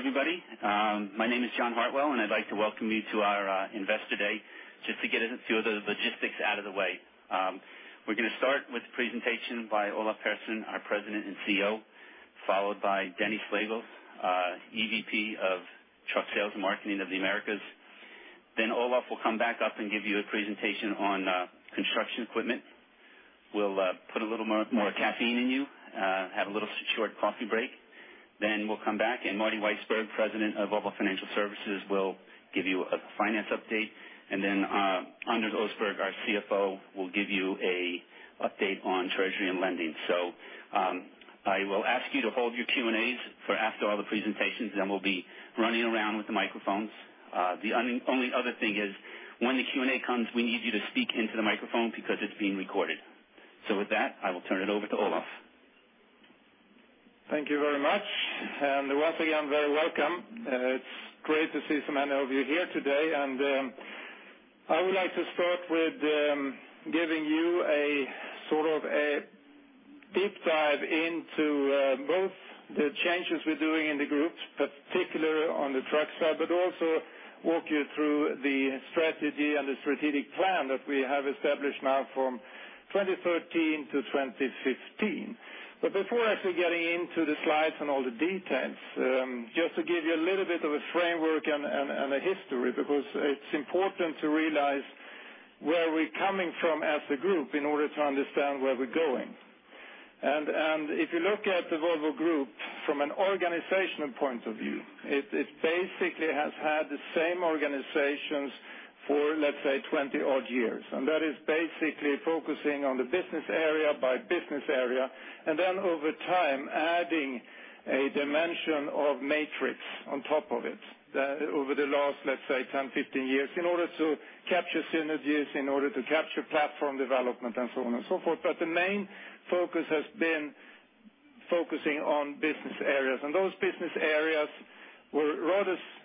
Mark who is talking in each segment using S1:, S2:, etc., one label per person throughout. S1: Good morning, everybody. My name is John Hartwell, and I'd like to welcome you to our Investor Day. Just to get a few of the logistics out of the way. We're going to start with a presentation by Olof Persson, our President and CEO, followed by Dennis Slagle, EVP of Truck Sales and Marketing of the Americas. Olof will come back up and give you a presentation on construction equipment. We'll put a little more caffeine in you, have a little short coffee break. We'll come back, and Martin Weissburg, President of Volvo Financial Services, will give you a finance update. Anders Osberg, our CFO, will give you an update on treasury and lending. I will ask you to hold your Q&As for after all the presentations. We'll be running around with the microphones. The only other thing is, when the Q&A comes, we need you to speak into the microphone because it's being recorded. With that, I will turn it over to Olof.
S2: Thank you very much. Once again, very welcome. It's great to see so many of you here today. I would like to start with giving you a sort of a deep dive into both the changes we're doing in the group, particularly on the truck side, but also walk you through the strategy and the strategic plan that we have established now from 2013 to 2015. Before actually getting into the slides and all the details, just to give you a little bit of a framework and a history, because it's important to realize where we're coming from as a group in order to understand where we're going. If you look at the Volvo Group from an organizational point of view, it basically has had the same organizations for, let's say, 20-odd years, and that is basically focusing on the business area by business area, and then over time, adding a dimension of matrix on top of it over the last, let's say, 10, 15 years, in order to capture synergies, in order to capture platform development, and so on and so forth. The main focus has been focusing on business areas. Those business areas were rather independent.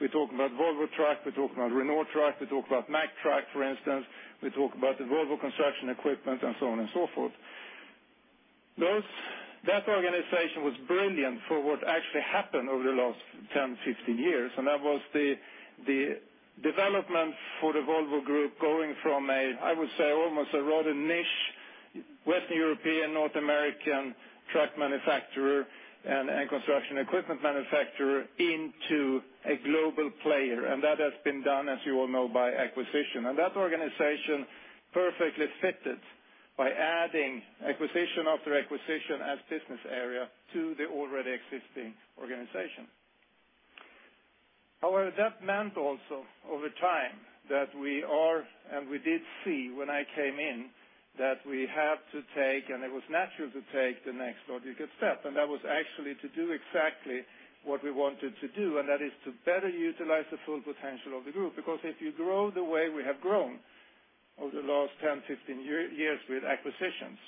S2: We talk about Volvo Truck, we talk about Renault Truck, we talk about Mack Truck, for instance. We talk about the Volvo Construction Equipment, and so on and so forth. That organization was brilliant for what actually happened over the last 10, 15 years, and that was the development for the Volvo Group going from a, I would say, almost a rather niche Western European, North American truck manufacturer and construction equipment manufacturer into a global player. That has been done, as you all know, by acquisition. That organization perfectly fitted by adding acquisition after acquisition as business area to the already existing organization. However, that meant also over time that we are, and we did see when I came in, that we have to take, and it was natural to take the next logical step, and that was actually to do exactly what we wanted to do, and that is to better utilize the full potential of the group. If you grow the way we have grown over the last 10, 15 years with acquisitions,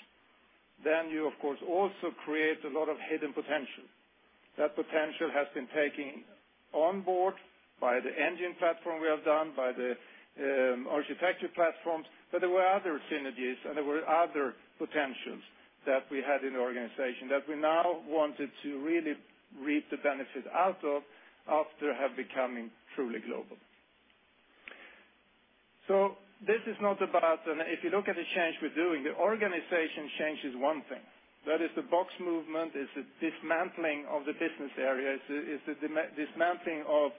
S2: then you of course, also create a lot of hidden potential. That potential has been taken on board by the engine platform we have done, by the architecture platforms. There were other synergies and there were other potentials that we had in the organization that we now wanted to really reap the benefit out of after have becoming truly global. This is not about, and if you look at the change we are doing, the organization change is one thing. That is the box movement. It is the dismantling of the business area. It is the dismantling of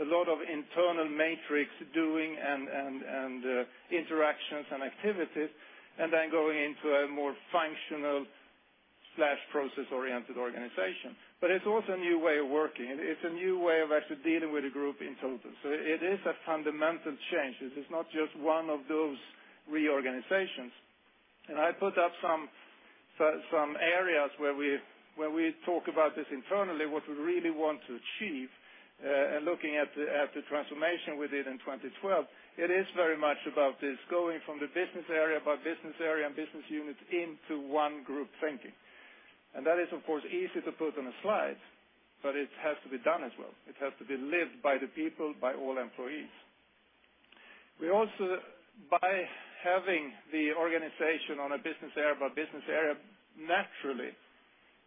S2: a lot of internal matrix doing and interactions and activities, and then going into a more functional/process-oriented organization. It is also a new way of working. It is a new way of actually dealing with the group in total. It is a fundamental change. This is not just one of those reorganizations. I put up some areas where we talk about this internally, what we really want to achieve. Looking at the transformation we did in 2012, it is very much about this going from the business area by business area and business units into one group thinking. That is, of course, easy to put on a slide, but it has to be done as well. It has to be lived by the people, by all employees. By having the organization on a business area by business area, naturally,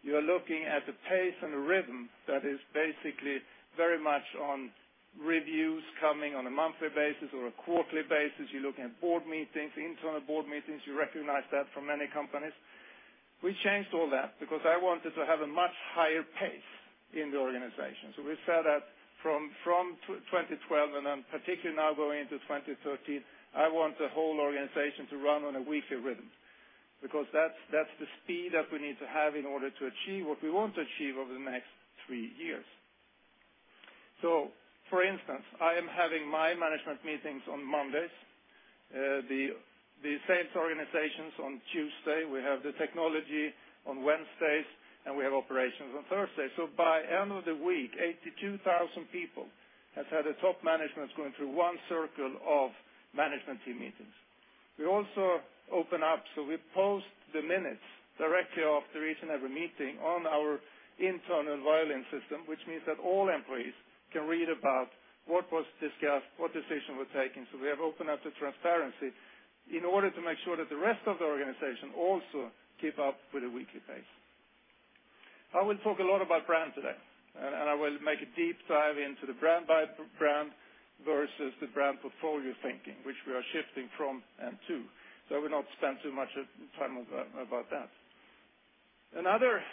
S2: you are looking at the pace and the rhythm that is basically very much on reviews coming on a monthly basis or a quarterly basis. You are looking at board meetings, internal board meetings. You recognize that from many companies. We changed all that because I wanted to have a much higher pace in the organization. We said that from 2012, and then particularly now going into 2013, I want the whole organization to run on a weekly rhythm because that is the speed that we need to have in order to achieve what we want to achieve over the next three years. For instance, I am having my management meetings on Mondays, the sales organizations on Tuesday, we have the technology on Wednesdays, and we have operations on Thursday. By end of the week, 82,000 people have had the top management going through one circle of management team meetings. We also open up, we post the minutes directly after each and every meeting on our internal Violin system, which means that all employees can read about what was discussed, what decision was taken. We have opened up the transparency in order to make sure that the rest of the organization also keep up with the weekly pace. I will talk a lot about brand today, and I will make a deep dive into the brand by brand versus the brand portfolio thinking, which we are shifting from and to. I will not spend too much time about that. Another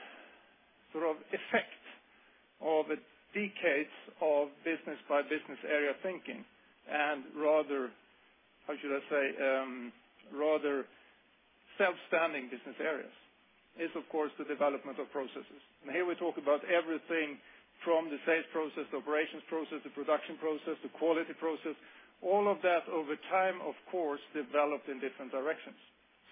S2: effect of decades of business by business area thinking and rather, how should I say, rather self-standing business areas is, of course, the development of processes. Here we talk about everything from the sales process, the operations process, the production process, the quality process, all of that over time, of course, developed in different directions.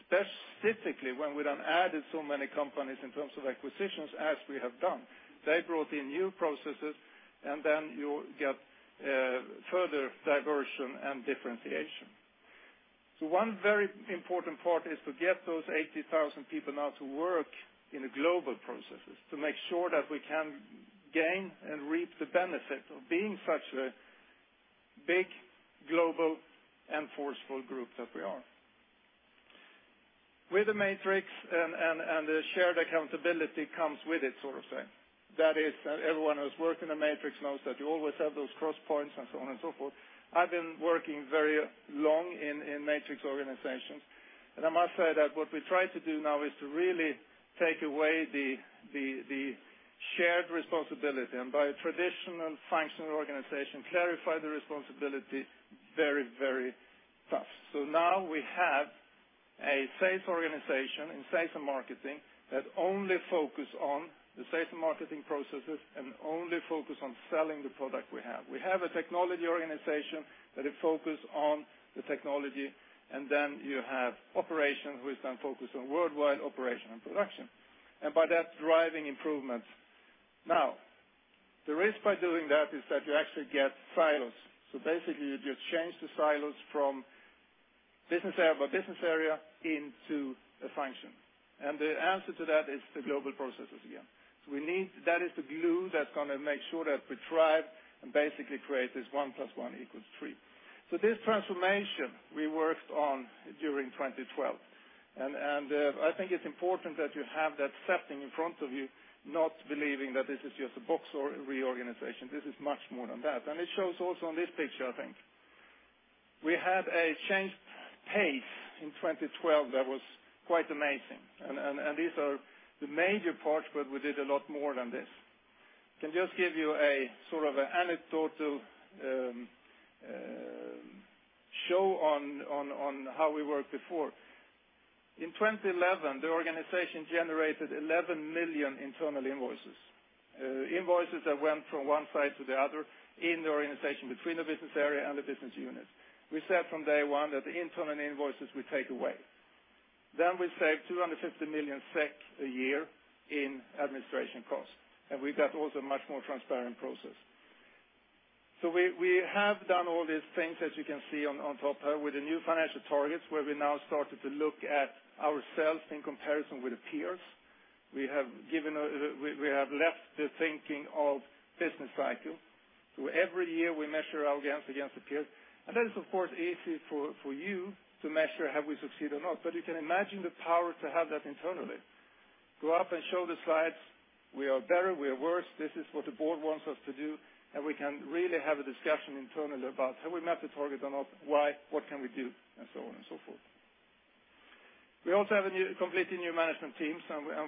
S2: Specifically, when we then added so many companies in terms of acquisitions as we have done. They brought in new processes, then you get further diversion and differentiation. One very important part is to get those 80,000 people now to work in the global processes to make sure that we can gain and reap the benefit of being such a big global and forceful group that we are. With the matrix and the shared accountability comes with it, so to say. That is, everyone who's worked in a matrix knows that you always have those cross points and so on and so forth. I've been working very long in matrix organizations, I must say that what we try to do now is to really take away the shared responsibility, by traditional functional organization, clarify the responsibility very, very fast. Now we have a sales organization in sales and marketing that only focus on the sales and marketing processes and only focus on selling the product we have. We have a technology organization that is focused on the technology, you have operations who is then focused on worldwide operation and production. By that, driving improvements. The risk by doing that is that you actually get silos. Basically, you just change the silos from business area by business area into a function. The answer to that is the global processes again. That is the glue that's going to make sure that we thrive and basically create this one plus one equals three. This transformation we worked on during 2012, I think it's important that you have that setting in front of you, not believing that this is just a box or reorganization. This is much more than that. It shows also on this picture, I think. We had a changed pace in 2012 that was quite amazing. These are the major parts, but we did a lot more than this. Can just give you a sort of an anecdotal show on how we worked before. In 2011, the organization generated 11 million internal invoices. Invoices that went from one side to the other in the organization between the business area and the business unit. We said from day one that the internal invoices will take away. We save 250 million SEK a year in administration costs, we got also a much more transparent process. We have done all these things, as you can see on top here, with the new financial targets, where we now started to look at ourselves in comparison with the peers. We have left the thinking of business cycle. Every year, we measure our gains against the peers. That is, of course, easy for you to measure have we succeeded or not? You can imagine the power to have that internally. Go up and show the slides. We are better, we are worse. This is what the board wants us to do, we can really have a discussion internally about have we met the target or not? Why? What can we do? So on and so forth. We also have a completely new management team,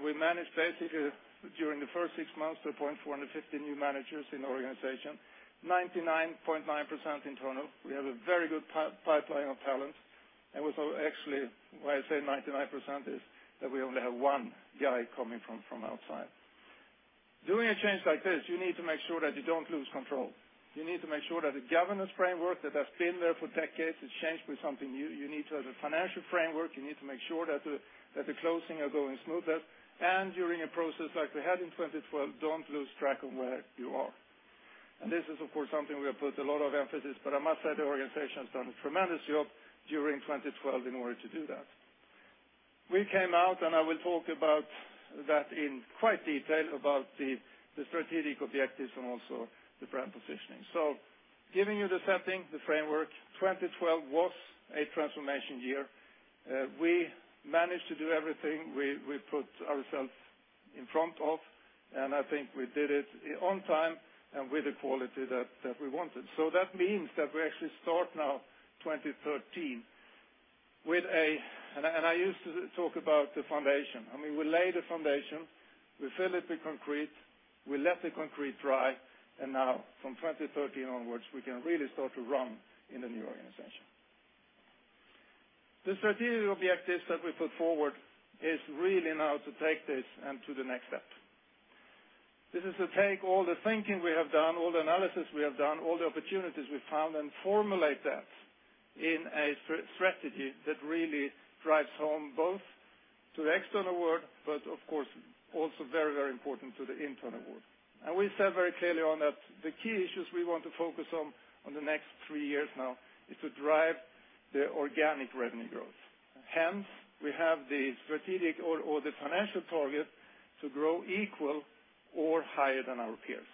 S2: we managed basically, during the first six months to appoint 450 new managers in the organization, 99.9% internal. We have a very good pipeline of talent. Actually, why I say 99% is that we only have one guy coming from outside. Doing a change like this, you need to make sure that you don't lose control. You need to make sure that the governance framework that has been there for decades is changed with something new. You need to have a financial framework. You need to make sure that the closing are going smoother. During a process like we had in 2012, don't lose track of where you are. This is, of course, something we have put a lot of emphasis, I must say the organization has done a tremendous job during 2012 in order to do that. We came out, I will talk about that in quite detail about the strategic objectives and also the brand positioning. Giving you the setting, the framework, 2012 was a transformation year. We managed to do everything we put ourselves in front of, I think we did it on time and with the quality that we wanted. That means that we actually start now, 2013, with the foundation. We lay the foundation, we fill it with concrete, we let the concrete dry, now from 2013 onwards, we can really start to run in the new organization. The strategic objectives that we put forward is really now to take this to the next step. This is to take all the thinking we have done, all the analysis we have done, all the opportunities we found, formulate that in a strategy that really drives home both to the external world, of course, also very, very important to the internal world. We said very clearly on that the key issues we want to focus on the next three years now is to drive the organic revenue growth. Hence, we have the strategic or the financial target to grow equal to or higher than our peers.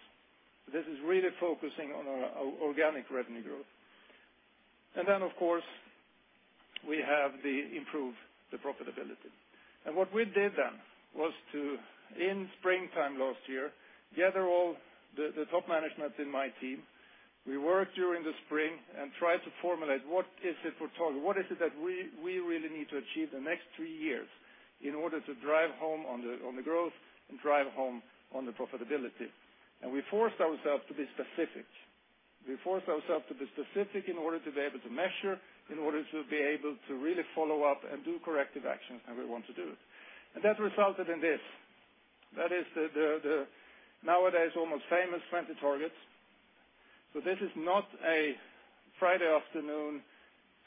S2: This is really focusing on our organic revenue growth. Then, of course, we have the improve the profitability. What we did then was to, in springtime last year, gather all the top management in my team. We worked during the spring and tried to formulate what is it we're targeting, what is it that we really need to achieve the next 3 years in order to drive home on the growth and drive home on the profitability. We forced ourselves to be specific. We forced ourselves to be specific in order to be able to measure, in order to be able to really follow up and do corrective actions how we want to do it. That resulted in this. That is the nowadays almost famous 20 targets. This is not a Friday afternoon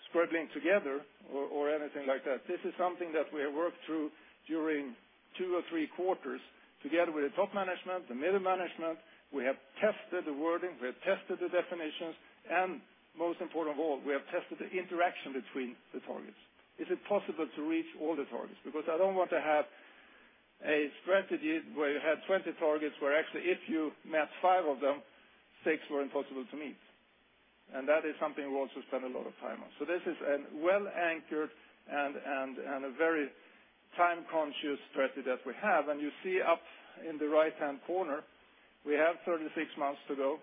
S2: squirting together or anything like that. This is something that we have worked through during two or three quarters together with the top management, the middle management. We have tested the wording, we have tested the definitions, and most important of all, we have tested the interaction between the targets. Is it possible to reach all the targets? Because I don't want to have a strategy where you have 20 targets, where actually, if you met five of them, six were impossible to meet. That is something we also spend a lot of time on. This is a well-anchored and a very time-conscious strategy that we have. You see up in the right-hand corner, we have 36 months to go.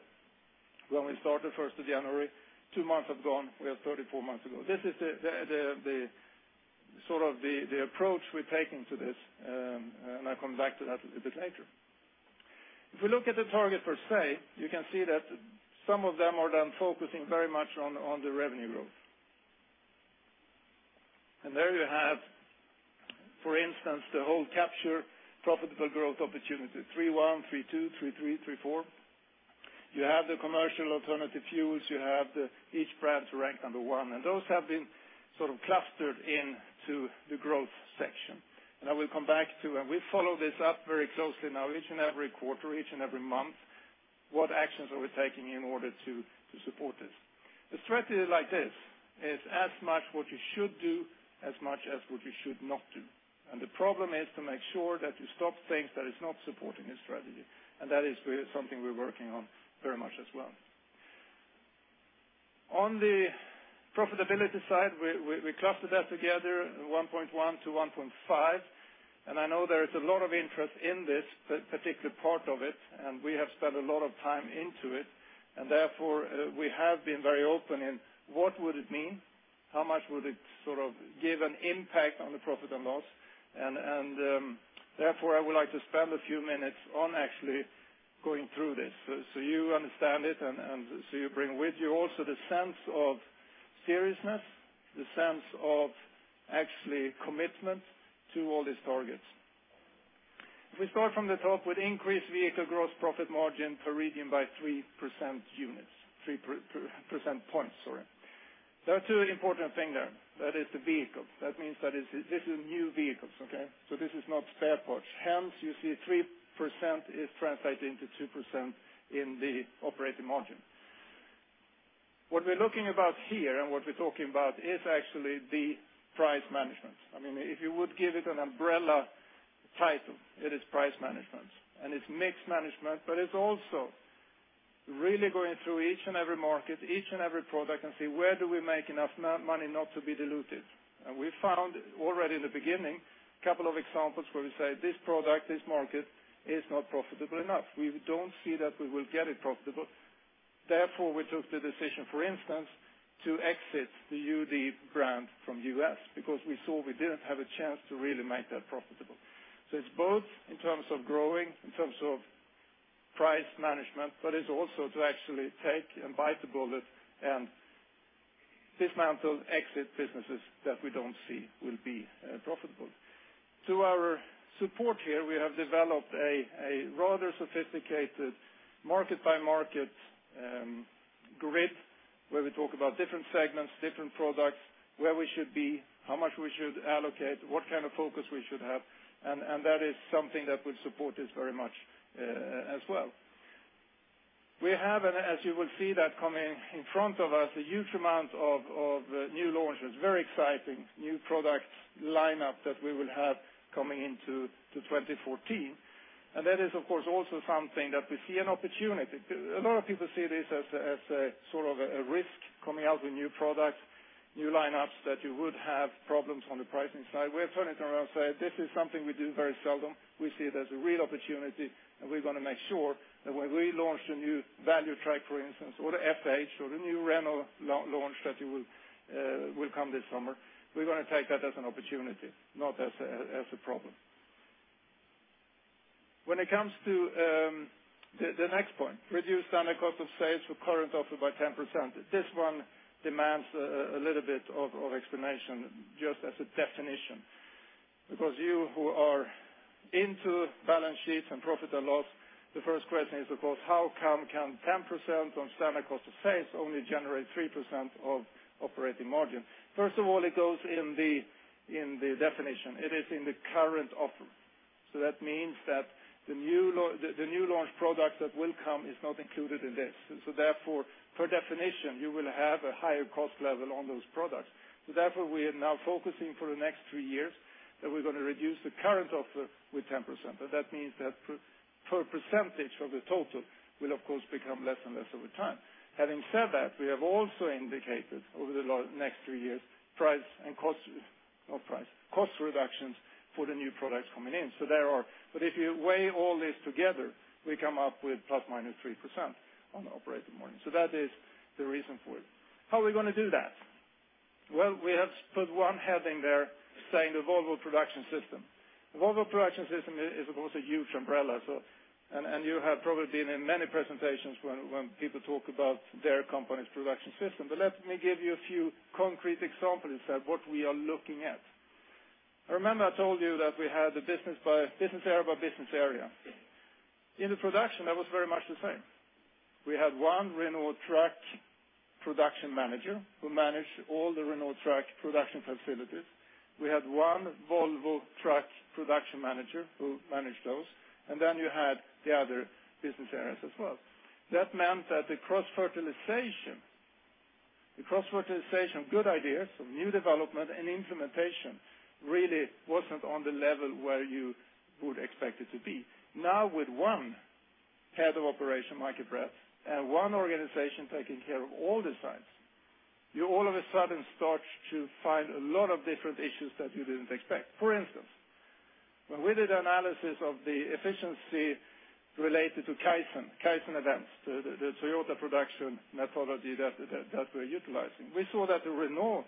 S2: When we started 1st of January, two months have gone. We have 34 months to go. This is the approach we're taking to this, and I'll come back to that a bit later. If we look at the target per se, you can see that some of them are then focusing very much on the revenue growth. There you have, for instance, the whole capture profitable growth opportunity, 3.1, 3.2, 3.3.4. You have the commercial alternative fuels, you have each brand to rank number 1, and those have been clustered into the growth section. I will come back to, and we follow this up very closely now, each and every quarter, each and every month, what actions are we taking in order to support this? The strategy like this is as much what you should do as much as what you should not do. The problem is to make sure that you stop things that are not supporting the strategy, and that is something we're working on very much as well. On the profitability side, we clustered that together, 1.1 to 1.5. I know there is a lot of interest in this particular part of it. We have spent a lot of time into it. Therefore, we have been very open in what would it mean, how much would it give an impact on the profit and loss. Therefore, I would like to spend a few minutes on actually going through this so you understand it and so you bring with you also the sense of seriousness, the sense of actually commitment to all these targets. If we start from the top with increased vehicle gross profit margin per region by 3 percentage points, 3 percentage points, sorry. There are two important things there. That is the vehicle. That means that this is new vehicles, okay? This is not spare parts. Hence, you see 3% is translated into 2% in the operating margin. What we're looking about here and what we're talking about is actually the price management. If you would give it an umbrella title, it is price management, and it's mixed management, but it's also really going through each and every market, each and every product, and see where do we make enough money not to be diluted. We found already in the beginning, a couple of examples where we say, this product, this market is not profitable enough. We don't see that we will get it profitable. Therefore, we took the decision, for instance, to exit the UD brand from U.S. because we saw we didn't have a chance to really make that profitable. It's both in terms of growing, in terms of price management, but it's also to actually take and bite the bullet and dismantle exit businesses that we don't see will be profitable. To our support here, we have developed a rather sophisticated market-by-market grid, where we talk about different segments, different products, where we should be, how much we should allocate, what kind of focus we should have, and that is something that will support us very much as well. We have, and as you will see that coming in front of us, a huge amount of new launches, very exciting new product lineup that we will have coming into 2014. That is, of course, also something that we see an opportunity. A lot of people see this as a risk coming out with new products, new lineups, that you would have problems on the pricing side. We're turning around and say, this is something we do very seldom. We see it as a real opportunity, and we're going to make sure that when we launch the new value truck, for instance, or the FH or the new Renault launch that will come this summer, we're going to take that as an opportunity, not as a problem. When it comes to the next point, reduce standard cost of sales for current offer by 10%. This one demands a little bit of explanation, just as a definition. You who are into balance sheets and profit and loss, the first question is, of course, how come can 10% on standard cost of sales only generate 3% of operating margin? First of all, it goes in the definition. It is in the current offer. That means that the new launch product that will come is not included in this. Therefore, per definition, you will have a higher cost level on those products. Therefore, we are now focusing for the next three years, that we're going to reduce the current offer with 10%. That means that per percentage of the total will, of course, become less and less over time. Having said that, we have also indicated over the next three years, price and cost Not price, cost reductions for the new products coming in. If you weigh all this together, we come up with ±3% on the operating margin. That is the reason for it. How are we going to do that? Well, we have put one heading there saying the Volvo Production System. The Volvo Production System is, of course, a huge umbrella. You have probably been in many presentations when people talk about their company's production system. Let me give you a few concrete examples of what we are looking at. Remember I told you that we had the business area by business area. In the production, that was very much the same. We had one Renault Trucks production manager who managed all the Renault Trucks production facilities. We had one Volvo Trucks production manager who managed those, and then you had the other business areas as well. That meant that the cross-fertilization, good ideas for new development and implementation really wasn't on the level where you would expect it to be. Now with one head of operation, Mikael Bratt, and one organization taking care of all the sites, you all of a sudden start to find a lot of different issues that you didn't expect. For instance, when we did analysis of the efficiency related to Kaizen Events, the Toyota production methodology that we're utilizing, we saw that the Renault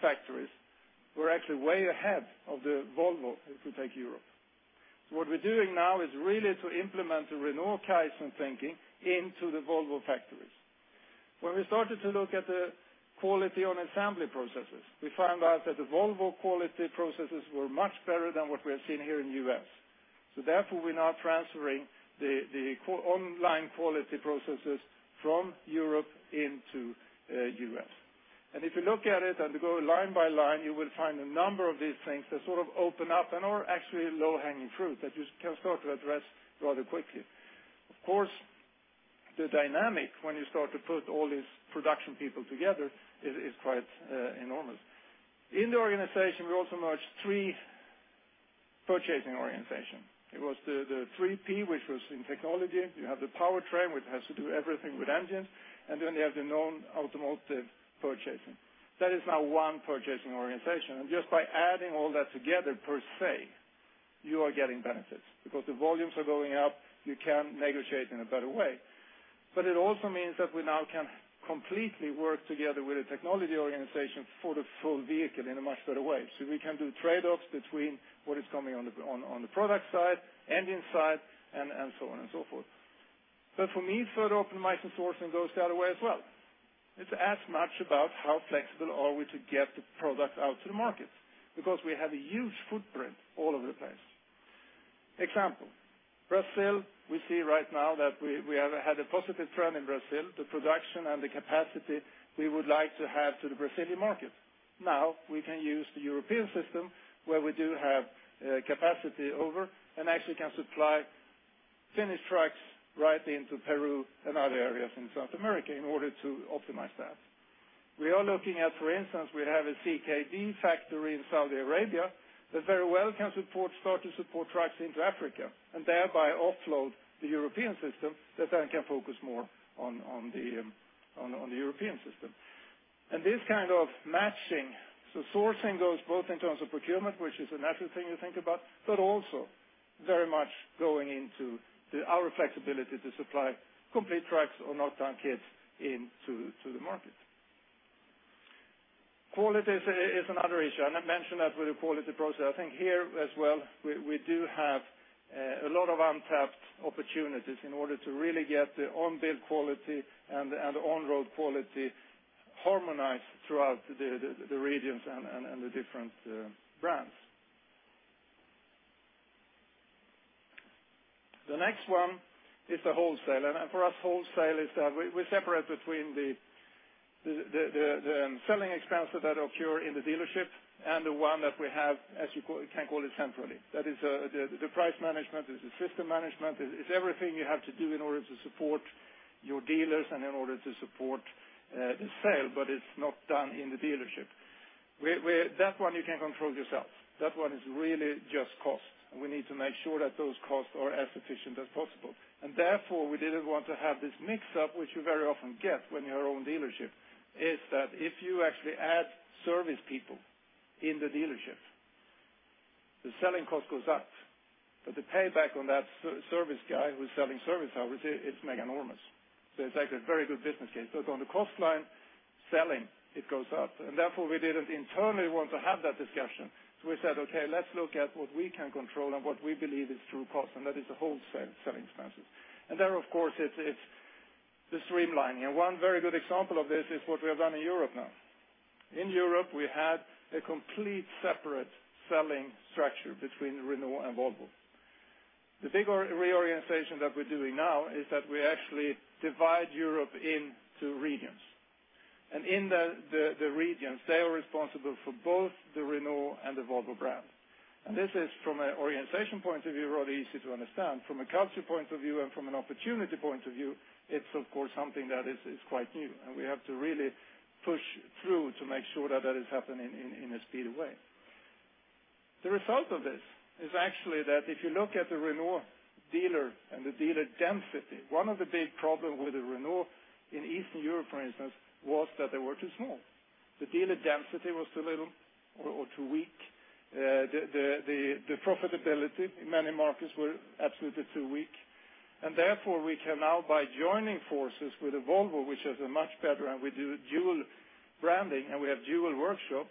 S2: factories were actually way ahead of the Volvo, if we take Europe. What we're doing now is really to implement the Renault Kaizen thinking into the Volvo factories. When we started to look at the quality on assembly processes, we found out that the Volvo quality processes were much better than what we have seen here in the U.S. Therefore, we're now transferring the online quality processes from Europe into the U.S. If you look at it and go line by line, you will find a number of these things that sort of open up and are actually low-hanging fruit that you can start to address rather quickly. Of course, the dynamic when you start to put all these production people together is quite enormous. In the organization, we also merged three purchasing organizations. It was the 3P, which was in technology. You have the powertrain, which has to do everything with engines, and then you have the non-automotive purchasing. That is now one purchasing organization. Just by adding all that together, per se, you are getting benefits because the volumes are going up, you can negotiate in a better way. It also means that we now can completely work together with the technology organization for the full vehicle in a much better way. We can do trade-offs between what is coming on the product side, engine side, and so on and so forth. For me, further optimizing sourcing goes the other way as well. It's as much about how flexible are we to get the product out to the market because we have a huge footprint all over the place. Example, Brazil, we see right now that we have had a positive trend in Brazil, the production and the capacity we would like to have to the Brazilian market. Now, we can use the European system where we do have capacity over and actually can supply finished trucks right into Peru and other areas in South America in order to optimize that. We are looking at, for instance, we have a CKD factory in Saudi Arabia that very well can start to support trucks into Africa, and thereby offload the European system that then can focus more on the European system. This kind of matching, so sourcing goes both in terms of procurement, which is a natural thing to think about, but also very much going into our flexibility to supply complete trucks or knock-down kits into the market. Quality is another issue, and I mentioned that with the quality process. I think here as well, we do have a lot of untapped opportunities in order to really get the on-build quality and the on-road quality harmonized throughout the regions and the different brands. The next one is the wholesale. For us, wholesale is we separate between the selling expenses that occur in the dealership and the one that we have, as you can call it, centrally. That is the price management, it's the system management, it's everything you have to do in order to support your dealers and in order to support the sale, but it's not done in the dealership. That one you can control yourself. That one is really just cost, and we need to make sure that those costs are as efficient as possible. Therefore, we didn't want to have this mix-up, which you very often get when you own a dealership, is that if you actually add service people in the dealership, the selling cost goes up. The payback on that service guy who's selling service hours, it's mega enormous. It's like a very good business case. On the cost line, selling, it goes up. Therefore, we didn't internally want to have that discussion. We said, okay, let's look at what we can control and what we believe is true cost, and that is the wholesale selling expenses. There, of course, it's the streamlining. One very good example of this is what we have done in Europe now. In Europe, we had a complete separate selling structure between Renault and Volvo. The big reorientation that we're doing now is that we actually divide Europe into regions. In the regions, they are responsible for both the Renault and the Volvo brands. This is from an orientation point of view, really easy to understand. From a culture point of view and from an opportunity point of view, it's of course, something that is quite new, and we have to really push through to make sure that has happened in a speedy way. The result of this is actually that if you look at the Renault dealer and the dealer density, one of the big problem with the Renault in Eastern Europe, for instance, was that they were too small. The dealer density was too little or too weak. The profitability in many markets were absolutely too weak. Therefore, we can now by joining forces with Volvo, which has a much better, and we do dual branding and we have dual workshop,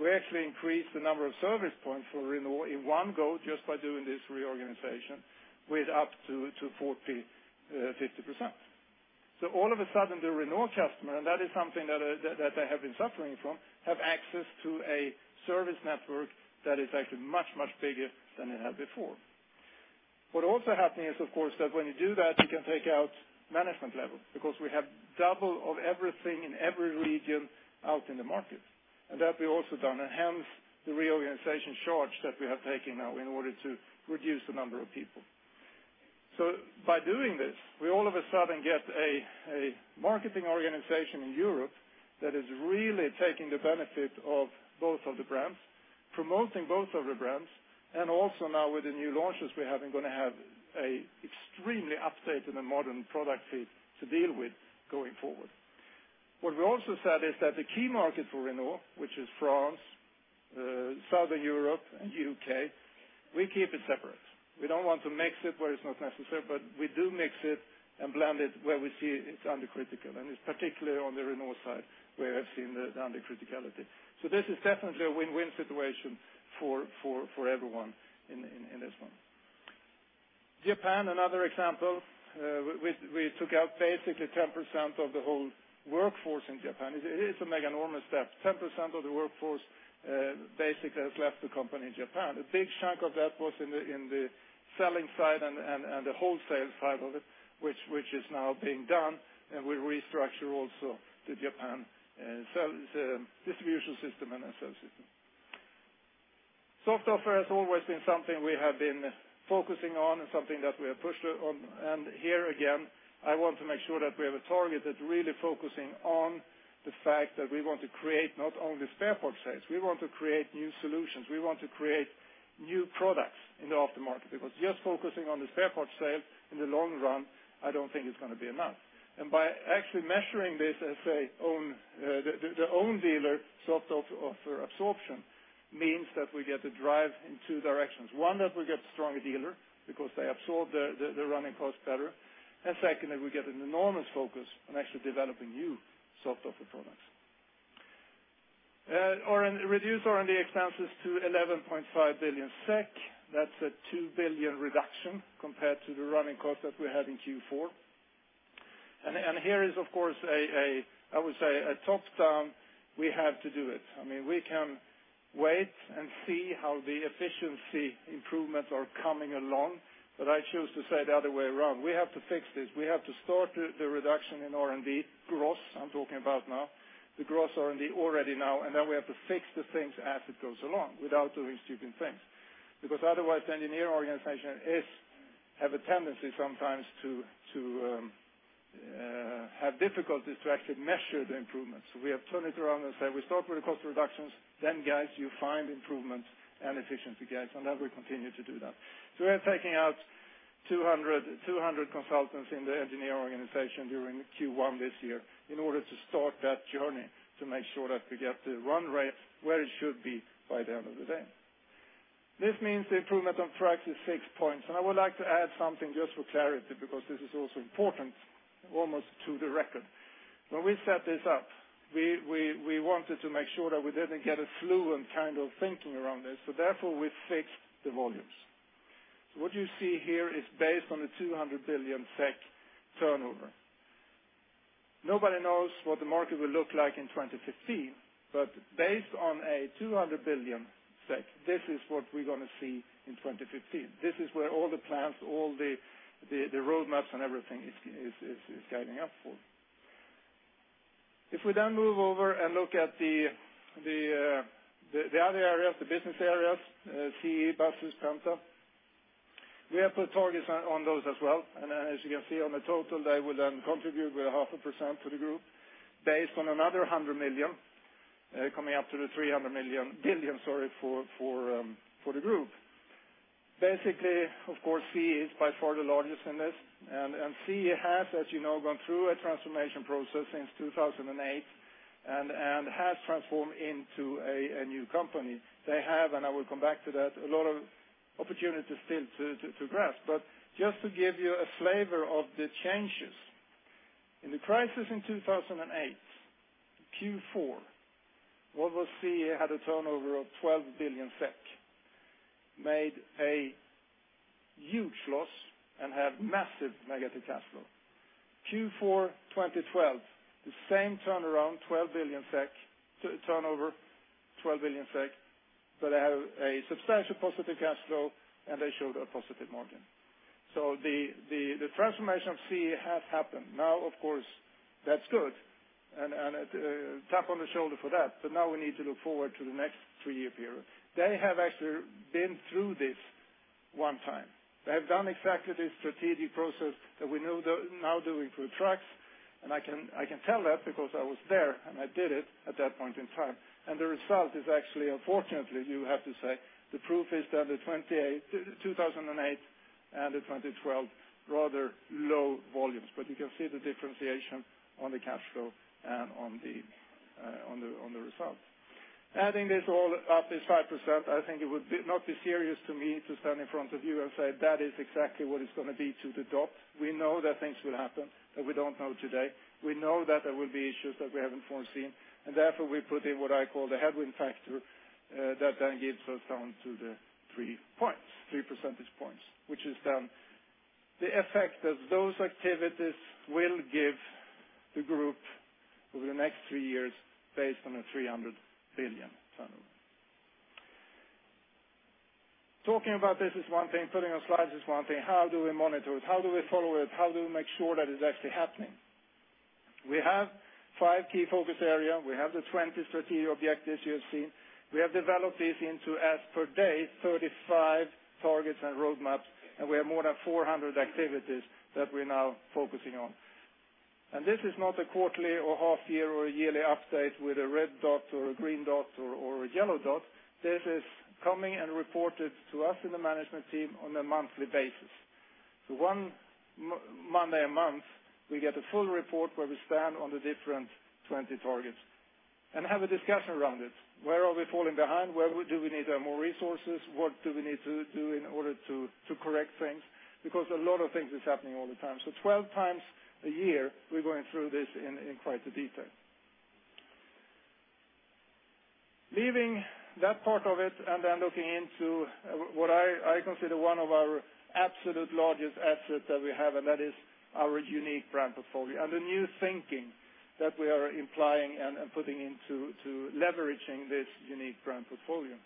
S2: we actually increased the number of service points for Renault in one go just by doing this reorganization with up to 40%-50%. All of a sudden, the Renault customer, and that is something that they have been suffering from, have access to a service network that is actually much, much bigger than it had before. What also happened is, of course, that when you do that, you can take out management level because we have double of everything in every region out in the market, and that we've also done. Hence, the reorganization charge that we have taken now in order to reduce the number of people. By doing this, we all of a sudden get a marketing organization in Europe that is really taking the benefit of both of the brands, promoting both of the brands, and also now with the new launches we're having going to have an extremely updated and modern product fleet to deal with going forward. What we also said is that the key market for Renault, which is France, Southern Europe, and U.K., we keep it separate. We don't want to mix it where it's not necessary, but we do mix it and blend it where we see it's under critical, and it's particularly on the Renault side where I've seen the under criticality. This is definitely a win-win situation for everyone in this one. Japan, another example. We took out basically 10% of the whole workforce in Japan. It is a mega enormous step. 10% of the workforce basically has left the company in Japan. A big chunk of that was in the selling side and the wholesale side of it, which is now being done, and we restructure also the Japan distribution system and the sales system. Soft offer has always been something we have been focusing on and something that we have pushed on. Here again, I want to make sure that we have a target that's really focusing on the fact that we want to create not only spare parts sales. We want to create new solutions. We want to create new products in the aftermarket because just focusing on the spare parts sale in the long run, I don't think it's going to be enough. By actually measuring this as an own dealer soft offer absorption means that we get to drive in two directions. One, that we get stronger dealer because they absorb the running cost better. Secondly, we get an enormous focus on actually developing new soft offer products. Reduce R&D expenses to 11.5 billion SEK. That's a 2 billion reduction compared to the running cost that we had in Q4. Here is, of course, I would say a top-down, we have to do it. I mean, we can wait and see how the efficiency improvements are coming along, but I choose to say the other way around. We have to fix this. We have to start the reduction in R&D gross, I'm talking about now, the gross R&D already now, then we have to fix the things as it goes along without doing stupid things. Because otherwise, the engineer organization have a tendency sometimes to have difficulties to actually measure the improvements. We have turned it around and said we start with the cost reductions, then guys, you find improvements and efficiency gains, then we continue to do that. We are taking out 200 consultants in the engineer organization during Q1 this year in order to start that journey to make sure that we get the run rate where it should be by the end of the day. This means the improvement on price is six points. I would like to add something just for clarity because this is also important almost to the record. When we set this up, we wanted to make sure that we didn't get a fluent kind of thinking around this. Therefore, we fixed the volumes. What you see here is based on the 200 billion SEK turnover. Nobody knows what the market will look like in 2015, but based on a 200 billion, this is what we're going to see in 2015. This is where all the plans, all the roadmaps and everything is guiding us for. If we then move over and look at the other areas, the business areas, Volvo Construction Equipment, Buses, Volvo Penta. We have put targets on those as well. As you can see on the total, they will then contribute with 0.5% for the group based on another 100 million, coming up to the 300 billion for the group. Of course, Volvo Construction Equipment is by far the largest in this. Volvo Construction Equipment has, as you know, gone through a transformation process since 2008 and has transformed into a new company. They have, and I will come back to that, a lot of opportunities still to grasp. But just to give you a flavor of the changes. In the crisis in 2008, Q4, Volvo Construction Equipment had a turnover of 12 billion SEK, made a huge loss and had massive negative cash flow. Q4 2012, the same turnaround, 12 billion SEK, turnover 12 billion SEK, but they have a substantial positive cash flow and they showed a positive margin. The transformation of Volvo Construction Equipment has happened. Of course, that's good, a tap on the shoulder for that, but now we need to look forward to the next three-year period. They have actually been through this one time. They have done exactly this strategic process that we're now doing for Volvo Trucks, and I can tell that because I was there, I did it at that point in time. The result is actually, unfortunately, you have to say, the proof is that the 2008 and the 2012 rather low volumes, but you can see the differentiation on the cash flow and on the results. Adding this all up is 5%. I think it would not be serious to me to stand in front of you and say, "That is exactly what it's going to be to the dot." We know that things will happen that we don't know today. We know that there will be issues that we haven't foreseen. Therefore, we put in what I call the headwind factor, that then gets us down to the three percentage points, which is then the effect that those activities will give the group over the next three years based on a 300 billion turnover. Talking about this is one thing, putting on slides is one thing. How do we monitor it? How do we follow it? How do we make sure that it's actually happening? We have five key focus areas. We have the 20 strategic objectives you have seen. We have developed this into, as per date, 35 targets and roadmaps, and we have more than 400 activities that we're now focusing on. This is not a quarterly or half year or a yearly update with a red dot or a green dot or a yellow dot. This is coming and reported to us in the management team on a monthly basis. One Monday a month, we get a full report where we stand on the different 20 targets and have a discussion around it. Where are we falling behind? Where do we need more resources? What do we need to do in order to correct things? Because a lot of things is happening all the time. 12 times a year, we're going through this in quite the detail. Leaving that part of it. Then looking into what I consider one of our absolute largest assets that we have, that is our unique brand portfolio and the new thinking that we are implying and putting into leveraging this unique brand portfolio.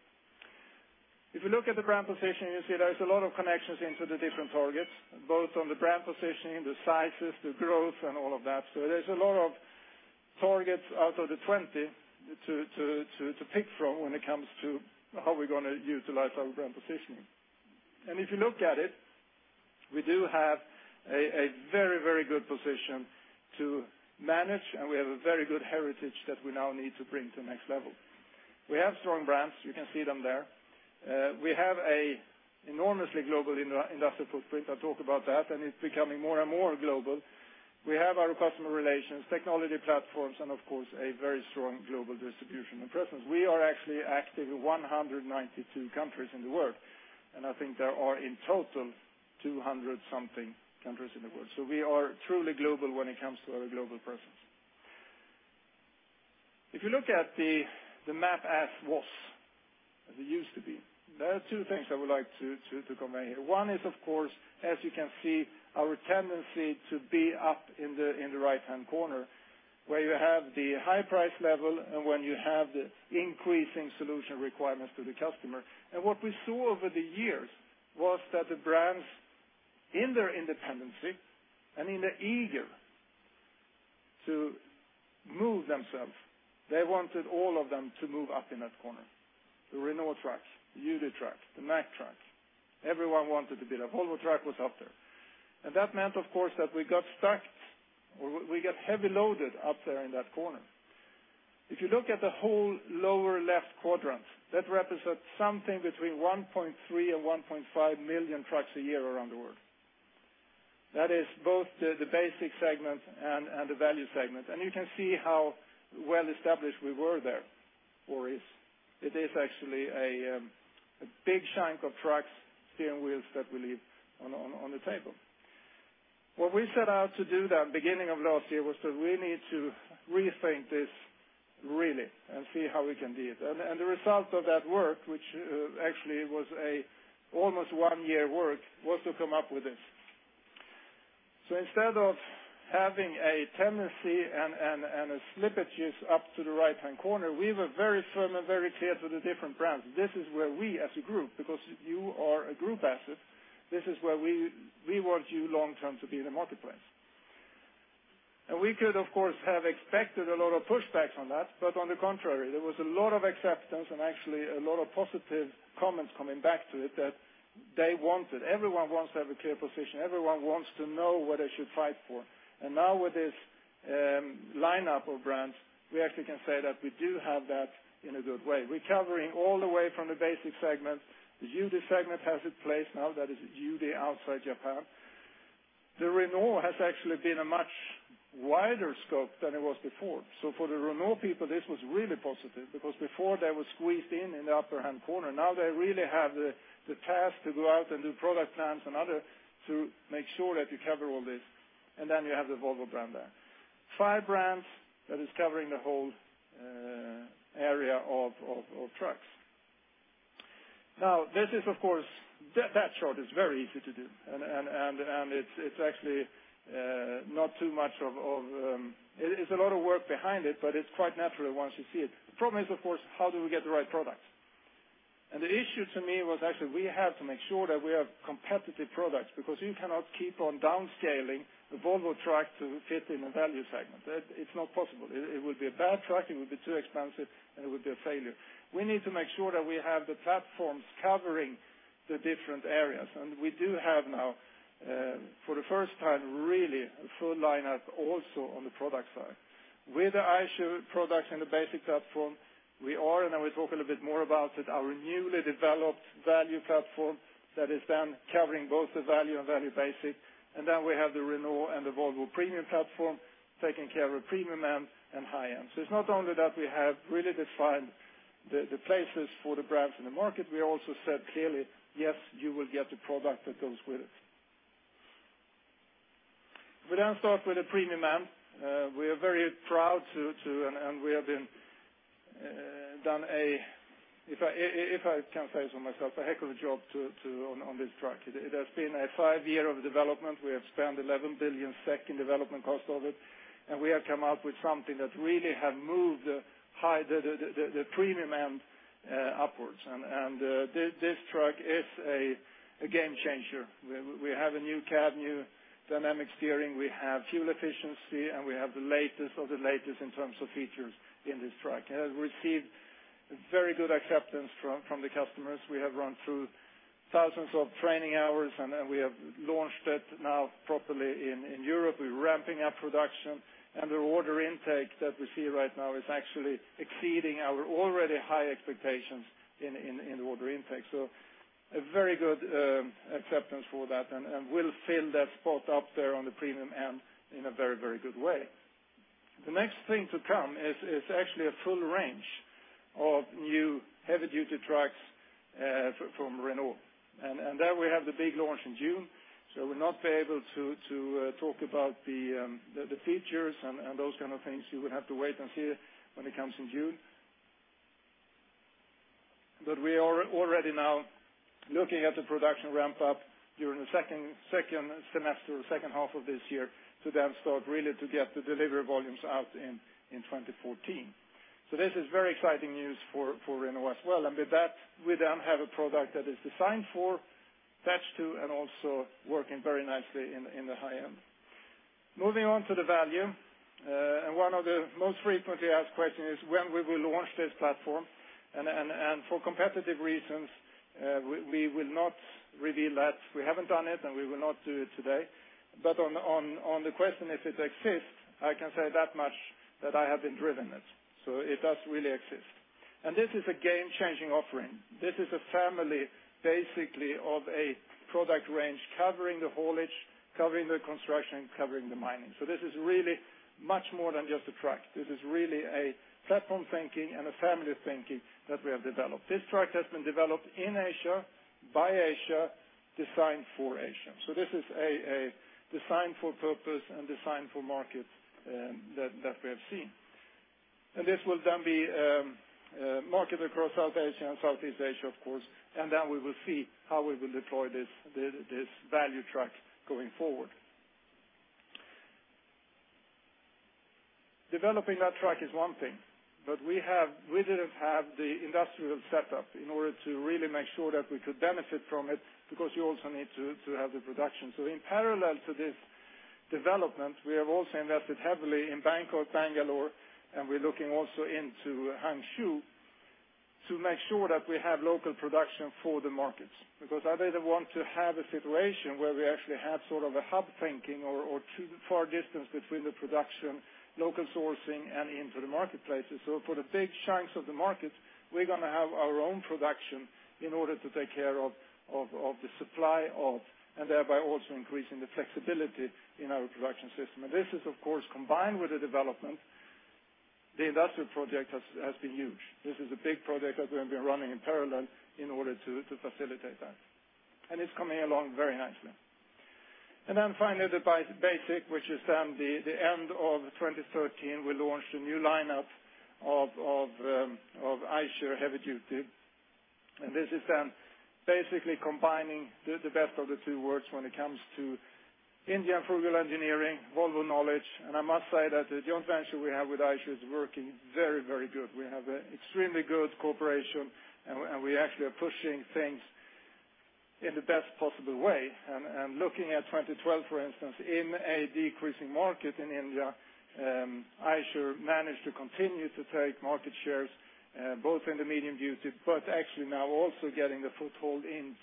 S2: If you look at the brand position, you see there's a lot of connections into the different targets, both on the brand positioning, the sizes, the growth and all of that. There's a lot of targets out of the 20 to pick from when it comes to how we're going to utilize our brand positioning. If you look at it, we do have a very good position to manage, and we have a very good heritage that we now need to bring to the next level. We have strong brands. You can see them there. We have a enormously global industrial footprint. I'll talk about that. It's becoming more and more global. We have our customer relations, technology platforms, and of course, a very strong global distribution and presence. We are actually active in 192 countries in the world, and I think there are in total 200 something countries in the world. We are truly global when it comes to our global presence. If you look at the map as was, as it used to be, there are two things I would like to comment here. One is, of course, as you can see, our tendency to be up in the right-hand corner where you have the high price level and when you have the increasing solution requirements to the customer. What we saw over the years was that the brands, in their independency and in their eager to move themselves, they wanted all of them to move up in that corner. The Renault Trucks, the UD Trucks, the Mack Trucks. Everyone wanted to be there. Volvo Truck was up there. That meant, of course, that we got stacked, or we got heavy loaded up there in that corner. If you look at the whole lower left quadrant, that represents something between 1.3 million-1.5 million trucks a year around the world. That is both the basic segment and the value segment. You can see how well established we were there, or is. It is actually a big chunk of trucks, steel wheels that we leave on the table. What we set out to do then, beginning of last year, was that we need to rethink this really and see how we can do it. The result of that work, which actually was an almost one-year work, was to come up with this. Instead of having a tendency and slippages up to the right-hand corner, we were very firm and very clear to the different brands. This is where we as a group, because you are a group asset, this is where we want you long term to be in the marketplace. We could, of course, have expected a lot of pushbacks on that, but on the contrary, there was a lot of acceptance and actually a lot of positive comments coming back to it that they wanted. Everyone wants to have a clear position. Everyone wants to know what they should fight for. Now with this lineup of brands, we actually can say that we do have that in a good way, recovering all the way from the basic segment. The UD segment has its place now, that is UD outside Japan. The Renault has actually been a much wider scope than it was before. For the Renault people, this was really positive because before they were squeezed in in the upper-hand corner. Now they really have the task to go out and do product plans and other to make sure that you cover all this. Then you have the Volvo brand there. Five brands that is covering the whole area of trucks. This is, of course, that chart is very easy to do, and it's actually not too much of. It's a lot of work behind it, but it's quite natural once you see it. The problem is, of course, how do we get the right products? The issue to me was actually we have to make sure that we have competitive products because you cannot keep on downscaling the Volvo truck to fit in the value segment. It's not possible. It would be a bad truck, it would be too expensive, and it would be a failure. We need to make sure that we have the platforms covering the different areas. We do have now, for the first time really, a full lineup also on the product side. With the Eicher products and the basic platform, we are, and I will talk a little bit more about it, our newly developed value platform that is then covering both the value and value basic. Then we have the Renault and the Volvo premium platform taking care of premium end and high end. It's not only that we have really defined the places for the brands in the market, we also said clearly, "Yes, you will get the product that goes with it." We then start with the premium end. We are very proud to, and we have done a, if I can say so myself, a heck of a job on this truck. It has been five years of development. We have spent 11 billion SEK in development cost of it, and we have come up with something that really has moved the premium end upwards. This truck is a game changer. We have a new cab, new dynamic steering. We have fuel efficiency, and we have the latest of the latest in terms of features in this truck. It has received very good acceptance from the customers. We have run through thousands of training hours. We have launched it now properly in Europe. We're ramping up production, the order intake that we see right now is actually exceeding our already high expectations in order intake. A very good acceptance for that, and we'll fill that spot up there on the premium end in a very good way. The next thing to come is actually a full range of new heavy duty trucks from Renault. There we have the big launch in June, so we'll not be able to talk about the features and those kind of things. You would have to wait and see when it comes in June. We are already now looking at the production ramp up during the second semester, second half of this year to then start really to get the delivery volumes out in 2014. This is very exciting news for Renault as well. With that, we then have a product that is designed for, attached to, and also working very nicely in the high end. Moving on to the value. One of the most frequently asked question is when we will launch this platform. For competitive reasons, we will not reveal that. We haven't done it, and we will not do it today. On the question if it exists, I can say that much that I have been driven it. It does really exist. This is a game changing offering. This is a family, basically, of a product range covering the haulage, covering the construction, and covering the mining. This is really much more than just a truck. This is really a platform thinking and a family thinking that we have developed. This truck has been developed in Asia, by Asia, designed for Asia. This is a design for purpose and design for markets that we have seen. This will then be marketed across South Asia and Southeast Asia, of course, and we will see how we will deploy this value truck going forward. Developing that truck is one thing, but we didn't have the industrial setup in order to really make sure that we could benefit from it because you also need to have the production. In parallel to this development, we have also invested heavily in Bangalore, and we're looking also into Hangzhou to make sure that we have local production for the markets because I didn't want to have a situation where we actually have sort of a hub thinking or too far distance between the production, local sourcing and into the marketplaces. For the big chunks of the market, we're going to have our own production in order to take care of the supply of and thereby also increasing the flexibility in our production system. This is, of course, combined with the development. The industrial project has been huge. This is a big project that we have been running in parallel in order to facilitate that. It's coming along very nicely. Finally, the basic, which is then the end of 2013, we launched a new lineup of Eicher heavy duty. This is then basically combining the best of the two worlds when it comes to India frugal engineering, Volvo knowledge. I must say that the joint venture we have with Eicher is working very good. We have extremely good cooperation, and we actually are pushing things in the best possible way. Looking at 2012, for instance, in a decreasing market in India, Eicher managed to continue to take market shares both in the medium duty, but actually now also getting a foothold in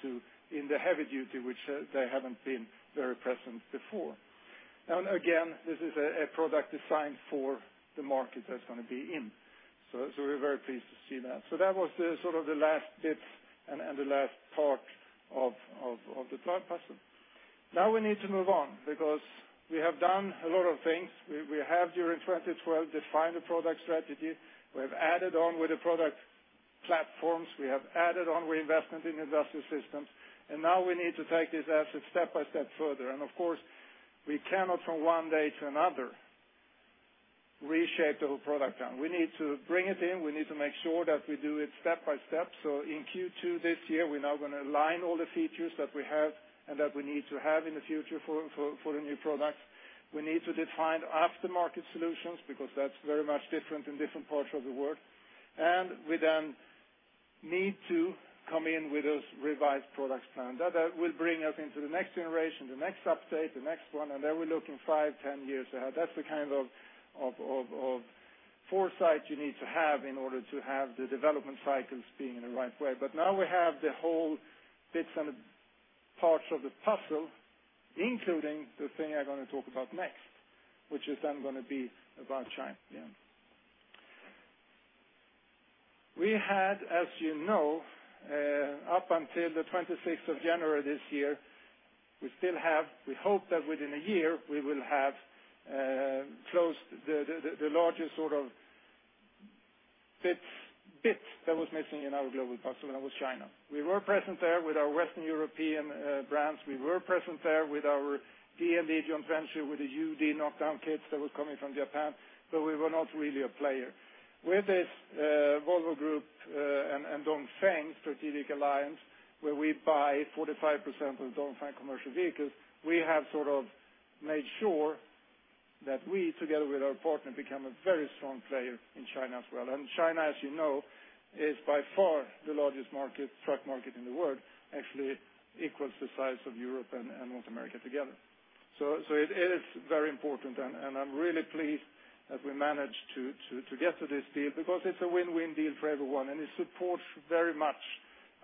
S2: the heavy duty, which they haven't been very present before. Now and again, this is a product designed for the market that it's going to be in. We're very pleased to see that. That was sort of the last bit and the last part of the truck puzzle. Now we need to move on because we have done a lot of things. We have during 2012 defined the product strategy. We have added on with the product platforms. We have added on reinvestment in industrial systems, and now we need to take these assets step by step further. Of course, we cannot from one day to another reshape the whole product line. We need to bring it in. We need to make sure that we do it step by step. In Q2 this year, we're now going to align all the features that we have and that we need to have in the future for the new products. We need to define aftermarket solutions because that's very much different in different parts of the world. We then need to come in with those revised products plan. That will bring us into the next generation, the next update, the next one, and then we're looking five, 10 years ahead. That's the kind of foresight you need to have in order to have the development cycles being in the right way. Now we have the whole bits and parts of the puzzle, including the thing I'm going to talk about next, which is then going to be about China at the end. We had, as you know, up until the 26th of January this year, we still have, we hope that within a year we will have closed the largest sort of bit that was missing in our global puzzle, and that was China. We were present there with our Western European brands. We were present there with our Dongfeng joint venture, with the UD knock-down kits that were coming from Japan, but we were not really a player. With this Volvo Group and Dongfeng strategic alliance, where we buy 45% of Dongfeng Commercial Vehicles, we have sort of made sure that we, together with our partner, become a very strong player in China as well. China, as you know, is by far the largest truck market in the world, actually equals the size of Europe and North America together. It is very important, and I'm really pleased that we managed to get to this deal because it's a win-win deal for everyone, and it supports very much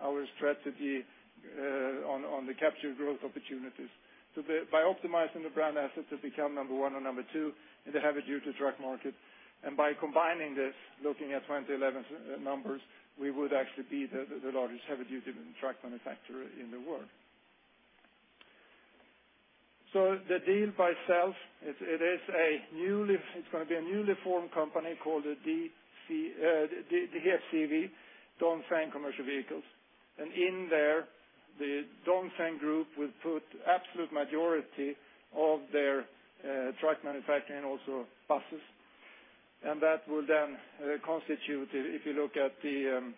S2: our strategy on the capture growth opportunities. By optimizing the brand assets to become number 1 or number 2 in the heavy-duty truck market, and by combining this, looking at 2011 numbers, we would actually be the largest heavy-duty truck manufacturer in the world. The deal by itself, it's going to be a newly formed company called the DFCV, Dongfeng Commercial Vehicles. In there, the Dongfeng Group will put absolute majority of their truck manufacturing, also buses. That will then constitute, if you look at the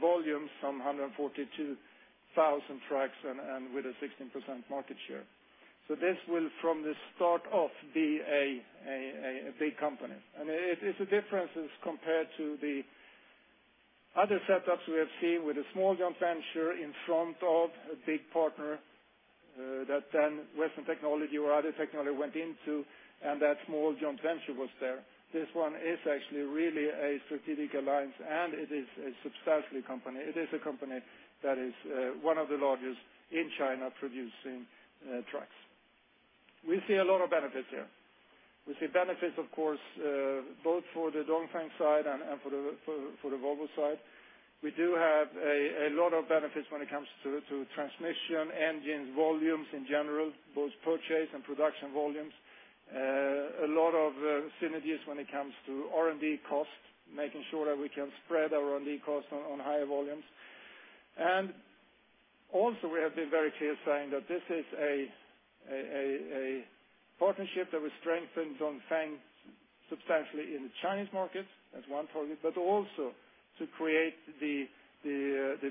S2: volume, some 142,000 trucks and with a 16% market share. This will, from the start off, be a big company. It's a difference as compared to the other setups we have seen with a small joint venture in front of a big partner, that then Western technology or other technology went into, and that small joint venture was there. This one is actually really a strategic alliance, and it is a substantial company. It is a company that is one of the largest in China producing trucks. We see a lot of benefits here. We see benefits, of course, both for the Dongfeng side and for the Volvo side. We do have a lot of benefits when it comes to transmission, engines, volumes in general, both purchase and production volumes. A lot of synergies when it comes to R&D costs, making sure that we can spread our R&D costs on higher volumes. Also, we have been very clear saying that this is a partnership that will strengthen Dongfeng substantially in the Chinese market, that's one target, but also to create the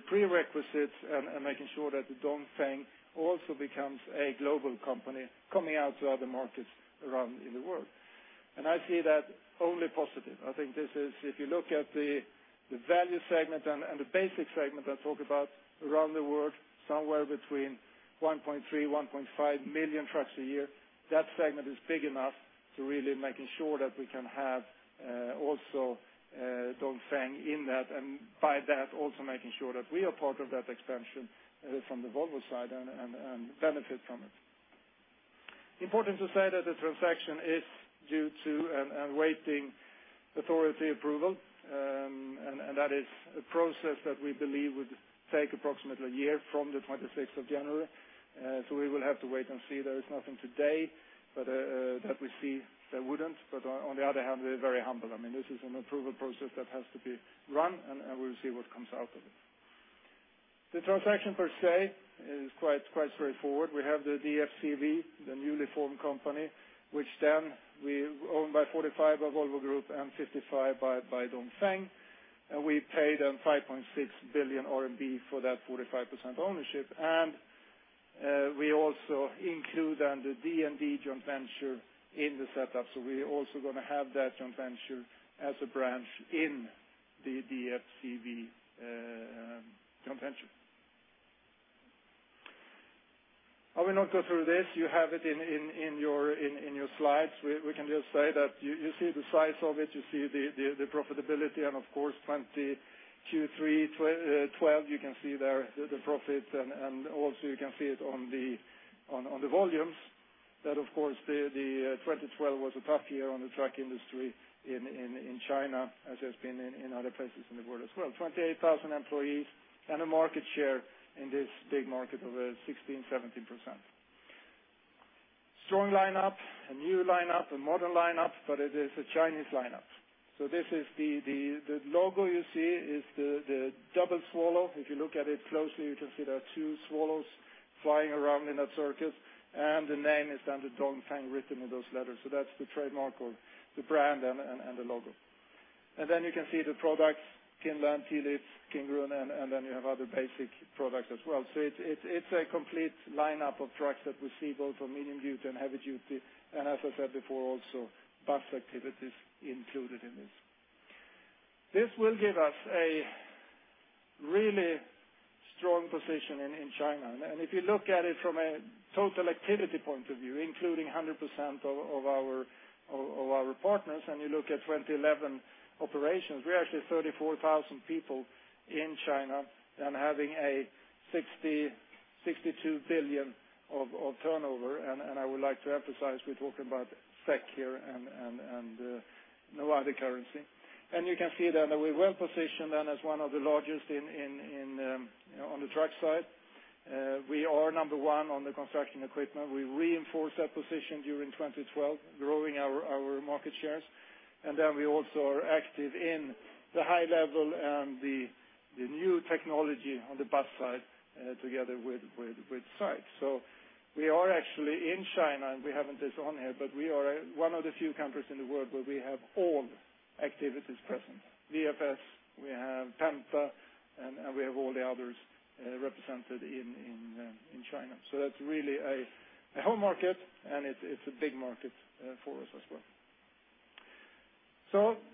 S2: prerequisites and making sure that Dongfeng also becomes a global company coming out to other markets around in the world. I see that only positive. I think this is, if you look at the value segment and the basic segment I talk about around the world, somewhere between 1.3, 1.5 million trucks a year, that segment is big enough to really making sure that we can have also Dongfeng in that, and by that, also making sure that we are part of that expansion from the Volvo side and benefit from it. Important to say that the transaction is due to and awaiting authority approval, and that is a process that we believe would take approximately a year from the 26th of January. We will have to wait and see. There is nothing today that we see that wouldn't. On the other hand, we're very humble. This is an approval process that has to be run, and we'll see what comes out of it. The transaction per se is quite straightforward. We have the DFCV, the newly formed company, which we own by 45 of Volvo Group and 55 by Dongfeng, and we paid them 5.6 billion RMB for that 45% ownership. We also include then the DNV joint venture in the setup. We're also going to have that joint venture as a branch in the DFCV joint venture. I will not go through this. You have it in your slides. We can just say that you see the size of it, you see the profitability. Of course, 2012, you can see there the profit. Also, you can see it on the volumes. Of course, the 2012 was a tough year on the truck industry in China, as it's been in other places in the world as well. 28,000 employees and a market share in this big market of 16%, 17%. Strong lineup, a new lineup, a modern lineup, but it is a Chinese lineup. The logo you see is the double swallow. If you look at it closely, you can see there are two swallows flying around in a circle. The name is then the Dongfeng written in those letters. That's the trademark or the brand and the logo. You can see the products, Kinland, Tianlong, Kingrun, and then you have other basic products as well. It's a complete lineup of trucks that we see both for medium duty and heavy duty, and as I said before, also bus activities included in this. This will give us a really strong position in China. If you look at it from a total activity point of view, including 100% of our partners, and you look at 2011 operations, we are actually 34,000 people in China and having a 62 billion of turnover. I would like to emphasize, we're talking about SEK here and no other currency. You can see that we're well-positioned, and as one of the largest on the truck side. We are number one on the construction equipment. We reinforce that position during 2012, growing our market shares. We also are active in the high level and the new technology on the bus side, together with STI Craft. We are actually in China, and we haven't this on here, but we are one of the few countries in the world where we have all activities present. VFS, we have Volvo Penta, and we have all the others represented in China. That's really a home market, and it's a big market for us as well.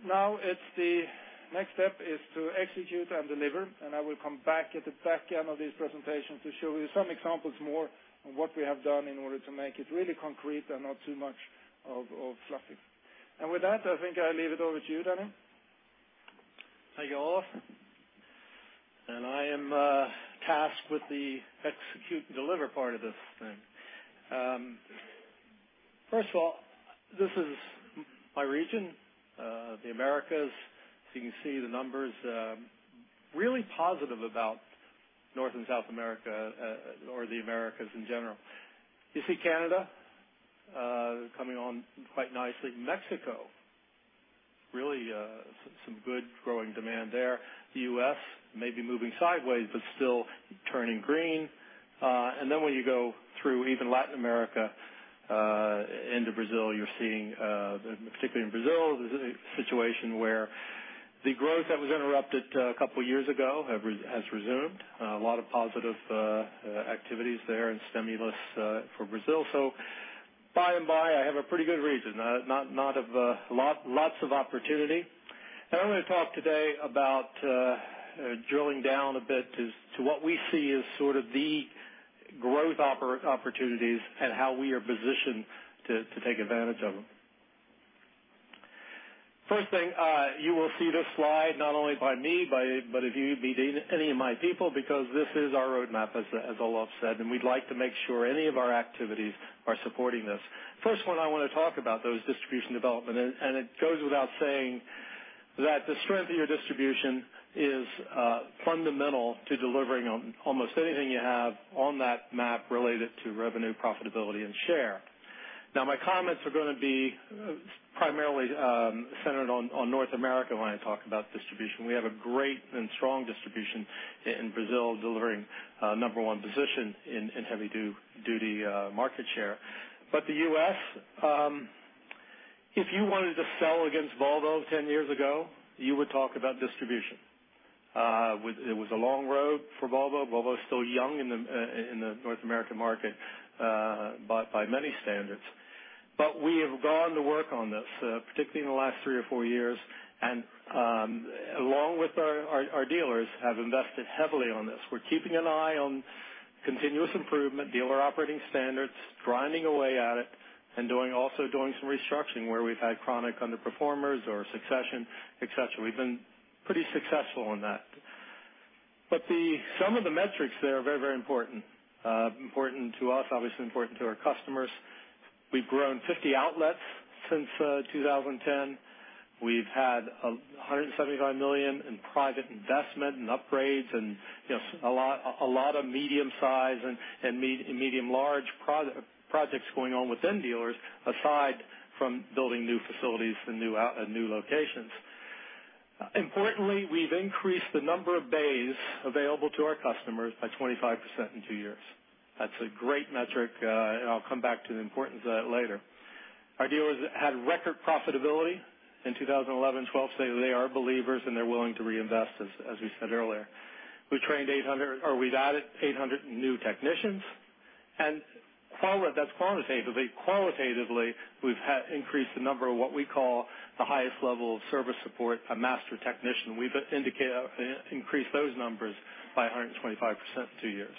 S2: Now, the next step is to execute and deliver, and I will come back at the back end of this presentation to show you some examples more on what we have done in order to make it really concrete and not too much of fluffing. With that, I think I leave it over to you, Denny.
S3: Thank you, Olof. I am tasked with the execute and deliver part of this thing. First of all, this is my region, the Americas. You can see the numbers, really positive about North and South America or the Americas in general. You see Canada coming on quite nicely. Mexico, really some good growing demand there. The U.S. may be moving sideways, but still turning green. When you go through even Latin America into Brazil, you're seeing, particularly in Brazil, there's a situation where the growth that was interrupted a couple of years ago has resumed. A lot of positive activities there and stimulus for Brazil. By and by, I have a pretty good region. Lots of opportunity. I want to talk today about drilling down a bit to what we see as sort of the growth opportunities and how we are positioned to take advantage of them. First thing, you will see this slide not only by me, but if you meet any of my people, because this is our roadmap, as Olof said, and we'd like to make sure any of our activities are supporting this. First one I want to talk about, though, is distribution development, and it goes without saying that the strength of your distribution is fundamental to delivering on almost anything you have on that map related to revenue, profitability, and share. My comments are going to be primarily centered on North America when I talk about distribution. We have a great and strong distribution in Brazil, delivering a number one position in heavy-duty market share. The U.S., if you wanted to sell against Volvo 10 years ago, you would talk about distribution. It was a long road for Volvo. Volvo is still young in the North American market by many standards. We have gone to work on this, particularly in the last 3 or 4 years, and along with our dealers, have invested heavily on this. We're keeping an eye on continuous improvement, dealer operating standards, grinding away at it, and also doing some restructuring where we've had chronic underperformers or succession, et cetera. We've been pretty successful in that. Some of the metrics there are very important. Important to us, obviously important to our customers. We've grown 50 outlets since 2010. We've had 175 million in private investment and upgrades and a lot of medium size and medium large projects going on within dealers, aside from building new facilities and new locations. Importantly, we've increased the number of bays available to our customers by 25% in two years. That's a great metric, and I'll come back to the importance of that later. Our dealers had record profitability in 2011 and 2012, they are believers, and they're willing to reinvest, as we said earlier. We've added 800 new technicians. That's quantitative. Qualitatively, we've increased the number of what we call the highest level of service support, a master technician. We've increased those numbers by 125% in two years.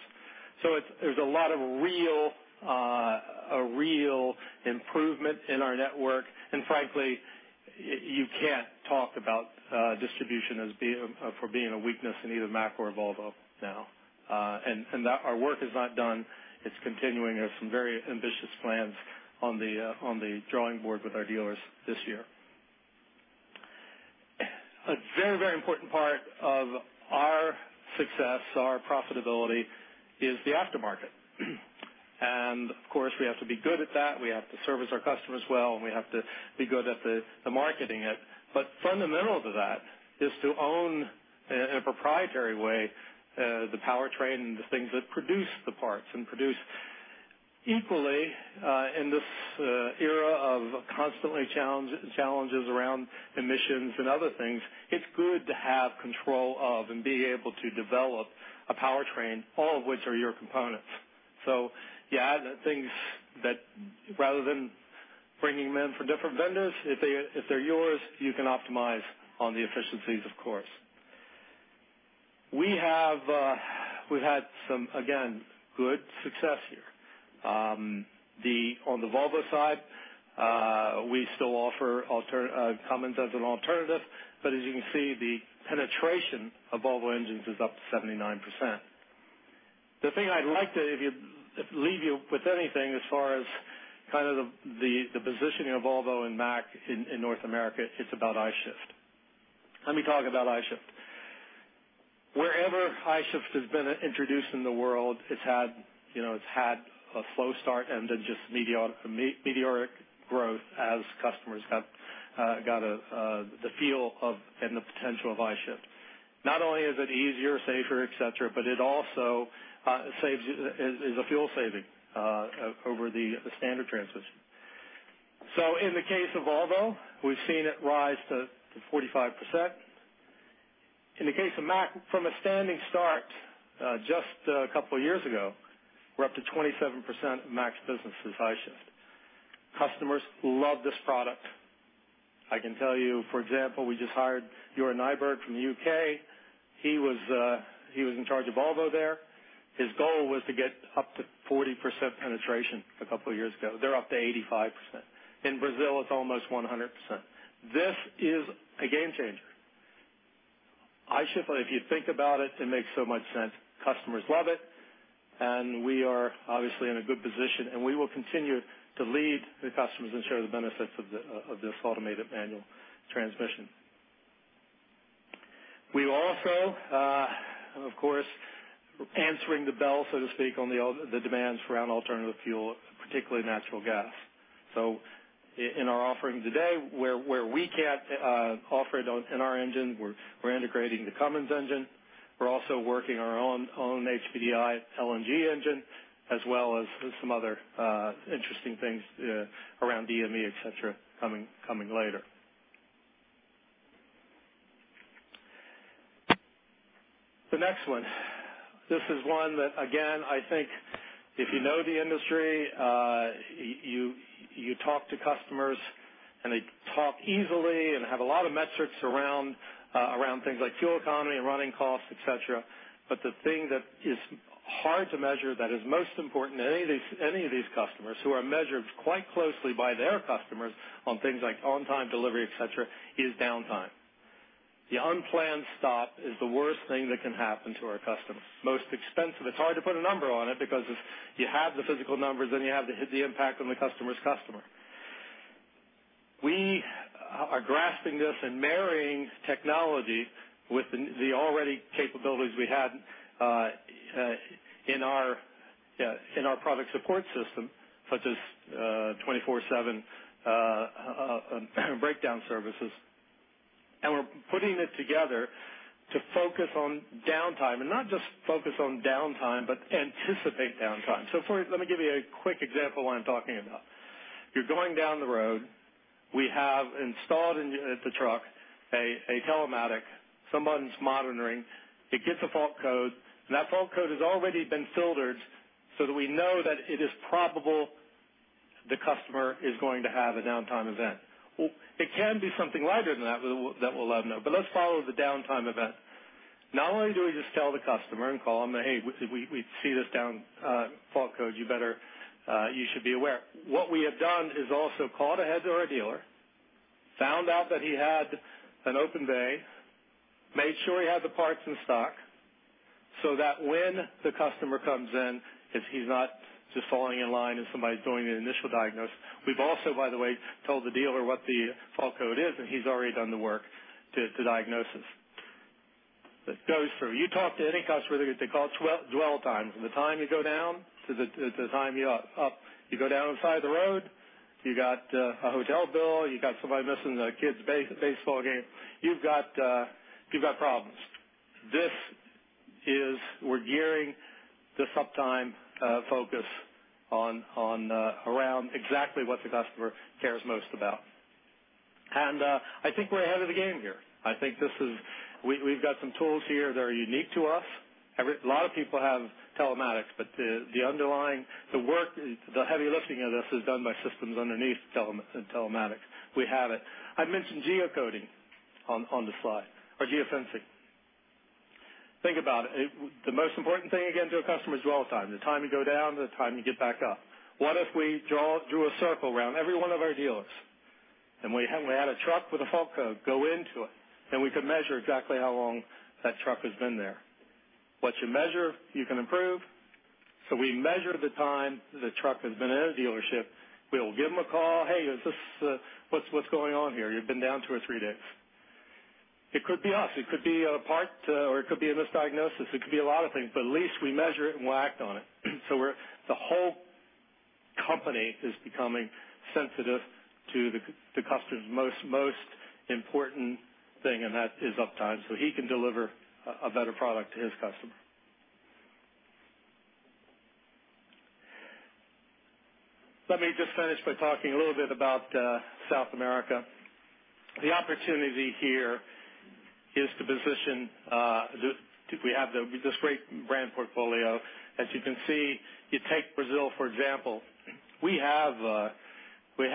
S3: There's a lot of real improvement in our network, and frankly, you can't talk about distribution for being a weakness in either Mack or Volvo now. Our work is not done. It's continuing. There's some very ambitious plans on the drawing board with our dealers this year. A very important part of our success, our profitability, is the aftermarket. Of course, we have to be good at that. We have to service our customers well, and we have to be good at the marketing it. Fundamental to that is to own, in a proprietary way, the powertrain and the things that produce the parts and produce equally in this era of constantly challenges around emissions and other things. It's good to have control of and be able to develop a powertrain, all of which are your components. Yeah, the things that rather than bringing them in for different vendors. If they're yours, you can optimize on the efficiencies, of course. We've had some, again, good success here. On the Volvo side, we still offer Cummins as an alternative, as you can see, the penetration of Volvo engines is up to 79%. The thing I'd like to, if leave you with anything as far as the positioning of Volvo and Mack in North America, it's about I-Shift. Let me talk about I-Shift. Wherever I-Shift has been introduced in the world, it's had a slow start and then just meteoric growth as customers got the feel of and the potential of I-Shift. Not only is it easier, safer, et cetera, it also is a fuel saving over the standard transmission. In the case of Volvo, we've seen it rise to 45%. In the case of Mack, from a standing start, just a couple of years ago, we're up to 27% of Mack's business is I-Shift. Customers love this product. I can tell you, for example, we just hired Euan Nyberg from the U.K. He was in charge of Volvo there. His goal was to get up to 40% penetration a couple of years ago. They're up to 85%. In Brazil, it's almost 100%. This is a game changer. I-Shift, if you think about it makes so much sense. Customers love it, and we are obviously in a good position, and we will continue to lead the customers and share the benefits of this automated manual transmission. We also, of course, answering the bell, so to speak, on the demands around alternative fuel, particularly natural gas. In our offering today, where we can't offer it in our engine, we're integrating the Cummins engine. We're also working our own HPDI LNG engine, as well as some other interesting things around DME, et cetera, coming later. The next one. This is one that, again, I think if you know the industry, you talk to customers, and they talk easily and have a lot of metrics around things like fuel economy and running costs, et cetera. The thing that is hard to measure that is most important to any of these customers who are measured quite closely by their customers on things like on-time delivery, et cetera, is downtime. The unplanned stop is the worst thing that can happen to our customers. Most expensive. It's hard to put a number on it because you have the physical numbers, then you have the impact on the customer's customer. We are grasping this and marrying technology with the already capabilities we had in our product support system, such as 24/7 breakdown services. We're putting it together to focus on downtime, and not just focus on downtime, but anticipate downtime. Let me give you a quick example of what I'm talking about. You're going down the road. We have installed in the truck a telematic. Someone's monitoring. It gets a fault code, and that fault code has already been filtered so that we know that it is probable the customer is going to have a downtime event. It can be something lighter than that that we'll let them know. Let's follow the downtime event. Not only do we just tell the customer and call them, "Hey, we see this fault code. You should be aware." What we have done is also called ahead to our dealer, found out that he had an open bay, made sure he had the parts in stock, so that when the customer comes in, if he's not just falling in line and somebody's doing the initial diagnosis, we've also, by the way, told the dealer what the fault code is, and he's already done the work to diagnosis. It goes through. You talk to any customer, they call it dwell time. From the time you go down to the time you're up. You go down inside the road, you got a hotel bill, you got somebody missing their kid's baseball game. You've got problems. We're gearing this uptime focus around exactly what the customer cares most about. I think we're ahead of the game here. I think we've got some tools here that are unique to us. A lot of people have telematics, but the underlying, the work, the heavy lifting of this is done by systems underneath telematics. We have it. I mentioned geocoding on the slide, or geofencing. Think about it. The most important thing, again, to a customer is dwell time, the time you go down, the time you get back up. What if we drew a circle around every one of our dealers and we had a truck with a fault code go into it, then we could measure exactly how long that truck has been there. What you measure, you can improve. We measure the time the truck has been in a dealership. We'll give them a call. "Hey, what's going on here? You've been down two or three days." It could be us. It could be a part or it could be a misdiagnosis. It could be a lot of things, but at least we measure it and we'll act on it. The whole company is becoming sensitive to the customer's most important thing, and that is uptime, so he can deliver a better product to his customer. Let me just finish by talking a little bit about South America. The opportunity here is to position, we have this great brand portfolio. As you can see, you take Brazil, for example. We have number 1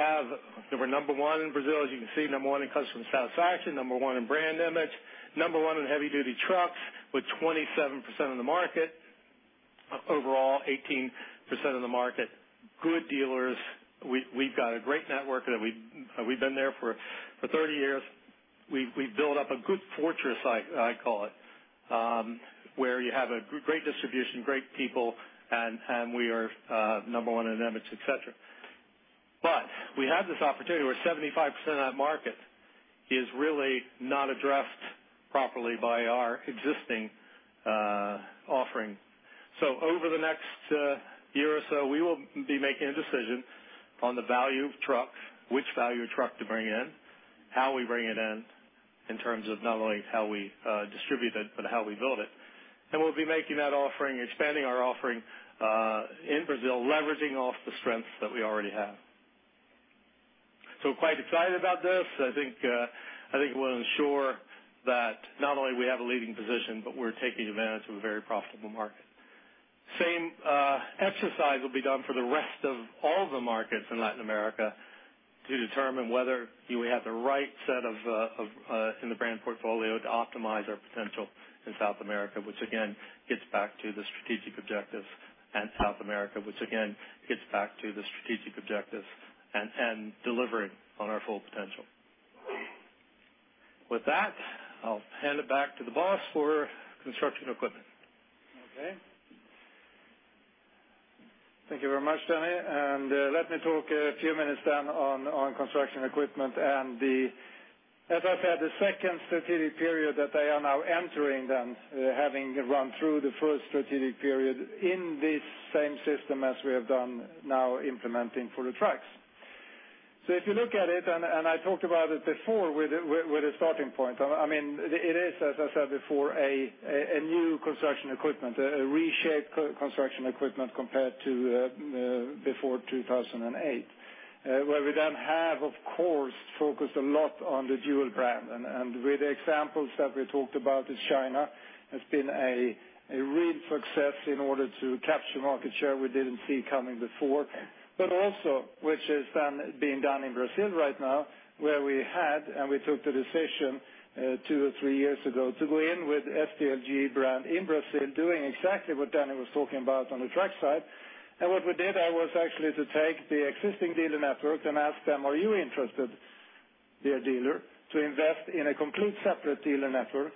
S3: in Brazil, as you can see, number 1 in customer satisfaction, number 1 in brand image, number 1 in heavy duty trucks with 27% of the market. Overall, 18% of the market. Good dealers. We've got a great network, and we've been there for 30 years. We've built up a good fortress, I call it, where you have a great distribution, great people, and we are number 1 in image, et cetera. But we have this opportunity where 75% of that market is really not addressed properly by our existing offering. Over the next year or so, we will be making a decision on the value of trucks, which value truck to bring in, how we bring it in terms of not only how we distribute it, but how we build it. We'll be making that offering, expanding our offering, in Brazil, leveraging off the strengths that we already have. Quite excited about this. I think it will ensure that not only we have a leading position, but we're taking advantage of a very profitable market. Same exercise will be done for the rest of all the markets in Latin America to determine whether we have the right set in the brand portfolio to optimize our potential in South America, which again gets back to the strategic objectives and delivering on our full potential. With that, I'll hand it back to the boss for construction equipment.
S2: Thank you very much, Denny, let me talk a few minutes on construction equipment and the, as I said, the second strategic period that they are now entering, having run through the first strategic period in this same system as we have done now implementing for the trucks. If you look at it, I talked about it before with the starting point, it is, as I said before, a new construction equipment, a reshaped construction equipment compared to before 2008, where we then have, of course, focused a lot on the dual brand. With the examples that we talked about is China, has been a real success in order to capture market share we didn't see coming before. Also, which is being done in Brazil right now, where we had, and we took the decision two or three years ago to go in with SDLG brand in Brazil, doing exactly what Denny was talking about on the truck side. What we did there was actually to take the existing dealer network and ask them, "Are you interested, dear dealer, to invest in a complete separate dealer network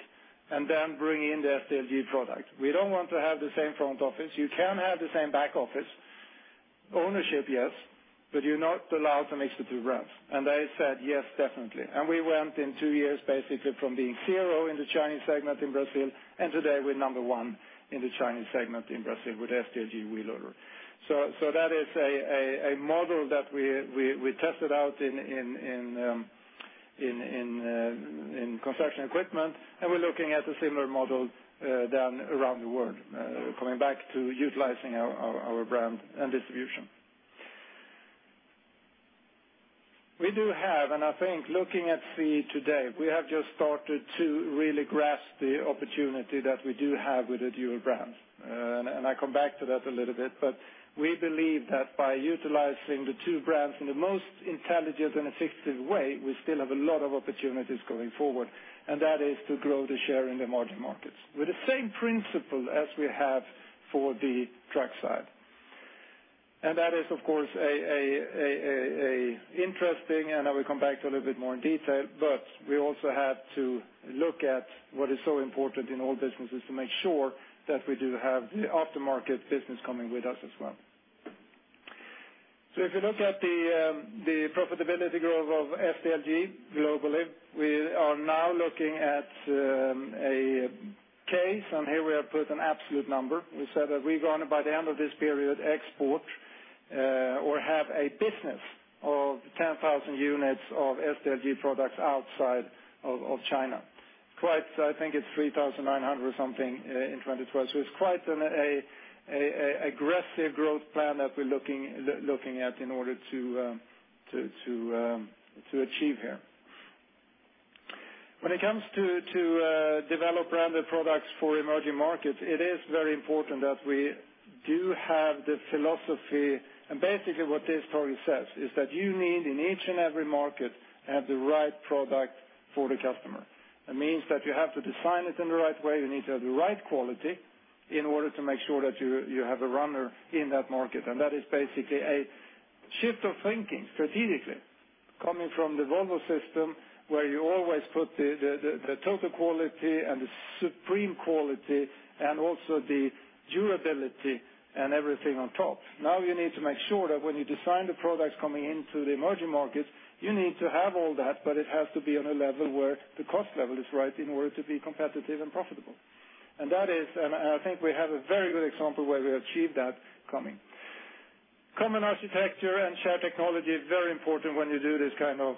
S2: and then bring in the SDLG product? We don't want to have the same front office. You can have the same back office. Ownership, yes, but you're not allowed to mix the two brands." They said, "Yes, definitely." We went in two years, basically from being zero in the Chinese segment in Brazil, and today we're number 1 in the Chinese segment in Brazil with SDLG wheel loader. That is a model that we tested out in construction equipment, and we're looking at a similar model around the world, coming back to utilizing our brand and distribution. We do have, and I think looking at CE today, we have just started to really grasp the opportunity that we do have with the dual brands. I come back to that a little bit, but we believe that by utilizing the two brands in the most intelligent and effective way, we still have a lot of opportunities going forward, and that is to grow the share in the margin markets with the same principle as we have for the truck side. That is, of course, interesting, I will come back to a little bit more in detail, but we also had to look at what is so important in all businesses to make sure that we do have the aftermarket business coming with us as well. If you look at the profitability growth of SDLG globally, we are now looking at a case, here we have put an absolute number. We said that we're going to, by the end of this period, export or have a business of 10,000 units of SDLG products outside of China. I think it's 3,900 or something in 2012. It's quite an aggressive growth plan that we're looking at in order to achieve here. When it comes to develop branded products for emerging markets, it is very important that we do have the philosophy, and basically what this story says, is that you need in each and every market to have the right product for the customer. It means that you have to design it in the right way. You need to have the right quality in order to make sure that you have a runner in that market. That is basically a shift of thinking strategically coming from the Volvo system, where you always put the total quality and the supreme quality and also the durability and everything on top. Now you need to make sure that when you design the products coming into the emerging markets, you need to have all that, but it has to be on a level where the cost level is right in order to be competitive and profitable. I think we have a very good example where we achieve that coming. Common architecture and shared technology is very important when you do this kind of.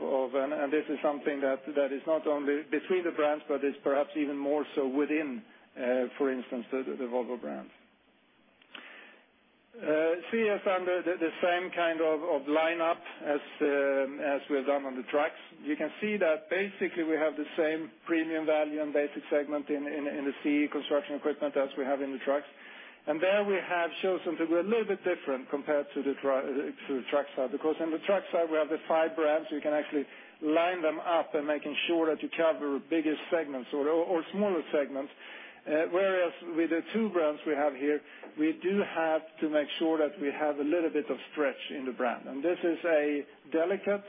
S2: This is something that is not only between the brands, but is perhaps even more so within, for instance, the Volvo brands. CE is under the same kind of lineup as we have done on the trucks. You can see that basically we have the same premium value and basic segment in the CE construction equipment as we have in the trucks. There we have shown something a little bit different compared to the truck side, because on the truck side, we have the five brands. You can actually line them up and making sure that you cover bigger segments or smaller segments. Whereas with the two brands we have here, we do have to make sure that we have a little bit of stretch in the brand. This is a delicate,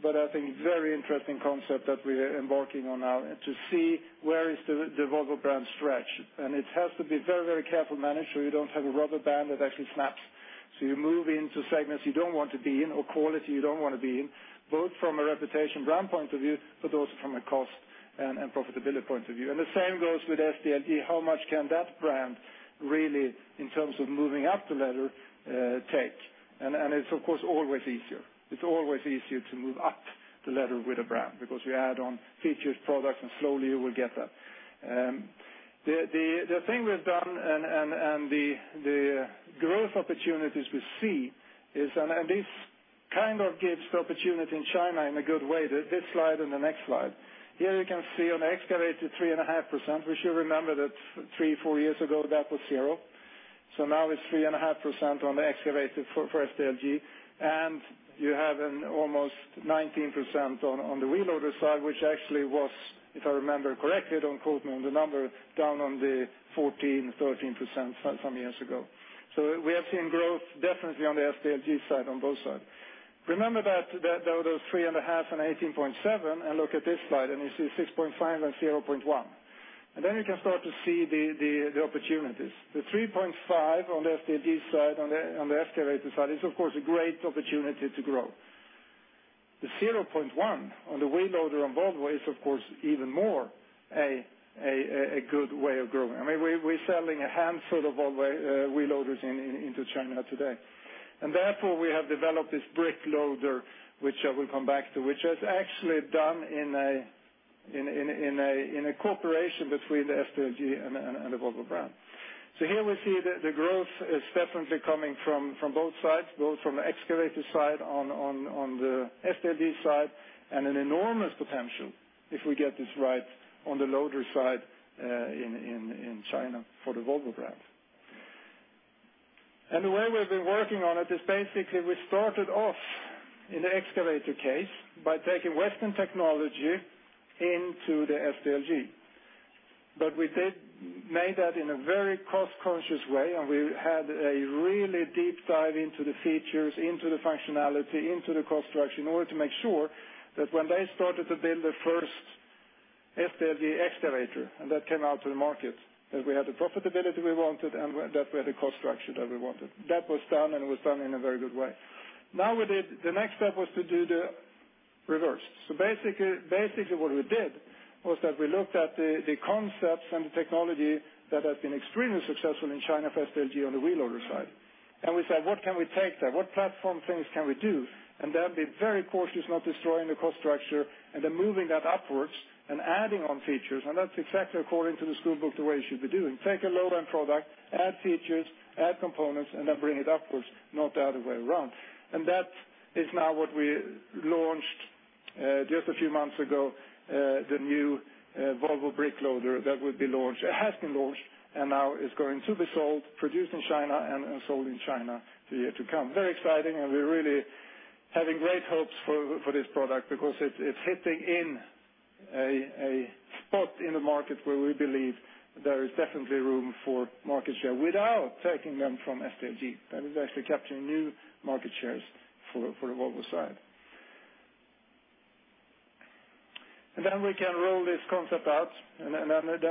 S2: but I think very interesting concept that we are embarking on now to see where is the Volvo brand stretch. It has to be very carefully managed so you don't have a rubber band that actually snaps. You move into segments you don't want to be in or quality you don't want to be in, both from a reputation brand point of view, but also from a cost and profitability point of view. The same goes with SDLG. How much can that brand really, in terms of moving up the ladder, take? It's of course always easier. It's always easier to move up the ladder with a brand because you add on features, products, and slowly you will get there. The thing we've done and the growth opportunities we see is, this kind of gives the opportunity in China in a good way, this slide and the next slide. Here you can see on excavator 3.5%. We should remember that three, four years ago, that was zero. Now it's 3.5% on the excavator for SDLG, and you have an almost 19% on the reloader side, which actually was, if I remember correctly, don't quote me on the number, down on the 14%, 13% some years ago. We have seen growth definitely on the SDLG side, on both sides. Remember that there was 3.5 and 18.7, look at this slide, and you see 6.5 and 0.1. Then you can start to see the opportunities. The 3.5 on the SDLG side, on the excavator side, is of course a great opportunity to grow. The 0.1 on the wheel loader on Volvo is, of course, even more a good way of growing. I mean, we're selling a handful of Volvo wheel loaders into China today. Therefore, we have developed this BRIC loader, which I will come back to, which is actually done in a cooperation between the SDLG and the Volvo brand. Here we see the growth is definitely coming from both sides, both from the excavator side, on the SDLG side, and an enormous potential if we get this right on the loader side in China for the Volvo brand. The way we've been working on it is basically we started off in the excavator case by taking Western technology into the SDLG. We did make that in a very cost-conscious way, and we had a really deep dive into the features, into the functionality, into the cost structure in order to make sure that when they started to build the first SDLG excavator, and that came out to the market, that we had the profitability we wanted and that we had the cost structure that we wanted. That was done, and it was done in a very good way. The next step was to do the reverse. Basically what we did was that we looked at the concepts and the technology that have been extremely successful in China for SDLG on the wheel loader side. We said, what can we take there? What platform things can we do? Then be very cautious not destroying the cost structure, then moving that upwards and adding on features. That's exactly according to the school book the way you should be doing. Take a low-end product, add features, add components, then bring it upwards, not the other way around. That is now what we launched just a few months ago, the new Volvo BRIC loader that will be launched. It has been launched, and now is going to be sold, produced in China and sold in China the year to come. Very exciting, and we're really having great hopes for this product because it's hitting in a spot in the market where we believe there is definitely room for market share without taking them from SDLG. That is actually capturing new market shares for the Volvo side. Then we can roll this concept out, then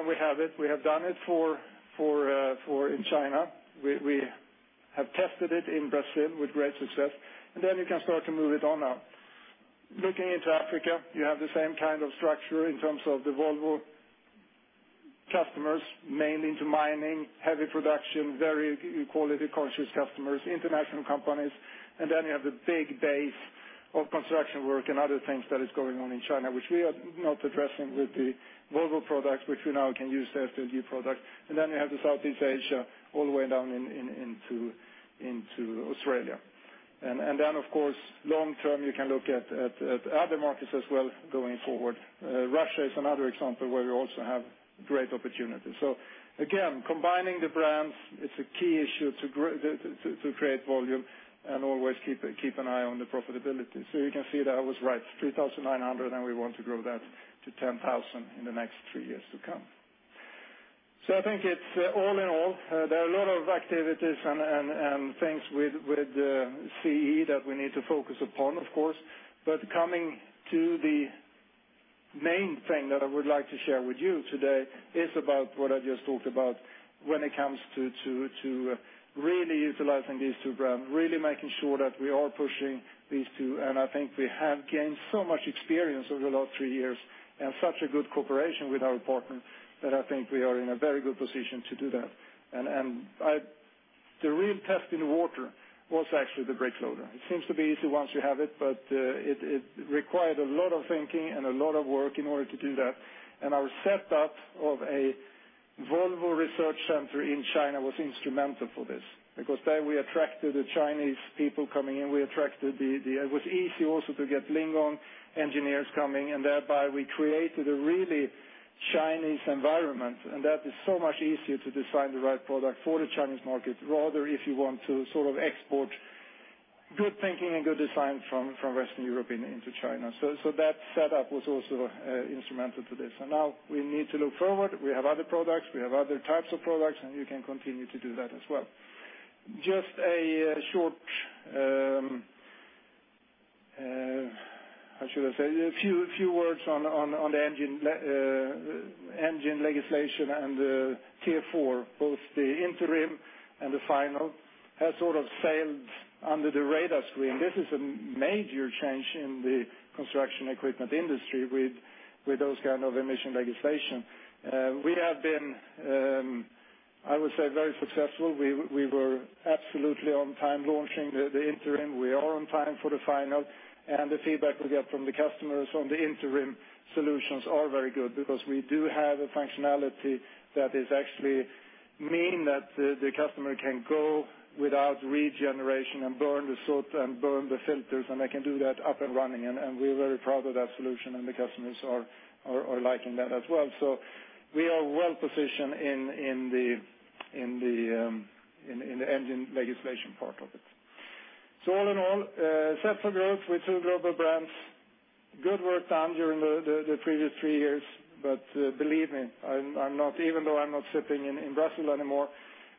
S2: we have it. We have done it in China. We have tested it in Brazil with great success. Then you can start to move it on now. Looking into Africa, you have the same kind of structure in terms of the Volvo customers, mainly into mining, heavy production, very quality-conscious customers, international companies. Then you have the big base of construction work and other things that is going on in China, which we are not addressing with the Volvo products, which we now can use the SDLG product. Then you have the Southeast Asia all the way down into Australia. Then, of course, long term, you can look at other markets as well going forward. Russia is another example where we also have great opportunities. Again, combining the brands, it's a key issue to create volume and always keep an eye on the profitability. You can see that I was right, 3,900, and we want to grow that to 10,000 in the next three years to come. I think all in all, there are a lot of activities and things with CE that we need to focus upon, of course. Coming to the main thing that I would like to share with you today is about what I just talked about when it comes to really utilizing these two brands, really making sure that we are pushing these two. I think we have gained so much experience over the last three years and such a good cooperation with our partner that I think we are in a very good position to do that. The real test in the water was actually the BRIC loader. It seems to be easy once you have it, but it required a lot of thinking and a lot of work in order to do that. Our setup of a Volvo Research Center in China was instrumental for this, because there we attracted the Chinese people coming in. It was easy also to get Lingong engineers coming, and thereby we created a really Chinese environment, and that is so much easier to design the right product for the Chinese market, rather if you want to export good thinking and good design from Western European into China. That setup was also instrumental to this. Now we need to look forward. We have other products, we have other types of products, and you can continue to do that as well. A few words on the engine legislation and the Tier 4, both the interim and the final, has sort of sailed under the radar screen. This is a major change in the construction equipment industry with those kind of emission legislation. We have been, I would say, very successful. We were absolutely on time launching the interim. We are on time for the final. The feedback we get from the customers on the interim solutions are very good because we do have a functionality that is actually mean that the customer can go without regeneration and burn the soot and burn the filters, and they can do that up and running. We are very proud of that solution, and the customers are liking that as well. We are well-positioned in the engine legislation part of it. All in all, set for growth with two global brands. Good work done during the previous three years. Believe me, even though I'm not sitting in Brussels anymore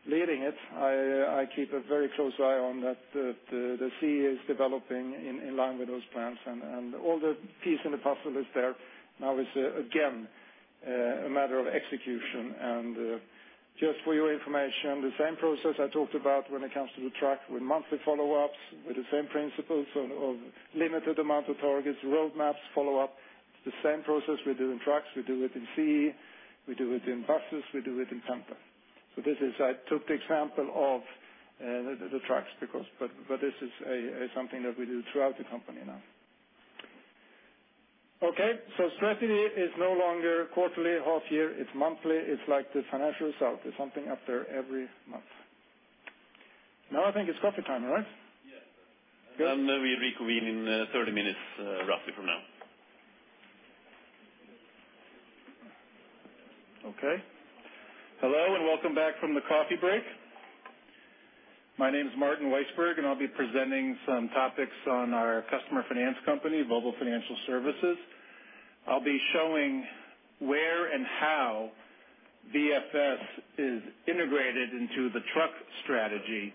S2: leading it, I keep a very close eye on that. The CE is developing in line with those plans, and all the piece in the puzzle is there. Now it's again a matter of execution. Just for your information, the same process I talked about when it comes to the truck with monthly follow-ups, with the same principles of limited amount of targets, roadmaps follow-up. It's the same process we do in trucks, we do it in CE, we do it in buses, we do it in Penta. I took the example of the trucks, but this is something that we do throughout the company now. Strategy is no longer quarterly, half-year, it's monthly. It's like the financial result. There's something up there every month. Now I think it's coffee time, right?
S4: Yes.
S2: Good.
S4: We reconvene in 30 minutes, roughly from now.
S2: Okay.
S5: Hello, and welcome back from the coffee break. My name is Martin Weissburg, and I'll be presenting some topics on our customer finance company, Volvo Financial Services. I'll be showing where and how VFS is integrated into the truck strategy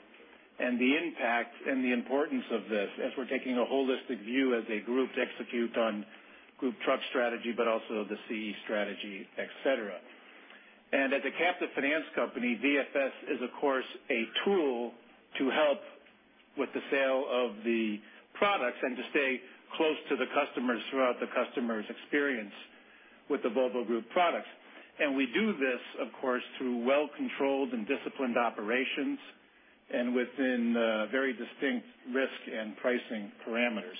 S5: and the impact and the importance of this as we're taking a holistic view as a group to execute on group truck strategy, but also the CE strategy, et cetera. As a captive finance company, VFS is, of course, a tool to help with the sale of the products and to stay close to the customers throughout the customer's experience with the Volvo Group products. We do this, of course, through well-controlled and disciplined operations and within very distinct risk and pricing parameters.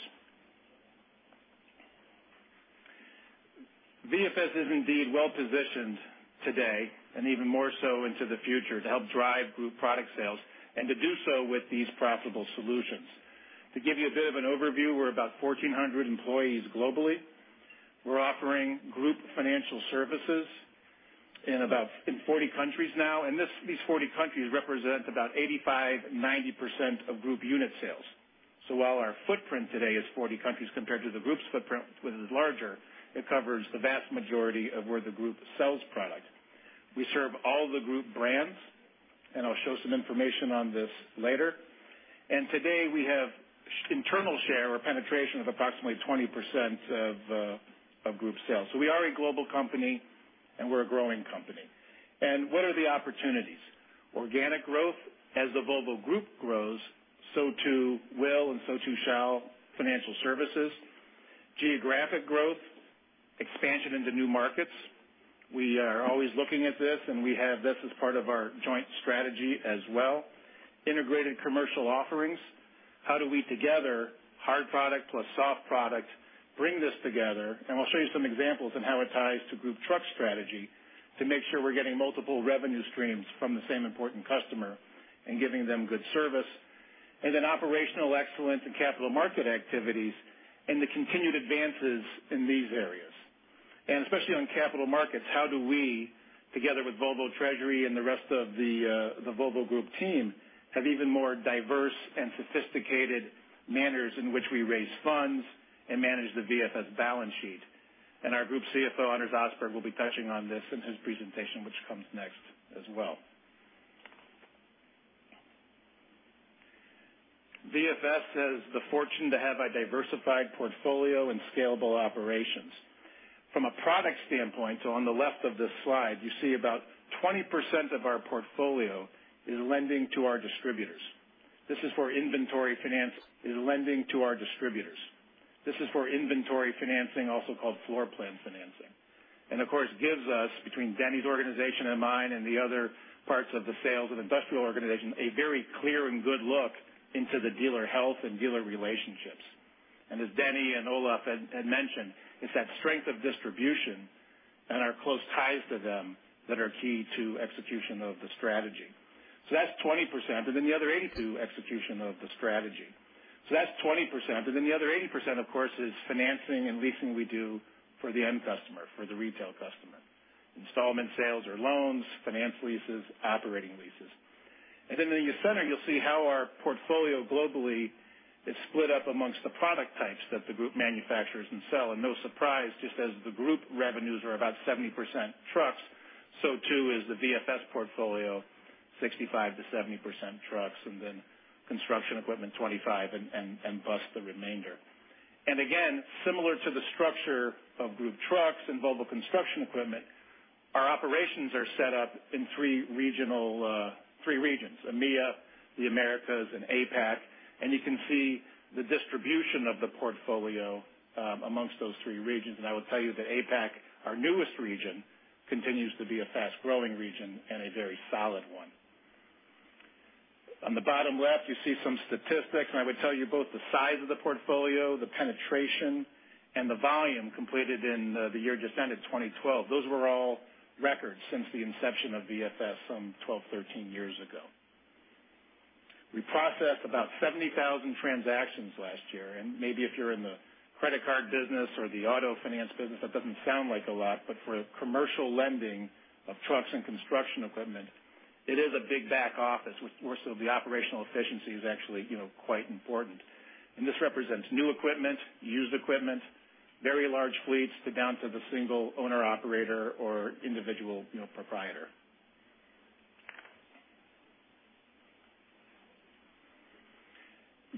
S5: VFS is indeed well-positioned today, even more so into the future, to help drive group product sales and to do so with these profitable solutions. To give you a bit of an overview, we're about 1,400 employees globally. We're offering group financial services in 40 countries now, these 40 countries represent about 85%-90% of group unit sales. While our footprint today is 40 countries compared to the group's footprint, which is larger, it covers the vast majority of where the group sells product. We serve all the group brands, I'll show some information on this later. Today we have internal share or penetration of approximately 20% of group sales. We are a global company, and we're a growing company. What are the opportunities? Organic growth. As the Volvo Group grows, so too will and so too shall financial services. Geographic growth, expansion into new markets. We are always looking at this, and we have this as part of our joint strategy as well. Integrated commercial offerings. How do we together, hard product plus soft product, bring this together? We'll show you some examples of how it ties to Group Trucks strategy to make sure we're getting multiple revenue streams from the same important customer and giving them good service, then operational excellence in capital market activities and the continued advances in these areas. Especially on capital markets, how do we, together with Volvo Group Treasury and the rest of the Volvo Group team, have even more diverse and sophisticated manners in which we raise funds and manage the VFS balance sheet? Our Group CFO, Anders Osberg, will be touching on this in his presentation, which comes next as well. VFS has the fortune to have a diversified portfolio and scalable operations. From a product standpoint, on the left of this slide, you see about 20% of our portfolio is lending to our distributors. This is for inventory finance, also called floor plan financing. Of course, gives us, between Denny's organization and mine and the other parts of the sales and industrial organization, a very clear and good look into the dealer health and dealer relationships. As Denny and Olof had mentioned, it's that strength of distribution and our close ties to them that are key to execution of the strategy. That's 20%, then the other 80% of course, is financing and leasing we do for the end customer, for the retail customer. Installment sales or loans, finance leases, operating leases. In the center, you'll see how our portfolio globally is split up amongst the product types that the group manufactures and sell. No surprise, just as the group revenues are about 70% trucks, so too is the VFS portfolio 65%-70% trucks, then Volvo Construction Equipment 25% and bus the remainder. Again, similar to the structure of Group Trucks and Volvo Construction Equipment, our operations are set up in three regions, EMEA, the Americas, and APAC. You can see the distribution of the portfolio amongst those three regions. I will tell you that APAC, our newest region, continues to be a fast-growing region and a very solid one. On the bottom left, you see some statistics, I would tell you both the size of the portfolio, the penetration, and the volume completed in the year just ended, 2012. Those were all records since the inception of VFS some 12, 13 years ago. We processed about 70,000 transactions last year, and maybe if you're in the credit card business or the auto finance business, that doesn't sound like a lot, but for commercial lending of trucks and Volvo Construction Equipment, it is a big back office, where some of the operational efficiency is actually quite important. This represents new equipment, used equipment, very large fleets to down to the single owner/operator or individual proprietor.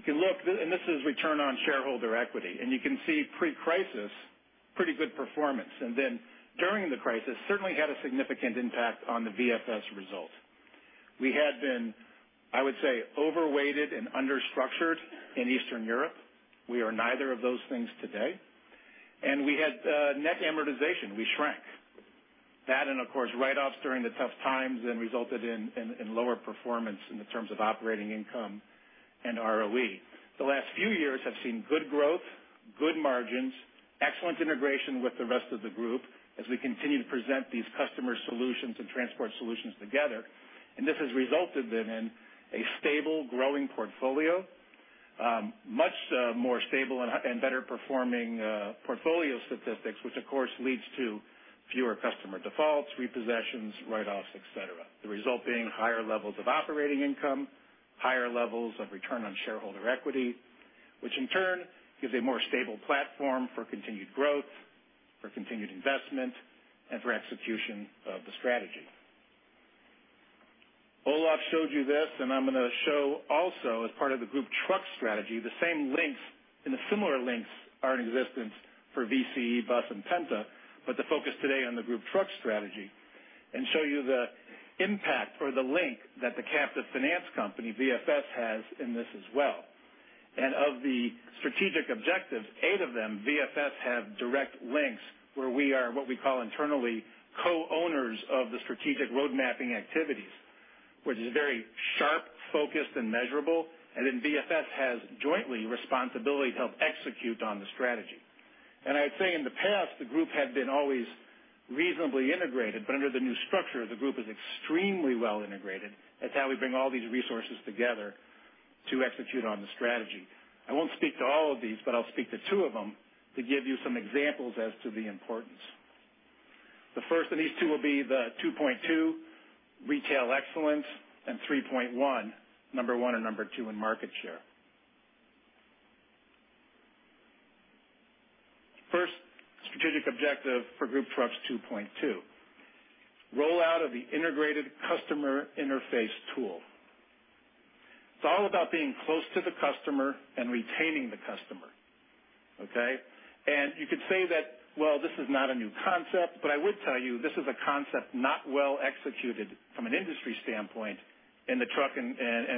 S5: You can look, this is return on shareholder equity. You can see pre-crisis, pretty good performance. Then during the crisis, certainly had a significant impact on the VFS result. We had been, I would say, overweighted and under structured in Eastern Europe. We are neither of those things today. We had net amortization. We shrank. That, and of course, write-offs during the tough times then resulted in lower performance in the terms of operating income and ROE. The last few years have seen good growth, good margins, excellent integration with the rest of the group as we continue to present these customer solutions and transport solutions together. This has resulted then in a stable, growing portfolio, much more stable and better performing portfolio statistics, which of course leads to fewer customer defaults, repossessions, write-offs, et cetera. The result being higher levels of operating income, higher levels of return on shareholder equity, which in turn gives a more stable platform for continued growth, for continued investment, and for execution of the strategy. Olof showed you this, I'm going to show also as part of the Group Trucks strategy, the same links and the similar links are in existence for Volvo Construction Equipment, Bus, and Volvo Penta, but the focus today on the Group Trucks strategy and show you the impact or the link that the captive finance company, Volvo Financial Services, has in this as well. Of the strategic objectives, eight of them, Volvo Financial Services have direct links where we are, what we call internally, co-owners of the strategic road mapping activities, which is very sharp, focused, and measurable, then Volvo Financial Services has jointly responsibility to help execute on the strategy. I'd say in the past, the group had been always reasonably integrated, but under the new structure, the group is extremely well integrated. That's how we bring all these resources together to execute on the strategy. I won't speak to all of these, but I'll speak to two of them to give you some examples as to the importance. The first of these two will be the 2.2 retail excellence and 3.1 number one and number two in market share. First strategic objective for Group Trucks 2.2, rollout of the integrated customer interface tool. It's all about being close to the customer and retaining the customer. Okay. You could say that, well, this is not a new concept, but I would tell you this is a concept not well executed from an industry standpoint in the truck and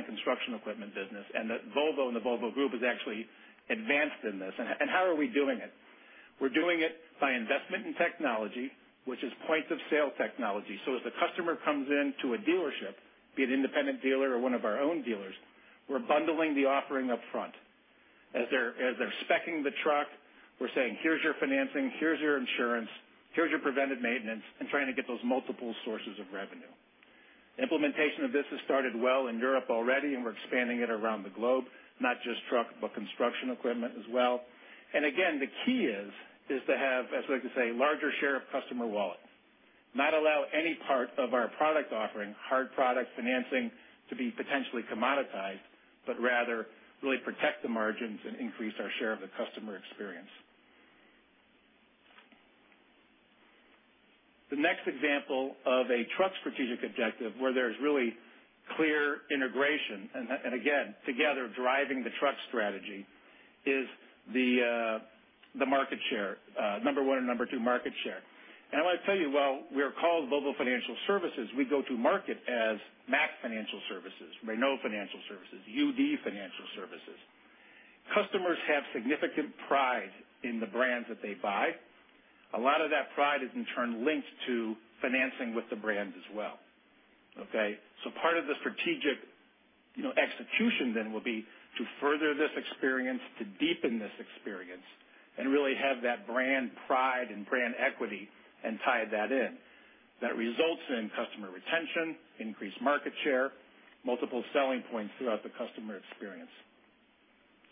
S5: construction equipment business, and that Volvo and the Volvo Group has actually advanced in this. How are we doing it? We're doing it by investment in technology, which is point of sale technology. As the customer comes into a dealership, be it an independent dealer or one of our own dealers, we're bundling the offering up front. As they're speccing the truck, we're saying, "Here's your financing, here's your insurance, here's your preventive maintenance," and trying to get those multiple sources of revenue. Implementation of this has started well in Europe already, and we're expanding it around the globe, not just truck, but construction equipment as well. Again, the key is to have, as I like to say, larger share of customer wallet. Not allow any part of our product offering, hard product financing to be potentially commoditized, but rather really protect the margins and increase our share of the customer experience. The next example of a truck strategic objective where there is really clear integration and again, together driving the truck strategy is the market share, number 1 and number 2 market share. I might tell you, while we are called Volvo Financial Services, we go to market as Mack Financial Services, Renault Financial Services, UD Financial Services. Customers have significant pride in the brands that they buy. A lot of that pride is in turn linked to financing with the brand as well. Part of the strategic execution then will be to further this experience, to deepen this experience, and really have that brand pride and brand equity, and tie that in. That results in customer retention, increased market share, multiple selling points throughout the customer experience.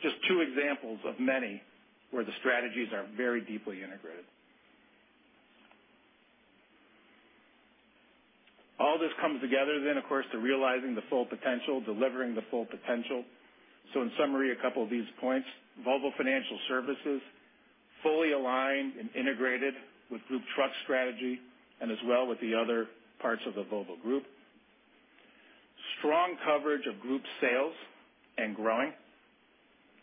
S5: Just two examples of many, where the strategies are very deeply integrated. All this comes together then, of course, to realizing the full potential, delivering the full potential. In summary, a couple of these points. Volvo Financial Services, fully aligned and integrated with group truck strategy and as well with the other parts of the Volvo Group. Strong coverage of group sales and growing.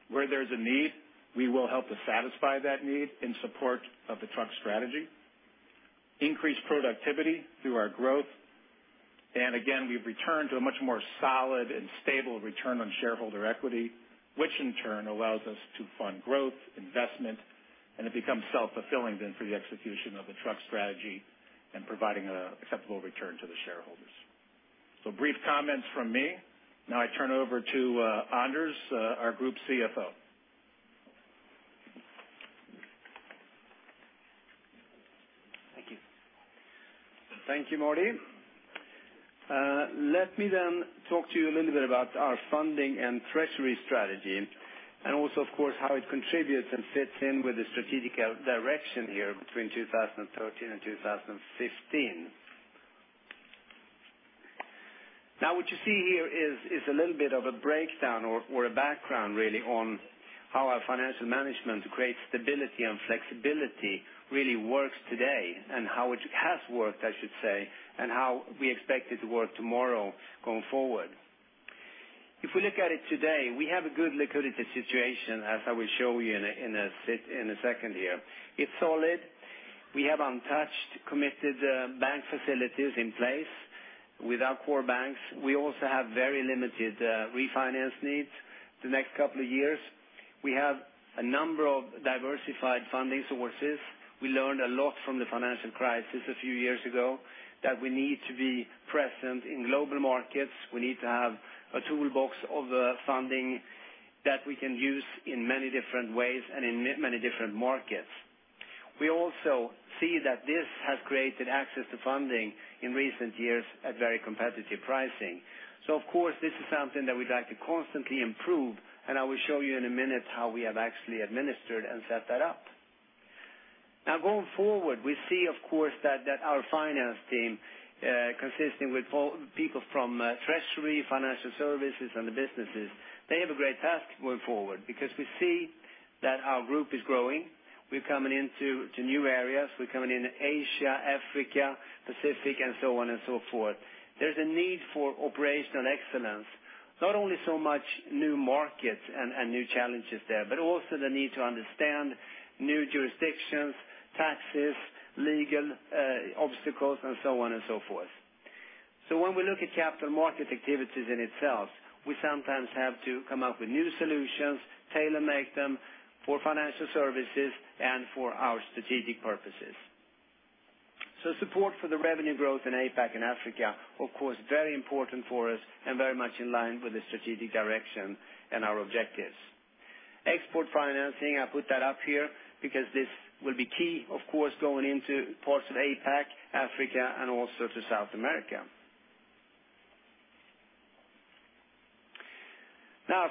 S5: Where there is a need, we will help to satisfy that need in support of the truck strategy. Increased productivity through our growth. Again, we have returned to a much more solid and stable return on shareholder equity, which in turn allows us to fund growth, investment, and it becomes self-fulfilling then for the execution of the truck strategy and providing an acceptable return to the shareholders. Brief comments from me. I turn over to Anders, our group CFO.
S6: Thank you. Thank you, Marty. Let me then talk to you a little bit about our funding and treasury strategy, and also of course how it contributes and fits in with the strategic direction here between 2013 and 2015. What you see here is a little bit of a breakdown or a background really on how our financial management creates stability and flexibility really works today, and how it has worked, I should say, and how we expect it to work tomorrow going forward. If we look at it today, we have a good liquidity situation, as I will show you in a second here. It is solid. We have untouched, committed bank facilities in place with our core banks. We also have very limited refinance needs the next couple of years. We have a number of diversified funding sources. We learned a lot from the financial crisis a few years ago, that we need to be present in global markets. We need to have a toolbox of funding that we can use in many different ways and in many different markets. We also see that this has created access to funding in recent years at very competitive pricing. Of course, this is something that we would like to constantly improve, and I will show you in a minute how we have actually administered and set that up. Going forward, we see, of course, that our finance team, consisting with people from treasury, financial services, and the businesses, they have a great task going forward, because we see that our group is growing. We are coming into new areas. We are coming into Asia, Africa, Pacific, and so on and so forth. There's a need for operational excellence, not only so much new markets and new challenges there, but also the need to understand new jurisdictions, taxes, legal obstacles, and so on and so forth. When we look at capital market activities in itself, we sometimes have to come up with new solutions, tailor-make them for financial services and for our strategic purposes. Support for the revenue growth in APAC and Africa, of course, very important for us and very much in line with the strategic direction and our objectives. Export financing, I put that up here because this will be key, of course, going into parts of APAC, Africa, and also to South America.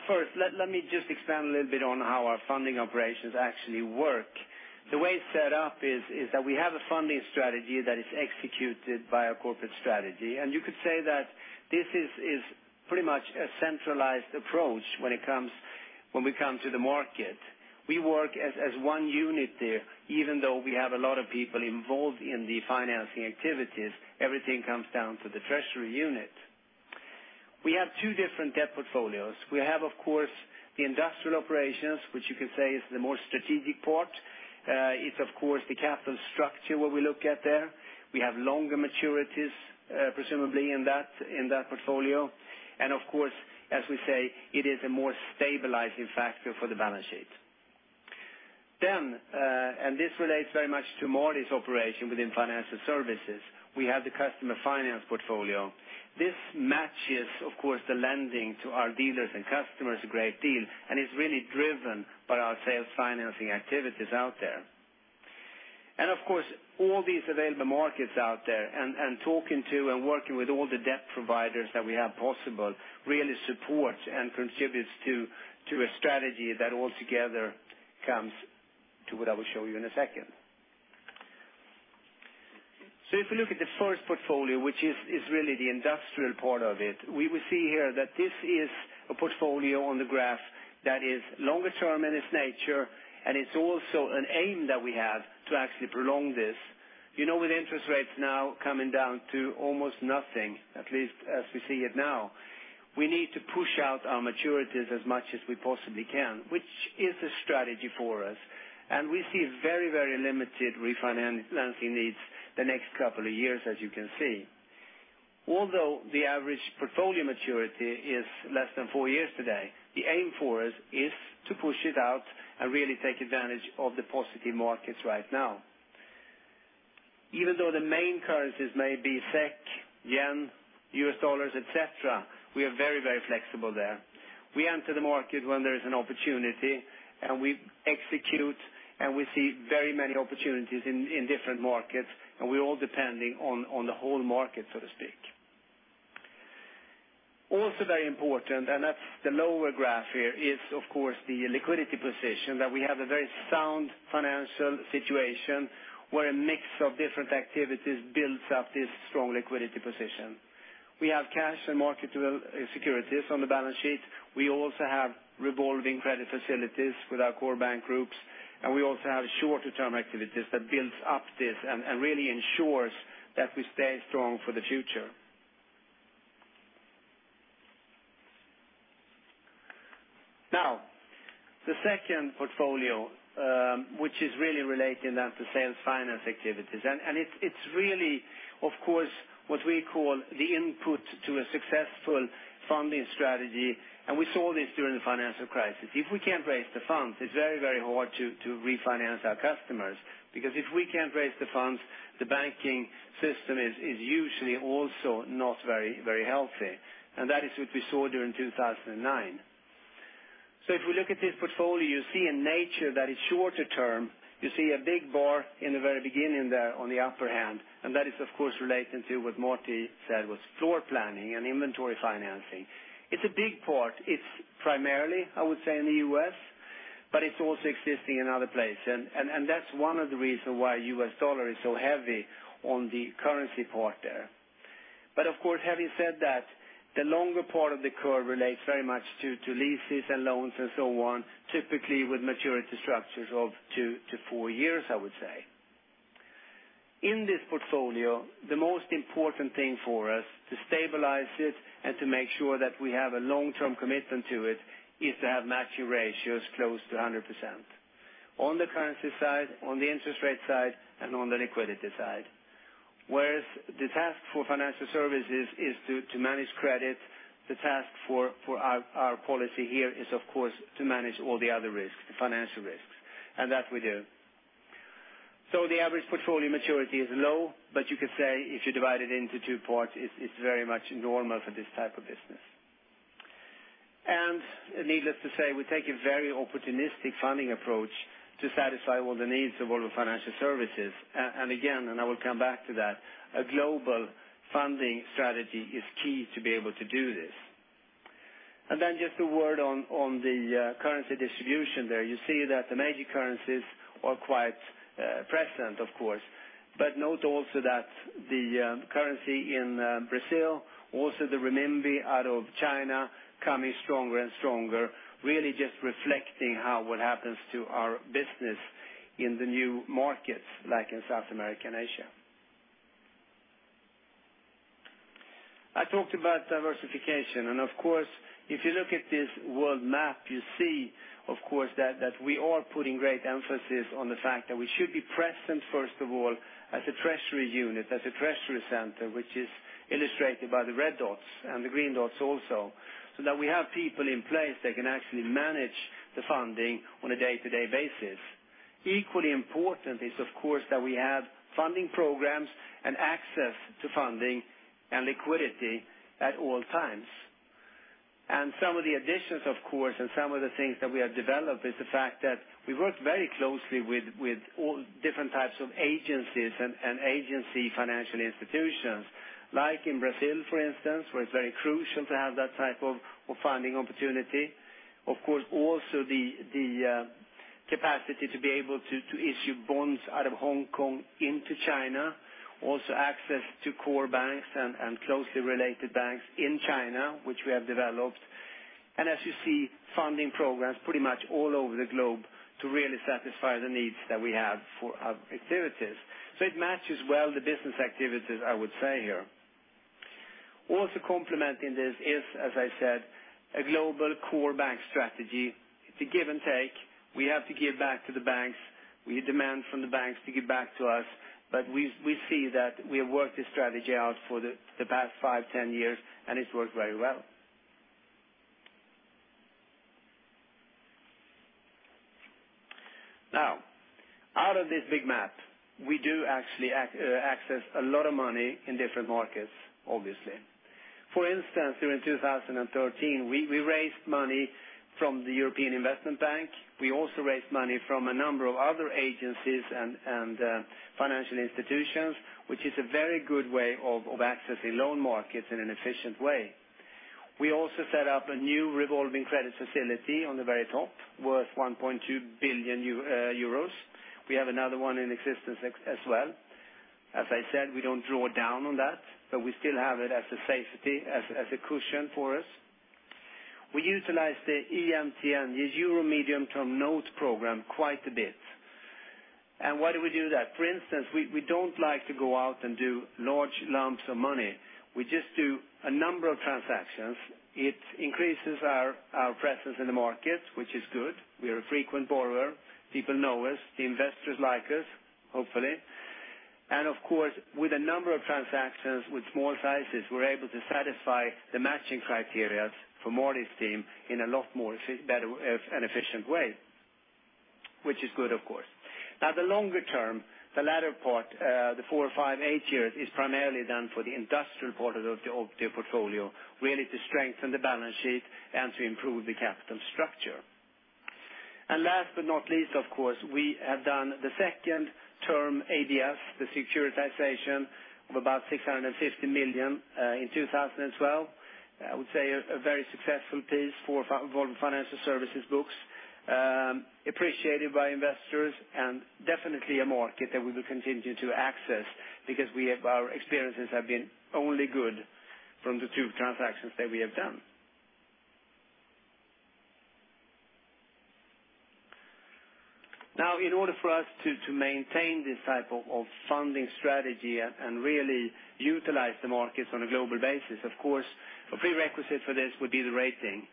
S6: First, let me just expand a little bit on how our funding operations actually work. The way it's set up is that we have a funding strategy that is executed by our corporate strategy. You could say that this is pretty much a centralized approach when we come to the market. We work as one unit there, even though we have a lot of people involved in the financing activities, everything comes down to the treasury unit. We have two different debt portfolios. We have, of course, the industrial operations, which you can say is the more strategic part. It's of course, the capital structure, what we look at there. We have longer maturities, presumably in that portfolio. Of course, as we say, it is a more stabilizing factor for the balance sheet. This relates very much to Marty's operation within Financial Services. We have the customer finance portfolio. This matches, of course, the lending to our dealers and customers a great deal, and it's really driven by our sales financing activities out there. Of course, all these available markets out there and talking to and working with all the debt providers that we have possible really supports and contributes to a strategy that altogether comes to what I will show you in a second. If we look at the first portfolio, which is really the industrial part of it, we will see here that this is a portfolio on the graph that is longer term in its nature, and it's also an aim that we have to actually prolong this. With interest rates now coming down to almost nothing, at least as we see it now, we need to push out our maturities as much as we possibly can, which is a strategy for us. We see very limited refinancing needs the next couple of years, as you can see. Although the average portfolio maturity is less than four years today, the aim for us is to push it out and really take advantage of the positive markets right now. Even though the main currencies may be SEK, JPY, US dollars, et cetera, we are very flexible there. We enter the market when there is an opportunity, and we execute, and we see very many opportunities in different markets, and we are all depending on the whole market, so to speak. Very important, and that's the lower graph here, is, of course, the liquidity position that we have a very sound financial situation where a mix of different activities builds up this strong liquidity position. We have cash and marketable securities on the balance sheet. We also have revolving credit facilities with our core bank groups, we also have shorter-term activities that builds up this and really ensures that we stay strong for the future. The second portfolio, which is really relating that to sales finance activities. It's really, of course, what we call the input to a successful funding strategy, and we saw this during the financial crisis. If we can't raise the funds, it's very hard to refinance our customers, because if we can't raise the funds, the banking system is usually also not very healthy, and that is what we saw during 2009. If we look at this portfolio, you see a nature that is shorter term. You see a big bar in the very beginning there on the upper hand, and that is, of course, relating to what Marty said was floor planning and inventory financing. It's a big part. It's primarily, I would say, in the U.S., but it's also existing in other places. That's one of the reasons why U.S. dollar is so heavy on the currency part there. Of course, having said that, the longer part of the curve relates very much to leases and loans and so on, typically with maturity structures of 2-4 years, I would say. In this portfolio, the most important thing for us to stabilize it and to make sure that we have a long-term commitment to it is to have matching ratios close to 100%. On the currency side, on the interest rate side, and on the liquidity side. Whereas the task for financial services is to manage credit, the task for our policy here is, of course, to manage all the other risks, the financial risks, and that we do. The average portfolio maturity is low, but you could say if you divide it into two parts, it's very much normal for this type of business. Needless to say, we take a very opportunistic funding approach to satisfy all the needs of all the financial services. Again, I will come back to that, a global funding strategy is key to be able to do this. Just a word on the currency distribution there. You see that the major currencies are quite present, of course. But note also that the currency in Brazil, also the renminbi out of China, coming stronger and stronger, really just reflecting how what happens to our business in the new markets, like in South America and Asia. I talked about diversification, of course, if you look at this world map, you see that we are putting great emphasis on the fact that we should be present, first of all, as a treasury unit, as a treasury center, which is illustrated by the red dots and the green dots also, so that we have people in place that can actually manage the funding on a day-to-day basis. Equally important is, of course, that we have funding programs and access to funding and liquidity at all times. Some of the additions, of course, and some of the things that we have developed is the fact that we work very closely with all different types of agencies and agency financial institutions. Like in Brazil, for instance, where it's very crucial to have that type of funding opportunity. Of course, also the capacity to be able to issue bonds out of Hong Kong into China. Access to core banks and closely related banks in China, which we have developed. As you see, funding programs pretty much all over the globe to really satisfy the needs that we have for our activities. It matches well the business activities, I would say here. Complementing this is, as I said, a global core bank strategy. It's a give and take. We have to give back to the banks. We demand from the banks to give back to us. We see that we have worked this strategy out for the past five, 10 years, and it's worked very well. Out of this big map, we do actually access a lot of money in different markets, obviously. For instance, during 2013, we raised money from the European Investment Bank. We also raised money from a number of other agencies and financial institutions, which is a very good way of accessing loan markets in an efficient way. We also set up a new revolving credit facility on the very top worth 1.2 billion euros. We have another one in existence as well. As I said, we don't draw down on that, but we still have it as a safety, as a cushion for us. We utilize the EMTN, the Euro Medium Term Note program, quite a bit. Why do we do that? For instance, we don't like to go out and do large lumps of money. We just do a number of transactions. It increases our presence in the market, which is good. We are a frequent borrower. People know us. The investors like us, hopefully. Of course, with a number of transactions with small sizes, we're able to satisfy the matching criterias for Marty's team in a lot more better and efficient way, which is good, of course. The longer term, the latter part, the four or five, eight years is primarily done for the industrial part of the portfolio, really to strengthen the balance sheet and to improve the capital structure. Last but not least, of course, we have done the second term ABS, the securitization of about 650 million in 2012. I would say a very successful piece for Volvo Financial Services books, appreciated by investors, and definitely a market that we will continue to access because our experiences have been only good from the two transactions that we have done. In order for us to maintain this type of funding strategy and really utilize the markets on a global basis, of course, a prerequisite for this would be the rating.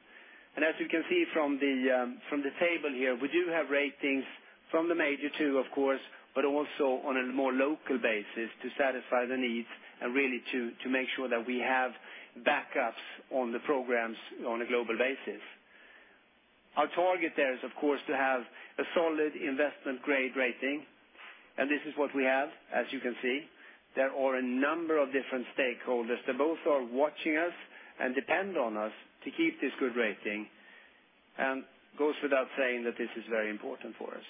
S6: As you can see from the table here, we do have ratings from the major two, of course, but also on a more local basis to satisfy the needs and really to make sure that we have backups on the programs on a global basis. Our target there is, of course, to have a solid investment-grade rating, and this is what we have, as you can see. There are a number of different stakeholders that both are watching us and depend on us to keep this good rating, and it goes without saying that this is very important for us.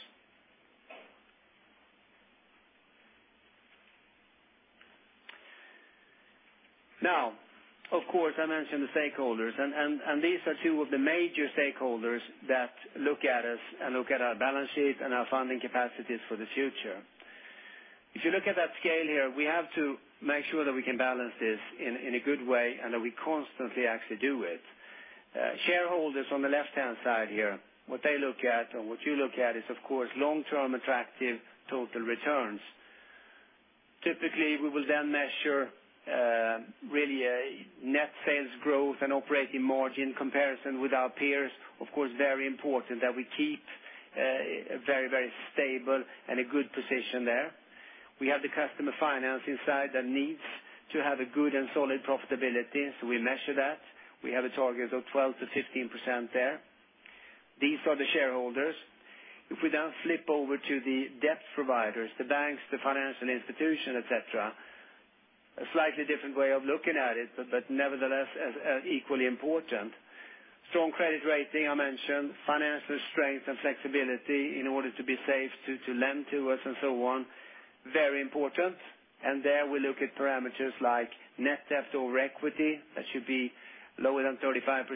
S6: Of course, I mentioned the stakeholders, and these are two of the major stakeholders that look at us and look at our balance sheet and our funding capacities for the future. If you look at that scale here, we have to make sure that we can balance this in a good way and that we constantly actually do it. Shareholders on the left-hand side here, what they look at and what you look at is, of course, long-term attractive total returns. Typically, we will then measure really a net sales growth and operating margin comparison with our peers. Of course, very important that we keep a very stable and a good position there. We have the customer financing side that needs to have a good and solid profitability. We measure that. We have a target of 12%-15% there. These are the shareholders. If we now flip over to the debt providers, the banks, the financial institution, et cetera, a slightly different way of looking at it. Nevertheless, as equally important. Strong credit rating, I mentioned, financial strength and flexibility in order to be safe to lend to us and so on, very important. There we look at parameters like net debt over equity, that should be lower than 35%.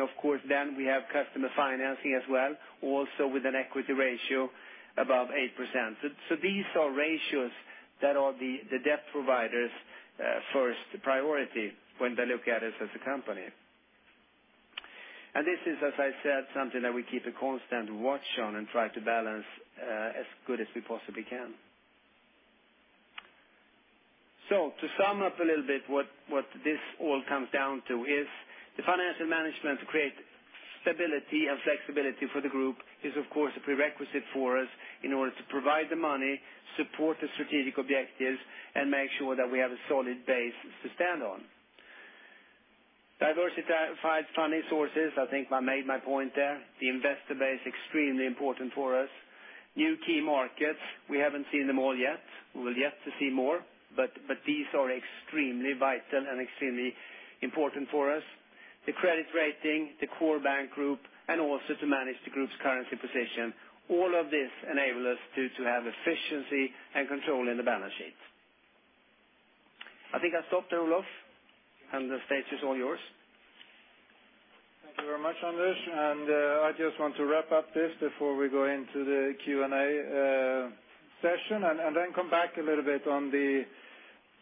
S6: Of course, then we have customer financing as well, also with an equity ratio above 8%. These are ratios that are the debt providers' first priority when they look at us as a company. This is, as I said, something that we keep a constant watch on and try to balance as good as we possibly can. To sum up a little bit what this all comes down to is the financial management to create stability and flexibility for the group is, of course, a prerequisite for us in order to provide the money, support the strategic objectives, and make sure that we have a solid base to stand on. Diversified funding sources, I think I made my point there. The investor base, extremely important for us. New key markets, we haven't seen them all yet. We will yet to see more. These are extremely vital and extremely important for us. The credit rating, the core bank group, and also to manage the group's currency position. All of this enable us to have efficiency and control in the balance sheet. I think I stop there, Olof. The stage is all yours.
S2: Thank you very much, Anders. I just want to wrap up this before we go into the Q&A session. Then come back a little bit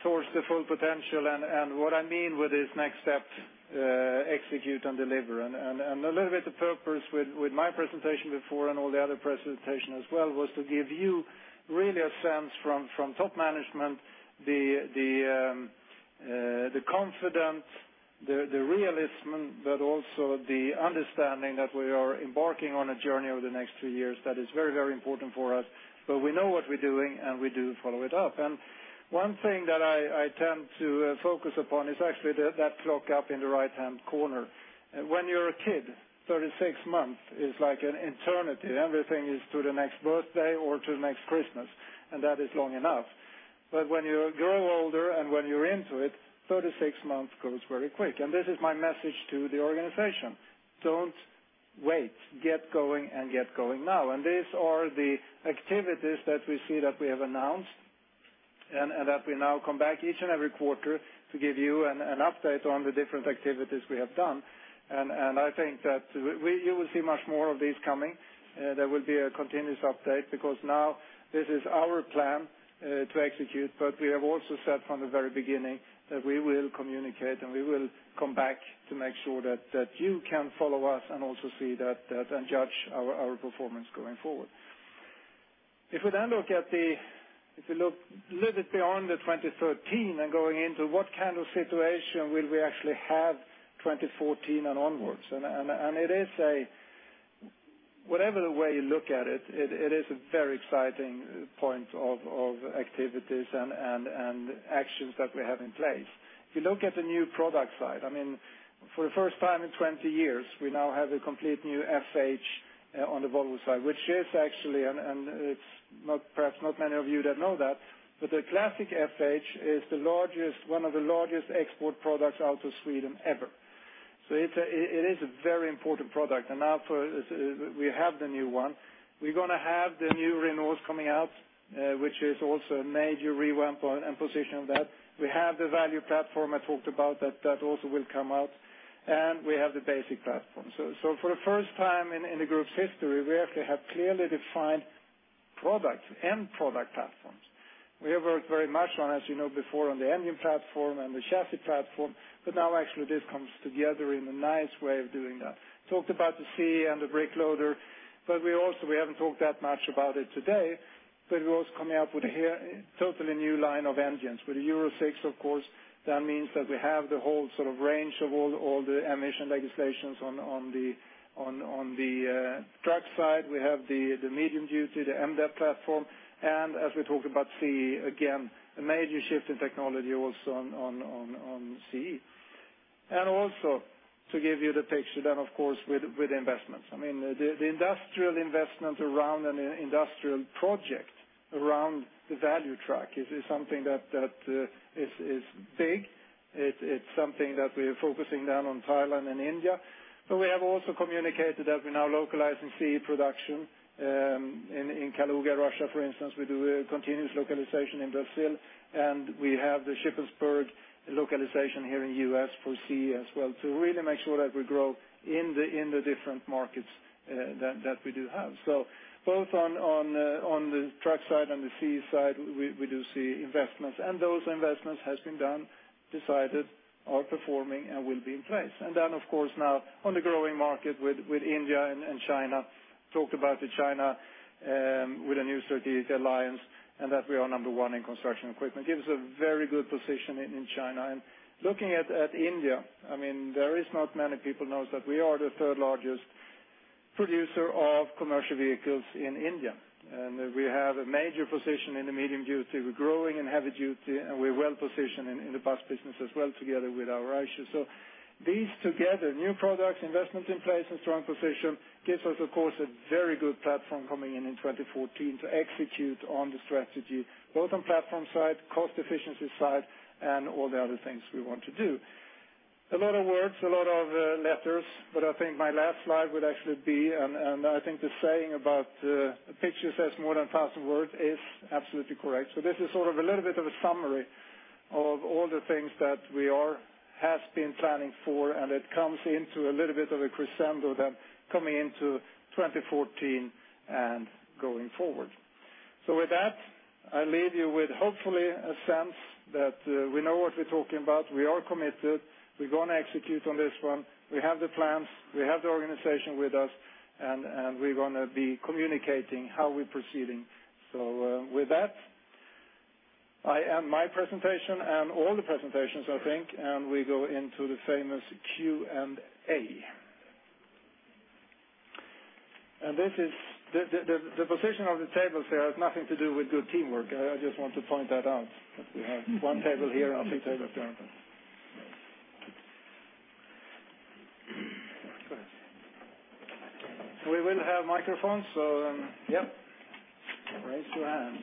S2: towards the full potential and what I mean with this next step, execute and deliver. A little bit the purpose with my presentation before and all the other presentation as well, was to give you really a sense from top management, the confidence, the realism. Also the understanding that we are embarking on a journey over the next two years that is very important for us. We know what we're doing. We do follow it up. One thing that I tend to focus upon is actually that clock up in the right-hand corner. When you're a kid, 36 months is like an eternity. Everything is to the next birthday or to the next Christmas, that is long enough. When you grow older and when you're into it, 36 months goes very quick. This is my message to the organization. Don't wait, get going and get going now. These are the activities that we see that we have announced and that we now come back each and every quarter to give you an update on the different activities we have done. I think that you will see much more of these coming. There will be a continuous update because now this is our plan to execute, but we have also said from the very beginning that we will communicate, and we will come back to make sure that you can follow us and also see that and judge our performance going forward. If we look a little bit beyond 2013 and going into what kind of situation will we actually have 2014 and onwards. Whatever the way you look at it is a very exciting point of activities and actions that we have in place. If you look at the new product side, for the first time in 20 years, we now have a complete new FH on the Volvo side, which is actually, and it's perhaps not many of you that know that, but the classic FH is one of the largest export products out of Sweden ever. It is a very important product, and now we have the new one. We're going to have the new renewals coming out, which is also a major revamp and position of that. We have the value platform I talked about, that also will come out, and we have the basic platform. For the first time in the group's history, we actually have clearly defined products and product platforms. We have worked very much on, as you know before, on the engine platform and the chassis platform, now actually this comes together in a nice way of doing that. Talked about the CE and the BRIC loader, we haven't talked that much about it today, we're also coming out with a totally new line of engines. With the Euro 6, of course, that means that we have the whole range of all the emission legislations on the truck side. We have the medium duty, the MDOT platform, and as we talk about CE, again, a major shift in technology also on CE. Also, to give you the picture then, of course, with investments. The industrial investment around an industrial project, around the value truck, is something that is big. It's something that we are focusing down on Thailand and India. We have also communicated that we're now localizing CE production, in Kaluga, Russia, for instance. We do a continuous localization in Brazil, and we have the Shippensburg localization here in the U.S. for CE as well, to really make sure that we grow in the different markets that we do have. Both on the truck side and the CE side, we do see investments, and those investments has been done, decided, are performing, and will be in place. Then, of course, now on the growing market with India and China, talked about the China with a new strategic alliance and that we are number one in construction equipment. Gives a very good position in China. Looking at India, there is not many people knows that we are the third largest producer of commercial vehicles in India. We have a major position in the medium duty. We're growing in heavy duty, and we're well-positioned in the bus business as well together with our Eicher. These together, new products, investments in place, and strong position gives us, of course, a very good platform coming in 2014 to execute on the strategy, both on platform side, cost efficiency side, and all the other things we want to do. A lot of words, a lot of letters, but I think my last slide would actually be, and I think the saying about a picture says more than 1,000 words is absolutely correct. This is sort of a little bit of a summary of all the things that we have been planning for, and it comes into a little bit of a crescendo then coming into 2014 and going forward. With that, I leave you with hopefully a sense that we know what we're talking about. We are committed. We're going to execute on this one. We have the plans, we have the organization with us, and we're going to be communicating how we're proceeding. With that, I end my presentation and all the presentations, I think, and we go into the famous Q&A. The position of the tables here has nothing to do with good teamwork. I just want to point that out, that we have one table here and a few tables there. We will have microphones, then raise your hands.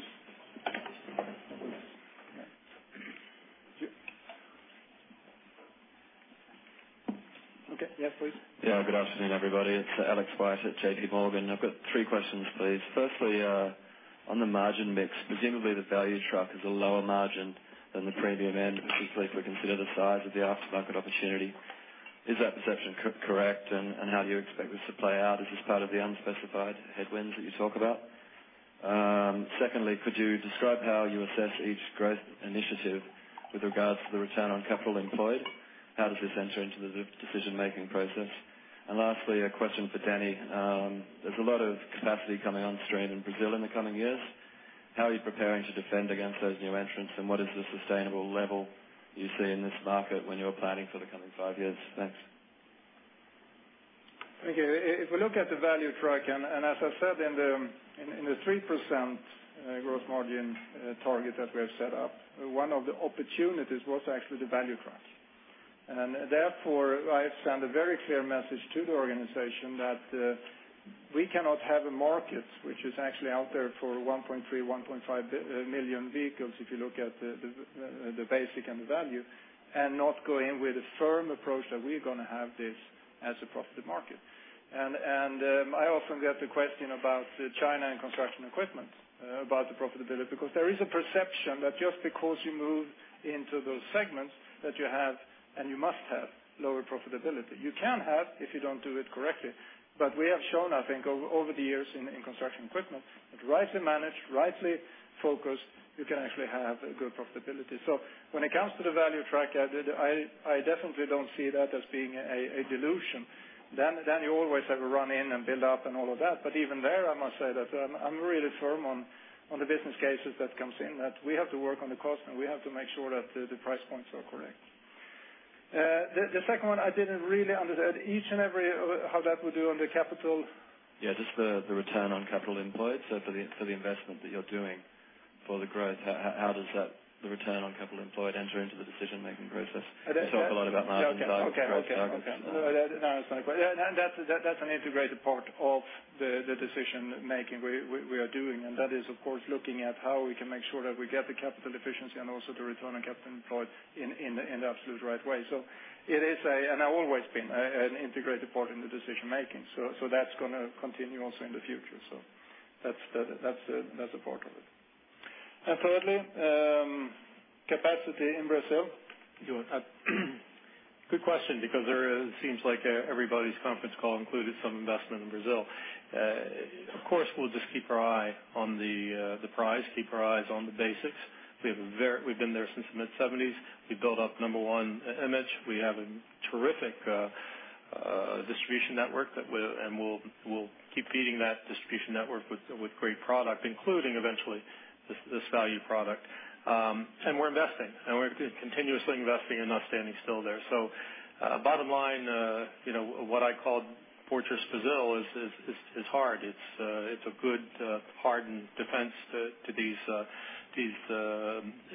S2: Okay. Yes, please.
S7: Good afternoon, everybody. It's Alex White at JP Morgan. I've got three questions, please. Firstly, on the margin mix, presumably the value truck is a lower margin than the premium end, particularly if we consider the size of the aftermarket opportunity. Is that perception correct, and how do you expect this to play out? Is this part of the unspecified headwinds that you talk about? Secondly, could you describe how you assess each growth initiative with regards to the return on capital employed? How does this enter into the decision-making process? Lastly, a question for Denny. There's a lot of capacity coming on stream in Brazil in the coming years. How are you preparing to defend against those new entrants, and what is the sustainable level you see in this market when you're planning for the coming five years? Thanks.
S2: Okay. If we look at the value truck, as I said in the 3% growth margin target that we have set up, one of the opportunities was actually the value truck. Therefore, I have sent a very clear message to the organization that we cannot have a market which is actually out there for 1.3, 1.5 million vehicles if you look at the basic and the value, and not go in with a firm approach that we're going to have this as a profitable market. I often get the question about China and construction equipment, about the profitability, because there is a perception that just because you move into those segments, that you have, and you must have lower profitability. You can have if you don't do it correctly. We have shown, I think, over the years in construction equipment, that rightly managed, rightly focused, you can actually have a good profitability. When it comes to the value truck, I definitely don't see that as being a delusion. You always have a run in and build up and all of that. Even there, I must say that I'm really firm on the business cases that comes in, that we have to work on the cost and we have to make sure that the price points are correct. The second one I didn't really understand each and every, how that will do on the capital.
S7: Just the return on capital employed. For the investment that you're doing for the growth, how does the return on capital employed enter into the decision-making process? You talk a lot about margin-
S2: Okay
S7: and value growth targets.
S2: No, that's not a question. That's an integrated part of the decision-making we are doing, and that is, of course, looking at how we can make sure that we get the capital efficiency and also the return on capital employed in the absolute right way. It is, and always been, an integrated part in the decision-making. That's going to continue also in the future. That's a part of it. Thirdly, capacity in Brazil.
S3: Good question, because it seems like everybody's conference call included some investment in Brazil. Of course, we'll just keep our eye on the prize, keep our eyes on the basics. We've been there since the mid-1970s. We built up number one image. We have a terrific distribution network, and we'll keep feeding that distribution network with great product, including eventually this value product. We're investing, and we're continuously investing and not standing still there. Bottom line, what I call Fortress Brazil is hard. It's a good hardened defense to these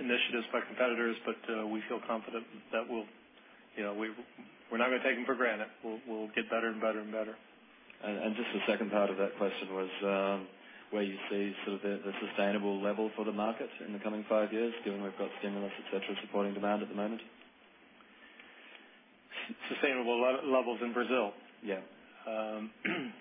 S3: initiatives by competitors, but we feel confident that we're not going to take them for granted. We'll get better and better and better.
S7: Just the second part of that question was, where you see the sustainable level for the market in the coming five years, given we've got stimulus, et cetera, supporting demand at the moment?
S3: Sustainable levels in Brazil?
S7: Yeah.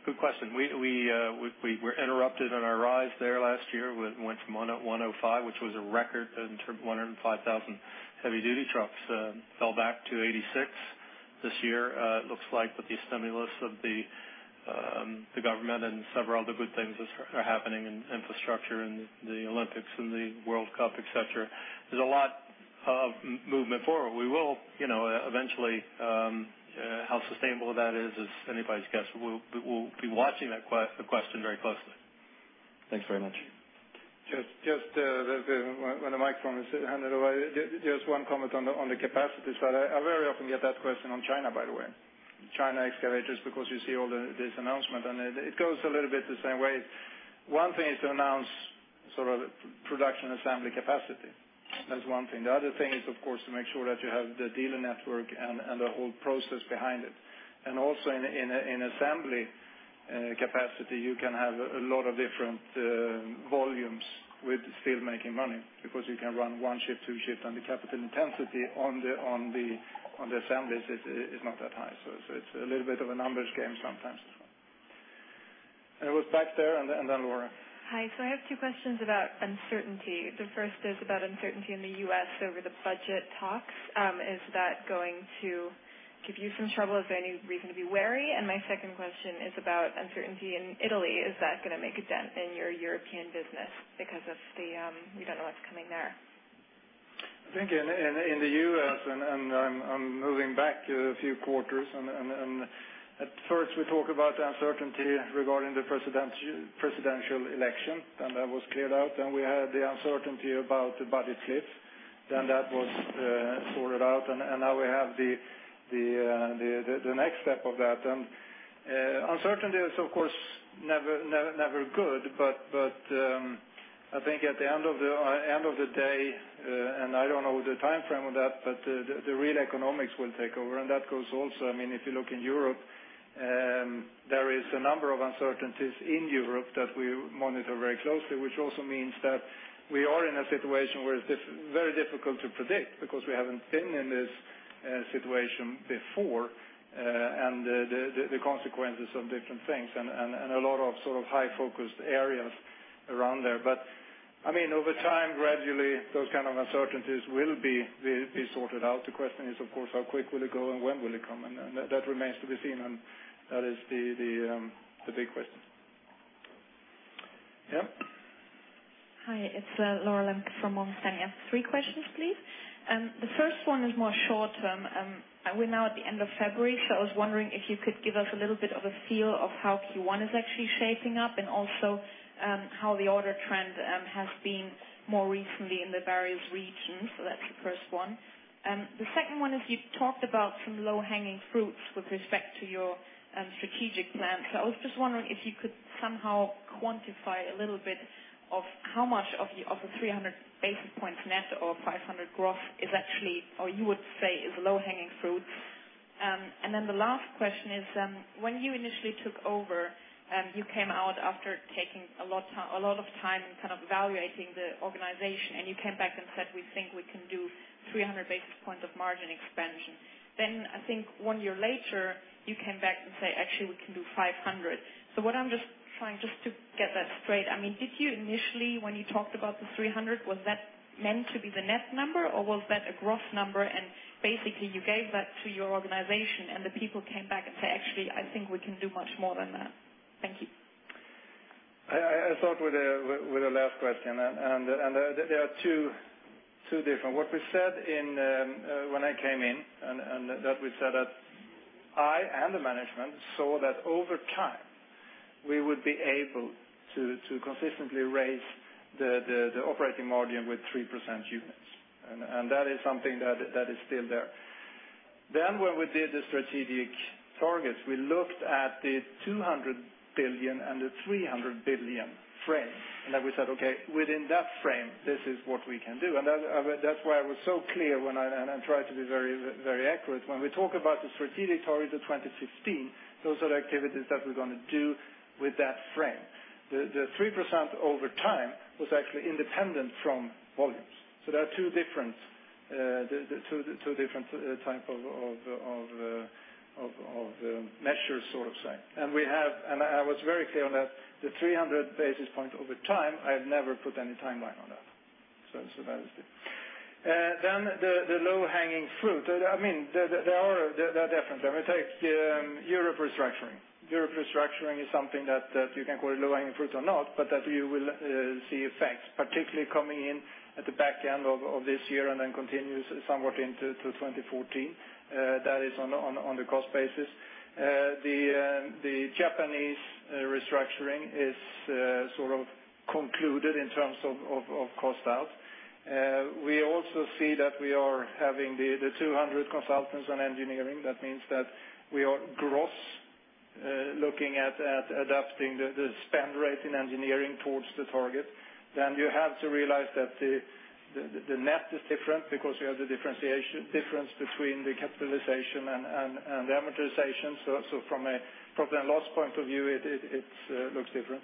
S3: Good question. We were interrupted on our rise there last year. We went from 105, which was a record, 105,000 heavy-duty trucks, fell back to 86 this year. It looks like with the stimulus of the government and several other good things are happening in infrastructure and the Olympics and the World Cup, et cetera. There's a lot of movement forward. We will eventually. How sustainable that is anybody's guess. We'll be watching the question very closely.
S7: Thanks very much.
S2: Just when the microphone is handed over, just one comment on the capacity side. I very often get that question on China, by the way, China excavators, because you see all this announcement, and it goes a little bit the same way. One thing is to announce production assembly capacity. That's one thing. The other thing is, of course, to make sure that you have the dealer network and the whole process behind it. Also in assembly capacity, you can have a lot of different volumes with still making money because you can run one shift, two shifts, and the capital intensity on the assemblies is not that high. It's a little bit of a numbers game sometimes as well. It was back there, and then Laura.
S8: Hi. I have two questions about uncertainty. The first is about uncertainty in the U.S. over the budget talks. Is that going to give you some trouble? Is there any reason to be wary? My second question is about uncertainty in Italy. Is that going to make a dent in your European business because of the we don't know what's coming there?
S2: I think in the U.S., I'm moving back a few quarters. At first, we talked about the uncertainty regarding the presidential election. That was cleared out. We had the uncertainty about the budget cliff. That was sorted out. Now we have the next step of that. Uncertainty is, of course, never good, but I think at the end of the day, and I don't know the time frame of that, but the real economics will take over, and that goes also. If you look in Europe, there is a number of uncertainties in Europe that we monitor very closely, which also means that we are in a situation where it's very difficult to predict because we haven't been in this situation before, and the consequences of different things and a lot of high focused areas around there. Over time, gradually, those kind of uncertainties will be sorted out. The question is, of course, how quick will it go, and when will it come? That remains to be seen, and that is the big question. Yeah.
S9: Hi, it's Laura Alber from Morgan Stanley. I have three questions, please. The first one is more short-term. We're now at the end of February, I was wondering if you could give us a little bit of a feel of how Q1 is actually shaping up and also how the order trend has been more recently in the various regions. That's the first one. The second one is you talked about some low-hanging fruits with respect to your strategic plan. I was just wondering if you could somehow quantify a little bit of how much of the 300 basis points net or 500 gross is actually, or you would say is low-hanging fruit. The last question is, when you initially took over, you came out after taking a lot of time and kind of evaluating the organization, and you came back and said, "We think we can do 300 basis points of margin expansion." I think one year later, you came back and say, "Actually, we can do 500." What I'm just trying to get that straight, did you initially, when you talked about the 300, was that meant to be the net number, or was that a gross number, and basically you gave that to your organization, and the people came back and said, "Actually, I think we can do much more than that." Thank you.
S2: I start with the last question, there are two different. What we said when I came in, and that we said and the management saw that over time, we would be able to consistently raise the operating margin with 3% units. That is something that is still there. When we did the strategic targets, we looked at the 200 billion and the 300 billion frame. We said, "Okay, within that frame, this is what we can do." That's why I was so clear and I tried to be very accurate. When we talk about the strategic targets of 2016, those are the activities that we're going to do with that frame. The 3% over time was actually independent from volumes. They are 2 different types of measures. I was very clear on that, the 300 basis points over time, I have never put any timeline on that. That is it. The low-hanging fruit. There are definitely. I am going to take the Europe restructuring. Europe restructuring is something that you can call a low-hanging fruit or not, but that you will see effects, particularly coming in at the back end of this year and then continues somewhat into 2014. That is on the cost basis. The Japanese restructuring is sort of concluded in terms of cost out. We also see that we are having the 200 consultants on engineering. That means that we are gross looking at adapting the spend rate in engineering towards the target. You have to realize that the net is different because we have the difference between the capitalization and the amortization. From a profit and loss point of view, it looks different.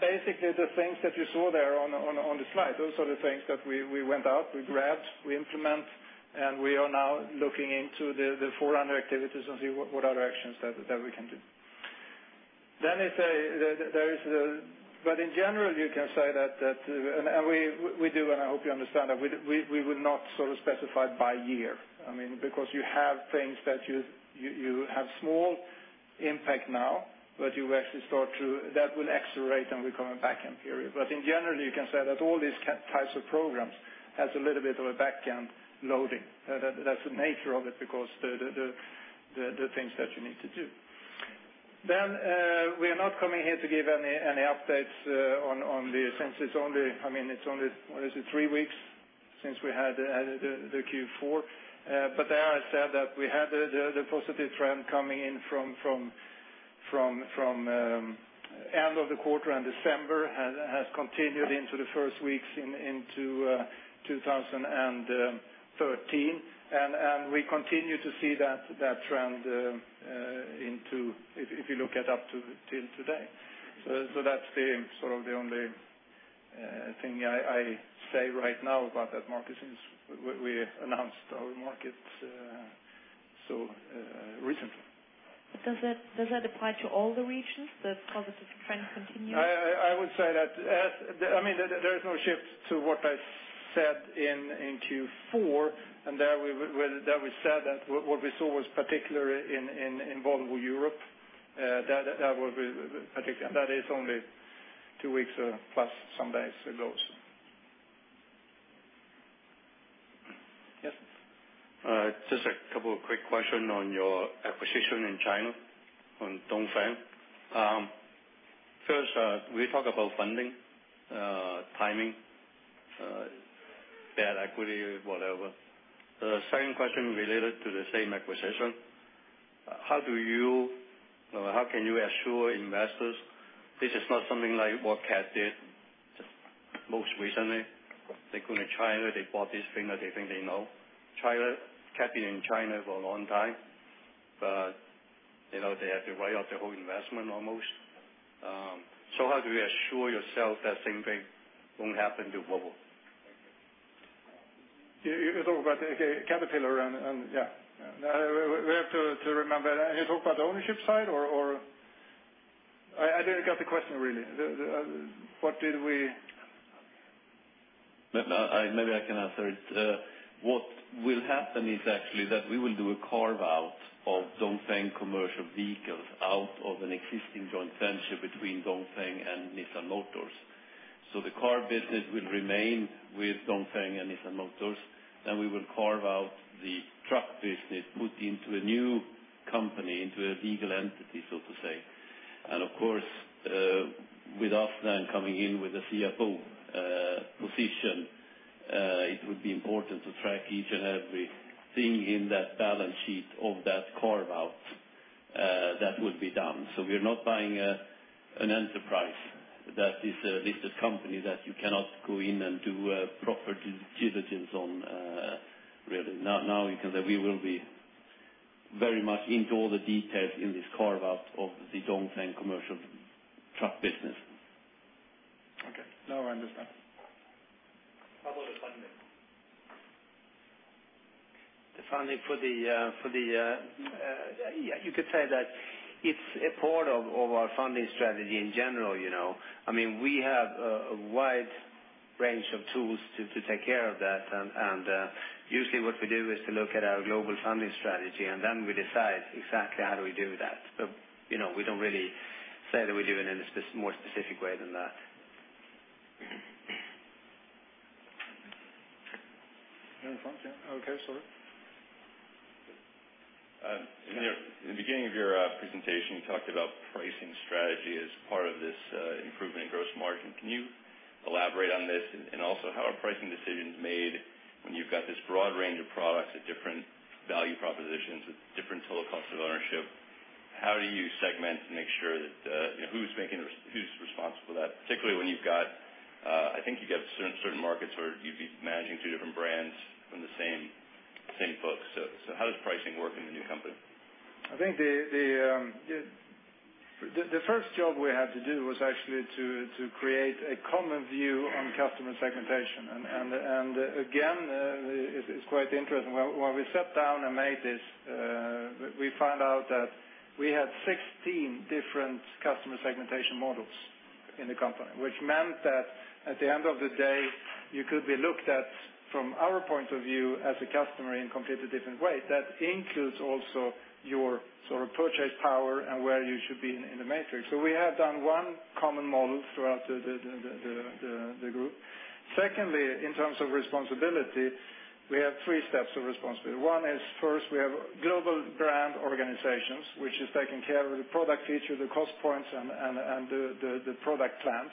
S2: Basically, the things that you saw there on the slide, those are the things that we went out, we grabbed, we implement, and we are now looking into the 400 activities and see what other actions that we can do. In general, you can say that, and we do, and I hope you understand that we will not sort of specify it by year. Because you have things that you have small impact now, but you actually that will accelerate and become a back-end period. In general, you can say that all these types of programs has a little bit of a back-end loading. That is the nature of it because the things that you need to do. We are not coming here to give any updates on the since it is only, what is it, three weeks since we had the Q4. I said that we had the positive trend coming in from end of the quarter and December has continued into the first weeks into 2013. We continue to see that trend if you look at up till today. That is the only thing I say right now about that market since we announced our market so recently.
S9: Does that apply to all the regions, the positive trend continue?
S2: I would say that there is no shift to what I said in Q4, and there we said that what we saw was particular in Volvo Europe. That is only two weeks plus some days ago. Yes.
S8: Just a couple of quick question on your acquisition in China, on Dongfeng. First, we talk about funding, timing, bad equity, whatever. The second question related to the same acquisition. How can you assure investors this is not something like what CAT did most recently? They go to China, they bought this thing that they think they know. CAT been in China for a long time, but they had to write off their whole investment almost. How do you assure yourself that same thing won't happen to Volvo?
S2: You talk about Caterpillar and yeah. We have to remember. Are you talking about the ownership side, or? I didn't get the question, really.
S4: Maybe I can answer it. What will happen is actually that we will do a carve-out of Dongfeng Commercial Vehicles out of an existing joint venture between Dongfeng and Nissan Motors. The car business will remain with Dongfeng and Nissan Motors, and we will carve out the truck business, put into a new company, into a legal entity, so to say. Of course, with Åsnan coming in with the CFO position, it would be important to track each and every thing in that balance sheet of that carve-out that will be done. We are not buying an enterprise that is a listed company that you cannot go in and do a proper due diligence on, really. Now we will be very much into all the details in this carve-out of the Dongfeng commercial truck business.
S2: Okay. Now I understand.
S8: How about the funding?
S4: You could say that it's a part of our funding strategy in general. We have a wide range of tools to take care of that, usually what we do is to look at our global funding strategy, and then we decide exactly how do we do that. We don't really say that we do it in a more specific way than that.
S2: In the front, yeah. Okay, sorry.
S10: In the beginning of your presentation, you talked about pricing strategy as part of this improvement in gross margin. Can you elaborate on this? How are pricing decisions made when you've got this broad range of products at different value propositions with different total costs of ownership? How do you segment, who's responsible for that? Particularly when you've got certain markets where you'd be managing two different brands from the same book. How does pricing work in the new company?
S2: I think the first job we had to do was actually to create a common view on customer segmentation. It's quite interesting. When we sat down and made this, we found out that we had 16 different customer segmentation models in the company, which meant that at the end of the day, you could be looked at from our point of view as a customer in completely different ways. That includes also your sort of purchase power and where you should be in the matrix. We have done one common model throughout the group. Secondly, in terms of responsibility, we have three steps of responsibility. One is first we have global brand organizations, which is taking care of the product feature, the cost points, and the product plans.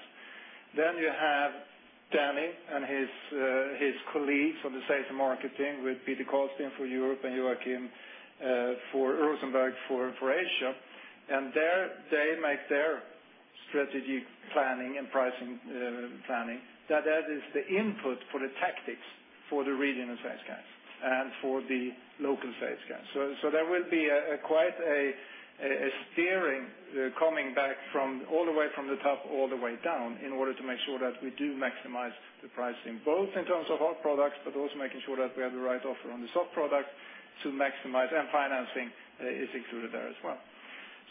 S2: You have Denny and his colleagues on the sales and marketing with Peter Karlsten for Europe and Joachim Rosenberg for Asia. They make their strategy planning and pricing planning. That is the input for the tactics for the regional sales guys and for the local sales guys. There will be quite a steering coming back all the way from the top, all the way down in order to make sure that we do maximize the pricing, both in terms of hard products, but also making sure that we have the right offer on the soft offer to maximize, and financing is included there as well.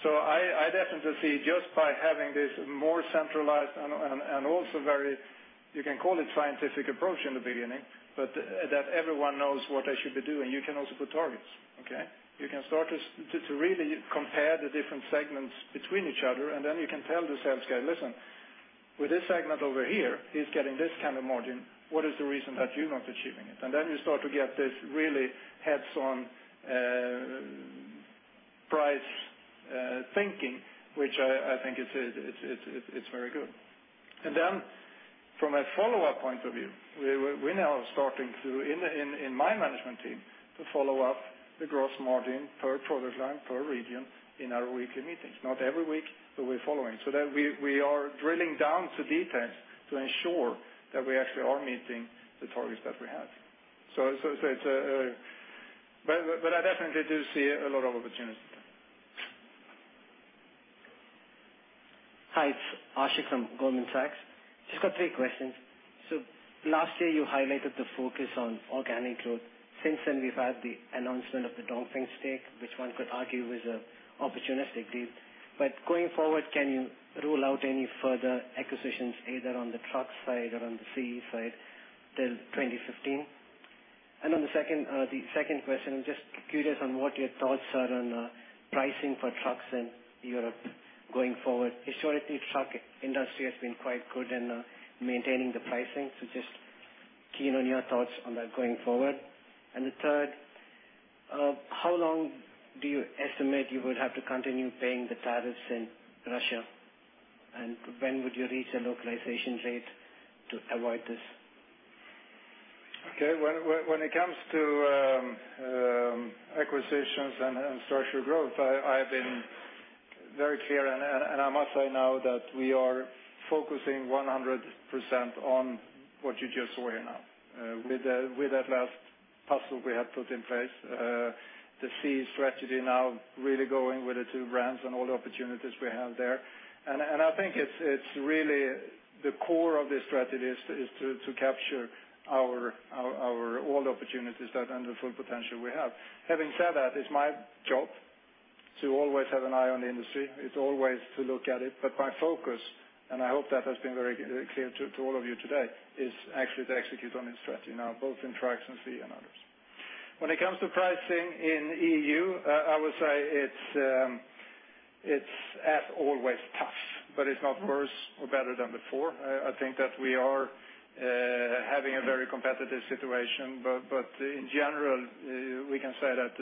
S2: I definitely see just by having this more centralized and also very, you can call it scientific approach in the beginning, but that everyone knows what they should be doing. You can also put targets. You can start to really compare the different segments between each other. You can tell the sales guy, "Listen, with this segment over here, he's getting this kind of margin." What is the reason that you're not achieving it? You start to get this really hands-on price thinking, which I think it's very good. From a follow-up point of view, we're now starting in my management team to follow up the gross margin per product line, per region, in our weekly meetings. Not every week, but we're following. We are drilling down to details to ensure that we actually are meeting the targets that we have. I definitely do see a lot of opportunities there.
S11: Hi, it's Ashik from Goldman Sachs. Just got three questions. Last year, you highlighted the focus on organic growth. Since then, we've had the announcement of the Dongfeng stake, which one could argue was an opportunistic deal. Going forward, can you rule out any further acquisitions either on the truck side or on the CE side till 2015? The second question, just curious on what your thoughts are on pricing for trucks in Europe going forward. Historically, the truck industry has been quite good in maintaining the pricing, so just keen on your thoughts on that going forward. The third, how long do you estimate you would have to continue paying the tariffs in Russia? When would you reach a localization rate to avoid this?
S2: Okay. When it comes to acquisitions and structural growth, I've been very clear. I must say now that we are focusing 100% on what you just saw here now. With that last puzzle we have put in place, the CE strategy now really going with the two brands and all the opportunities we have there. I think it's really the core of this strategy is to capture all the opportunities that, and the full potential we have. Having said that, it's my job to always have an eye on the industry. It's always to look at it. My focus, and I hope that has been very clear to all of you today, is actually to execute on this strategy now, both in trucks and CE and others. When it comes to pricing in the EU, I would say it's as always tough, but it's not worse or better than before. I think that we are having a very competitive situation. In general, we can say that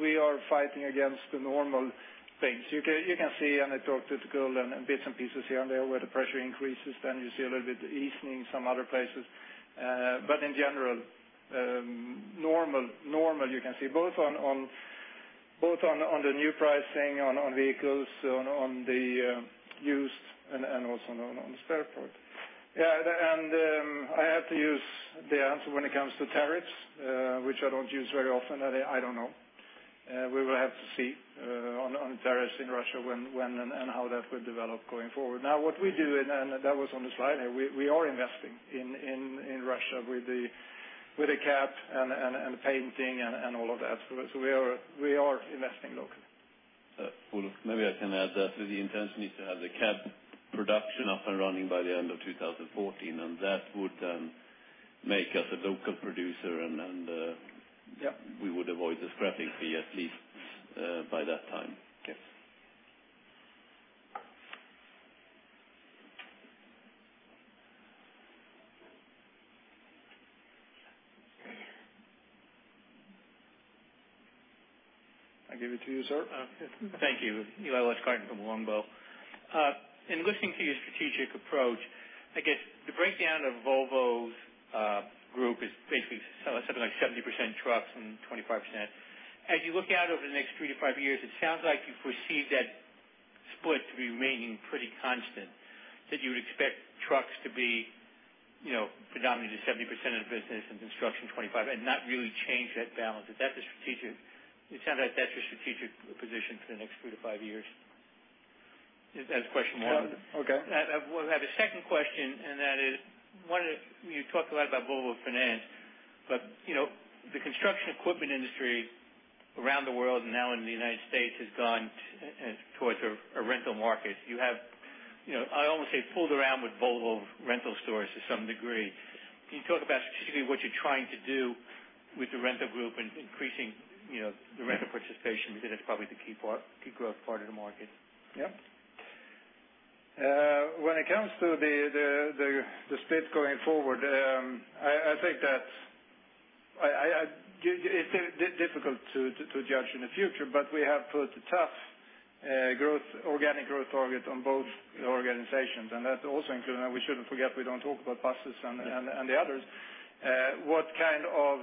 S2: we are fighting against the normal things. You can see, and I talked to bits and pieces here and there where the pressure increases, then you see a little bit easing some other places. In general, normal you can see both on the new pricing, on vehicles, on the used, and also on the spare parts. I have to use the answer when it comes to tariffs, which I don't use very often. I don't know. We will have to see on tariffs in Russia when and how that will develop going forward. What we do, and that was on the slide, we are investing in Russia with the cab and the painting and all of that. We are investing locally.
S10: Olof, maybe I can add that we intensely need to have the cab production up and running by the end of 2014. That would make us a local producer.
S2: Yeah
S10: We would avoid the scrapping fee, at least by that time.
S2: Yes. I give it to you, sir.
S12: Oh, thank you. Eli Lessard from Longbow. In listening to your strategic approach, I guess the breakdown of Volvo Group is basically something like 70% trucks and 25%. As you look out over the next three to five years, it sounds like you foresee that split remaining pretty constant, that you would expect trucks to be predominantly 70% of the business and construction 25%, and not really change that balance. It sounds like that's your strategic position for the next three to five years. That's question one.
S2: Okay.
S12: I have a second question. That is, you talked a lot about Volvo Finance, the construction equipment industry around the world and now in the U.S. has gone towards a rental market. You have, I almost say, fooled around with Volvo rental stores to some degree. Can you talk about specifically what you're trying to do with the rental group and increasing the rental participation within it? Probably the key growth part of the market.
S2: Yeah. When it comes to the split going forward, I think that it's difficult to judge in the future. We have put tough organic growth targets on both organizations. That also includes, we shouldn't forget, we don't talk about buses and the others. What kind of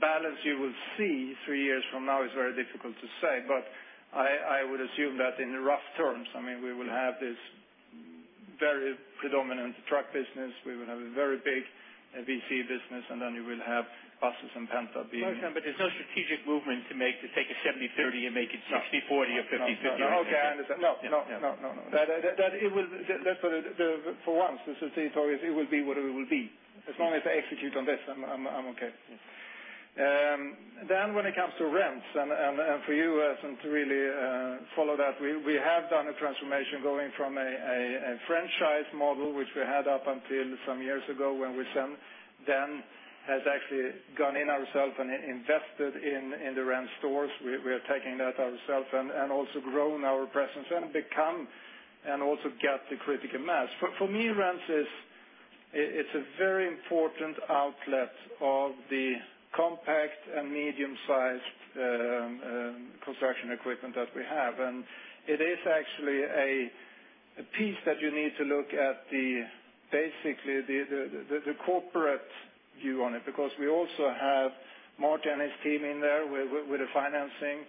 S2: balance you will see 3 years from now is very difficult to say. I would assume that in rough terms, we will have this very predominant truck business. We will have a very big VC business, and then you will have buses and Penta.
S12: There's no strategic movement to make, to take a 70/30 and make it 60/40 or 50/50.
S2: No. Okay, I understand. No.
S12: Yeah.
S2: When it comes to rent, and for you to really follow that, we have done a transformation going from a franchise model, which we had up until some years ago, when we then has actually gone in ourself and invested in the rent stores. We are taking that ourself and also growing our presence and become, and also get the critical mass. For me, rents, it's a very important outlet of the compact and medium-sized construction equipment that we have. It is actually a piece that you need to look at, basically, the corporate view on it, because we also have Martin and his team in there with the financing.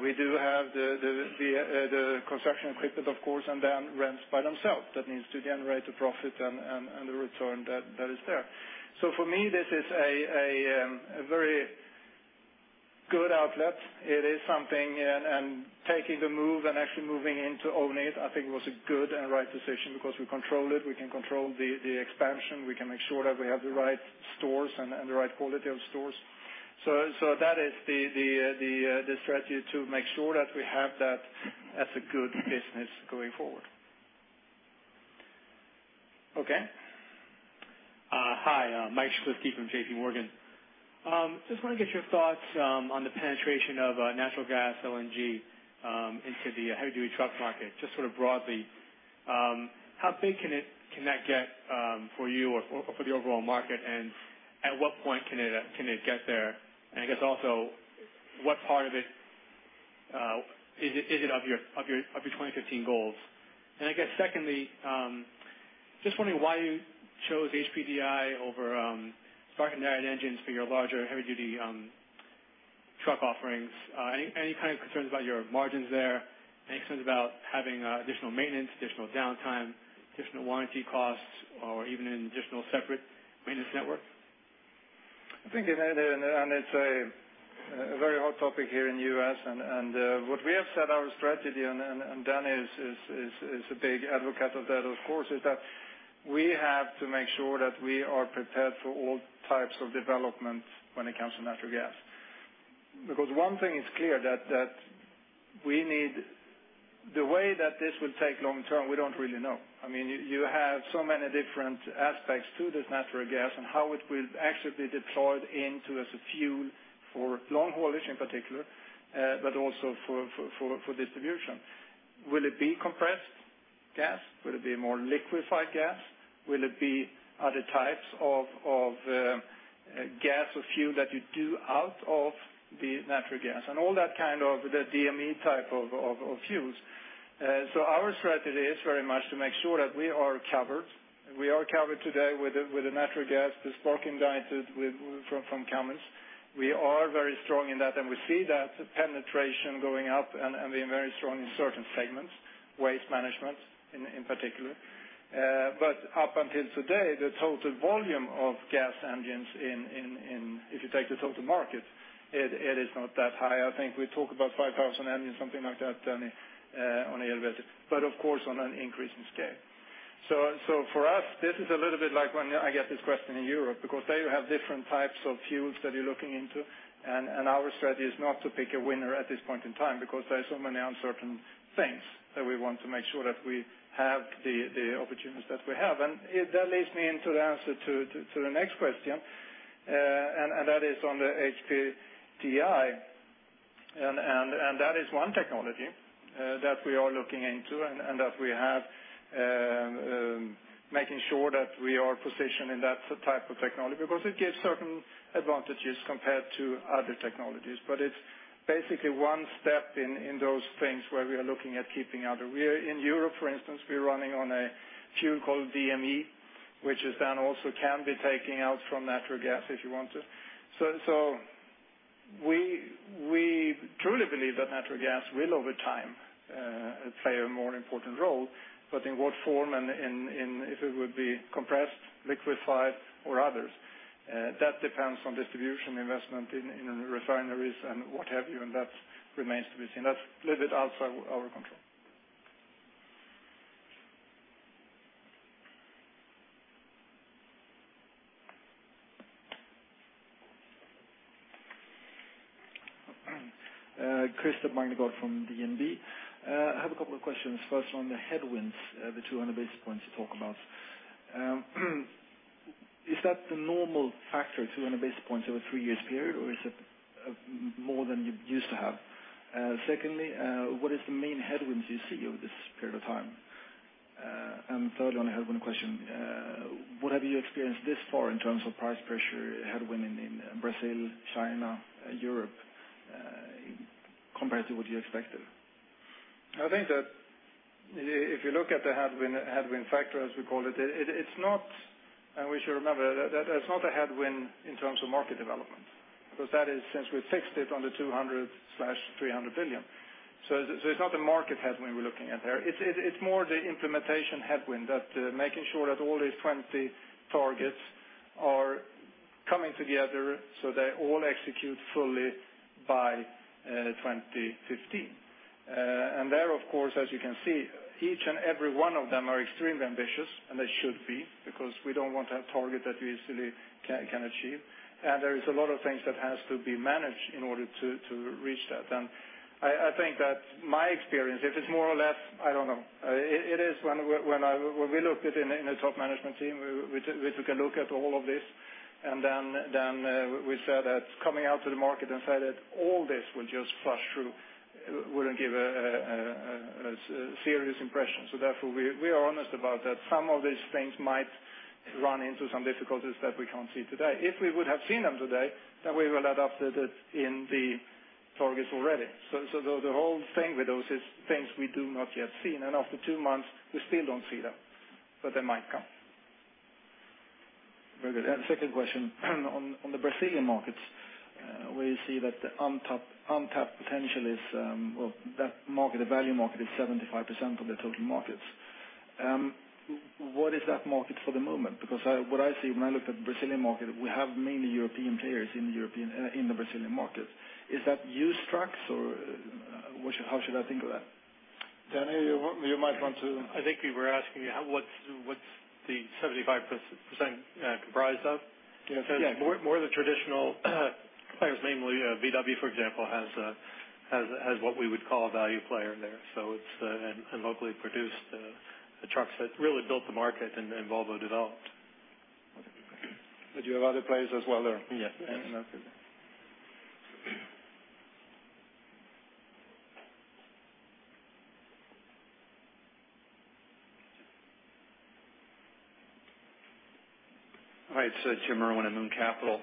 S2: We do have the construction equipment, of course, and then rents by themselves. That needs to generate a profit and a return that is there. For me, this is a very good outlet. It is something, and taking the move and actually moving into owning it, I think was a good and right decision because we control it. We can control the expansion. We can make sure that we have the right stores and the right quality of stores. That is the strategy to make sure that we have that as a good business going forward.
S12: Okay.
S13: Hi, Michael Shlisky from JPMorgan. Just want to get your thoughts on the penetration of natural gas LNG into the heavy-duty truck market, just sort of broadly. How big can that get for you or for the overall market, and at what point can it get there? I guess also, what part of it is it of your 2015 goals? I guess secondly, just wondering why you chose HPDI over spark ignited engines for your larger heavy duty truck offerings. Any kind of concerns about your margins there? Any concerns about having additional maintenance, additional downtime, additional warranty costs, or even an additional separate maintenance network?
S2: I think, and it's a very hot topic here in the U.S. and what we have set our strategy, and Danny is a big advocate of that, of course, is that we have to make sure that we are prepared for all types of development when it comes to natural gas. The way that this will take long term, we don't really know. You have so many different aspects to this natural gas and how it will actually be deployed into as a fuel for long haulage in particular, but also for distribution. Will it be compressed gas? Will it be more liquefied gas? Will it be other types of gas or fuel that you do out of the natural gas and all that kind of the DME type of fuels. Our strategy is very much to make sure that we are covered, and we are covered today with the natural gas, the spark ignited from Cummins. We are very strong in that, and we see that penetration going up and being very strong in certain segments, waste management in particular. Up until today, the total volume of gas engines in, if you take the total market, it is not that high. I think we talk about 5,000 engines, something like that, Denny, on a year basis, but of course, on an increasing scale. For us, this is a little bit like when I get this question in Europe, because they have different types of fuels that you're looking into, and our strategy is not to pick a winner at this point in time because there are so many uncertain things that we want to make sure that we have the opportunities that we have. That leads me into the answer to the next question, and that is on the HPDI. That is one technology that we are looking into and that we have, making sure that we are positioned in that type of technology because it gives certain advantages compared to other technologies. It's basically one step in those things where we are looking at keeping out. In Europe, for instance, we're running on a fuel called DME, which then also can be taken out from natural gas if you want to. We truly believe that natural gas will, over time, play a more important role. In what form, and if it would be compressed, liquefied or others, that depends on distribution investment in refineries and what have you, and that remains to be seen. That's a little bit outside our control.
S14: Christer Magnergård from DNB. I have a couple of questions. First, on the headwinds, the 200 basis points you talk about. Is that the normal factor, 200 basis points over a three years period, or is it more than you're used to have? Secondly, what is the main headwinds you see over this period of time? Third, on a headwind question, what have you experienced thus far in terms of price pressure headwind in Brazil, China, Europe, compared to what you expected?
S2: I think that if you look at the headwind factor, as we call it, and we should remember, that is not a headwind in terms of market development, because that is since we fixed it on the 200 billion/SEK 300 billion. It's not a market headwind we're looking at there. It's more the implementation headwind that making sure that all these 20 targets are coming together so they all execute fully by 2015. There, of course, as you can see, each and every one of them are extremely ambitious, and they should be, because we don't want a target that we easily can achieve. There is a lot of things that has to be managed in order to reach that. I think that my experience, it is more or less, I don't know. When we look at it in the top management team, we took a look at all of this, and then we said that coming out to the market and say that all this will just flush through wouldn't give a serious impression. Therefore, we are honest about that some of these things might run into some difficulties that we can't see today. If we would have seen them today, then we will adapt it in the targets already. The whole thing with those is things we do not yet seen, and after two months, we still don't see them, but they might come.
S14: Very good. Second question, on the Brazilian markets, where you see that the untapped potential is, well, that value market is 75% of the total markets. What is that market for the moment? What I see when I look at the Brazilian market, we have mainly European players in the Brazilian market. Is that used trucks or how should I think of that?
S2: Danny, you might want to
S3: I think you were asking what's the 75% comprised of?
S14: Yeah.
S3: More the traditional players, mainly VW, for example, has what we would call a value player there. Locally produced trucks that really built the market and Volvo developed.
S2: You have other players as well there.
S3: Yes.
S2: Okay.
S15: Hi, it's Jim Irwin at Moon Capital.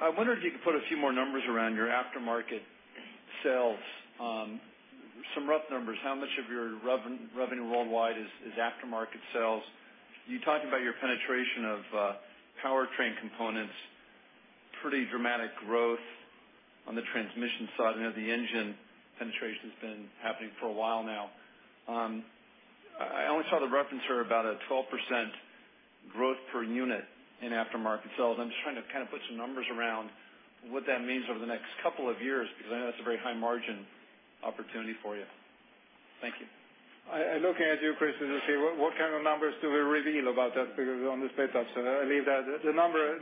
S15: I wonder if you could put a few more numbers around your aftermarket sales. Some rough numbers. How much of your revenue worldwide is aftermarket sales? You talked about your penetration of powertrain components, pretty dramatic growth on the transmission side. I know the engine penetration's been happening for a while now. I only saw the reference about a 12% growth per unit in aftermarket sales. I'm just trying to put some numbers around what that means over the next couple of years, because I know that's a very high margin opportunity for you. Thank you.
S2: I'm looking at you, Christer, to see what kind of numbers do we reveal about that, because on the split up, so I leave that, the number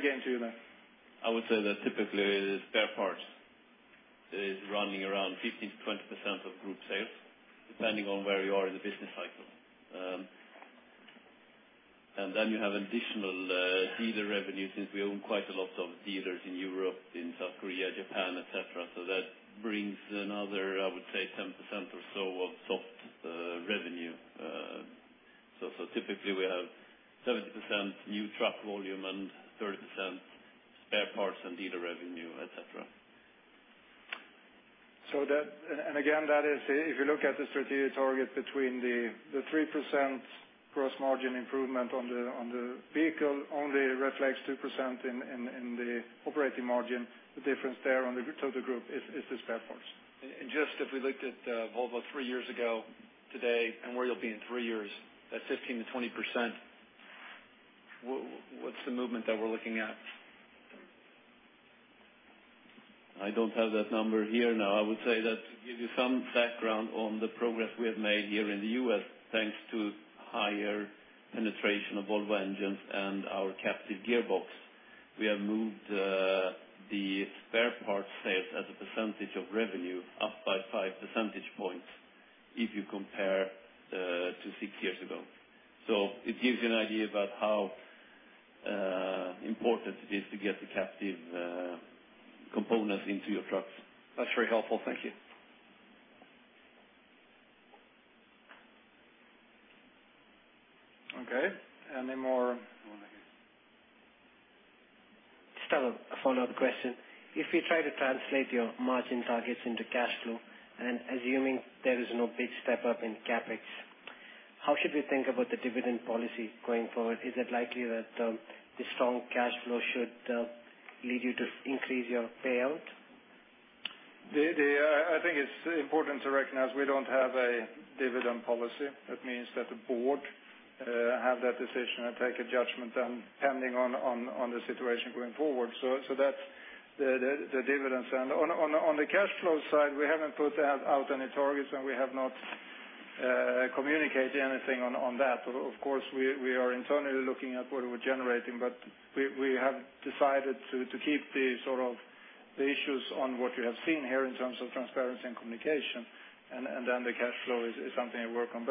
S2: game to you then.
S4: I would say that typically spare parts is running around 15%-20% of group sales, depending on where you are in the business cycle. Then you have additional dealer revenue since we own quite a lot of dealers in Europe, in South Korea, Japan, et cetera. That brings another, I would say, 10% or so of soft revenue. Typically we have 70% new truck volume and 30% spare parts and dealer revenue, et cetera.
S2: Again, that is, if you look at the strategic target between the 3% gross margin improvement on the vehicle only reflects 2% in the operating margin. The difference there on the total group is the spare parts.
S15: Just if we looked at Volvo three years ago today and where you'll be in three years, that 15%-20%, what's the movement that we're looking at?
S4: I don't have that number here now. I would say that to give you some background on the progress we have made here in the U.S., thanks to higher penetration of Volvo engines and our captive gearbox, we have moved the spare parts sales as a percentage of revenue up by 5 percentage points if you compare to six years ago. It gives you an idea about how important it is to get the captive components into your trucks.
S3: That's very helpful. Thank you.
S1: Okay. Any more?
S11: Still a follow-up question. If you try to translate your margin targets into cash flow, assuming there is no big step up in CapEx, how should we think about the dividend policy going forward? Is it likely that the strong cash flow should lead you to increase your payout?
S4: I think it's important to recognize we don't have a dividend policy. That means that the board have that decision and take a judgment depending on the situation going forward. That's the dividends. On the cash flow side, we haven't put out any targets, and we have not communicated anything on that. Of course, we are internally looking at what we're generating, but we have decided to keep the issues on what we have seen here in terms of transparency and communication. The cash flow is something we work on.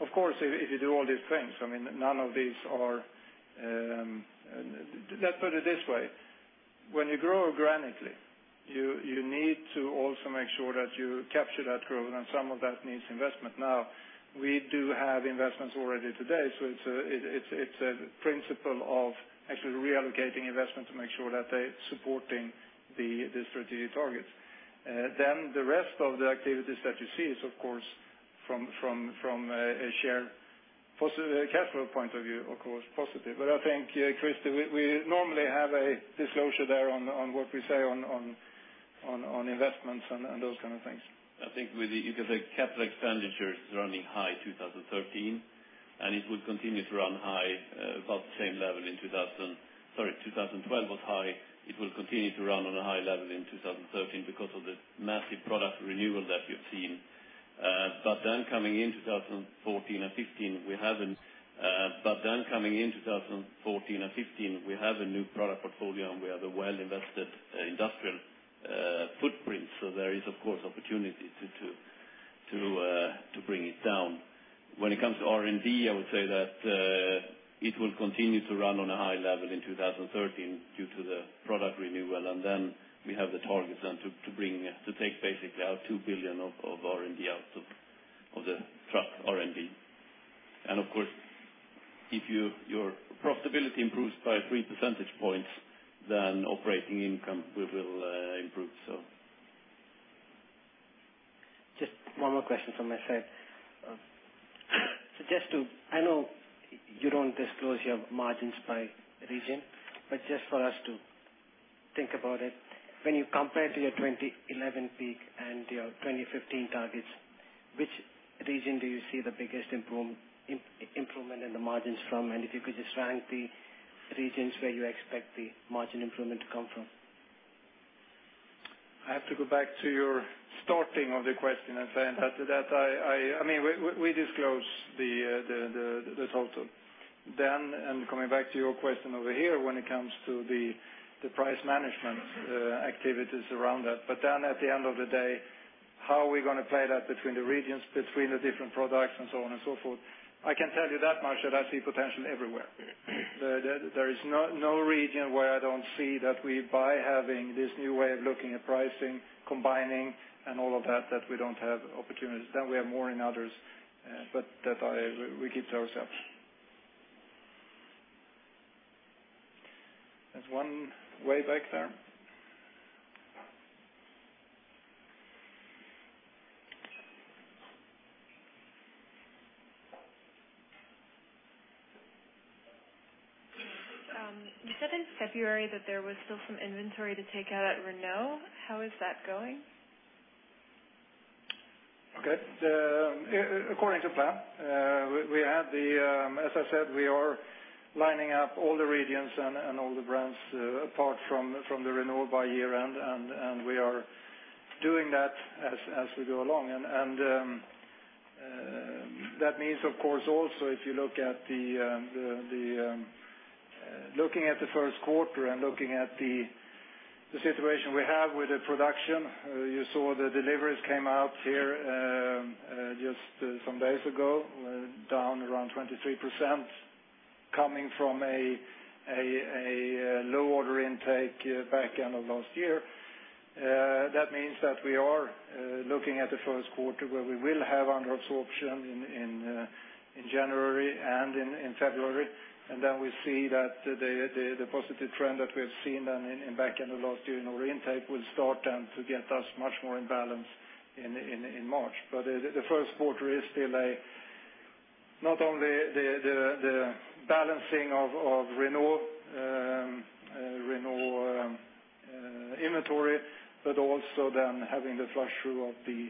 S4: Of course, if you do all these things, let's put it this way, when you grow organically, you need to also make sure that you capture that growth, and some of that needs investment. We do have investments already today, so it's a principle of actually reallocating investment to make sure that they're supporting the strategic targets. The rest of the activities that you see is, of course, from a share positive cash flow point of view, of course, positive. I think, Christer, we normally have a disclosure there on what we say on investments and those kind of things. I think with the capital expenditures running high 2013, and it will continue to run high about the same level in 2012 was high. It will continue to run on a high level in 2013 because of the massive product renewal that we've seen. Coming into 2014 and 2015, we have a new product portfolio, and we have a well-invested industrial footprint. There is, of course, opportunity to bring it down. When it comes to R&D, I would say that it will continue to run on a high level in 2013 due to the product renewal. We have the targets then to take basically our 2 billion of R&D out of the truck R&D. Of course, if your profitability improves by 3 percentage points, then operating income will improve.
S11: Just one more question from my side. I know you don't disclose your margins by region, but just for us to think about it, when you compare to your 2011 peak and your 2015 targets, which region do you see the biggest improvement in the margins from? If you could just rank the regions where you expect the margin improvement to come from.
S4: I have to go back to your starting of the question and say that we disclose the results then. Coming back to your question over here, when it comes to the price management activities around that. At the end of the day, how are we going to play that between the regions, between the different products, and so on and so forth? I can tell you that much, that I see potential everywhere. There is no region where I don't see that we, by having this new way of looking at pricing, combining, and all of that we don't have opportunities. We have more in others, but that we keep to ourselves. There's one way back there.
S8: You said in February that there was still some inventory to take out at Renault. How is that going?
S2: Okay. According to plan, as I said, we are lining up all the regions and all the brands apart from the Renault by year-end. We are doing that as we go along. That means, of course, also, if you looking at the first quarter and looking at the situation we have with the production, you saw the deliveries came out here just some days ago, down around 23%, coming from a low order intake back end of last year. That means that we are looking at the first quarter where we will have under absorption in January and in February. We see that the positive trend that we have seen then in back end of last year in order intake will start then to get us much more in balance in March. The first quarter is still not only the balancing of Renault inventory, but also then having the flush through of the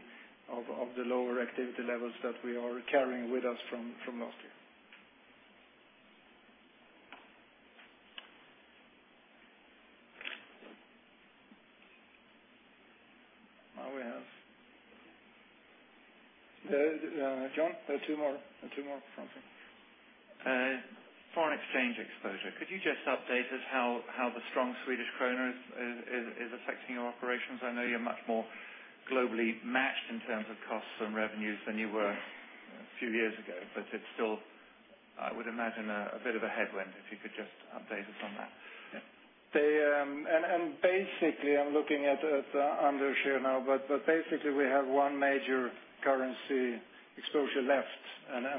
S2: lower activity levels that we are carrying with us from last year. Now we have John, two more. Two more.
S8: Foreign exchange exposure. Could you just update us how the strong Swedish krona is affecting your operations? I know you're much more globally matched in terms of costs and revenues than you were a few years ago, but it's still, I would imagine, a bit of a headwind, if you could just update us on that.
S2: Yes. Basically, I'm looking at Anders here now, but basically we have one major currency exposure left,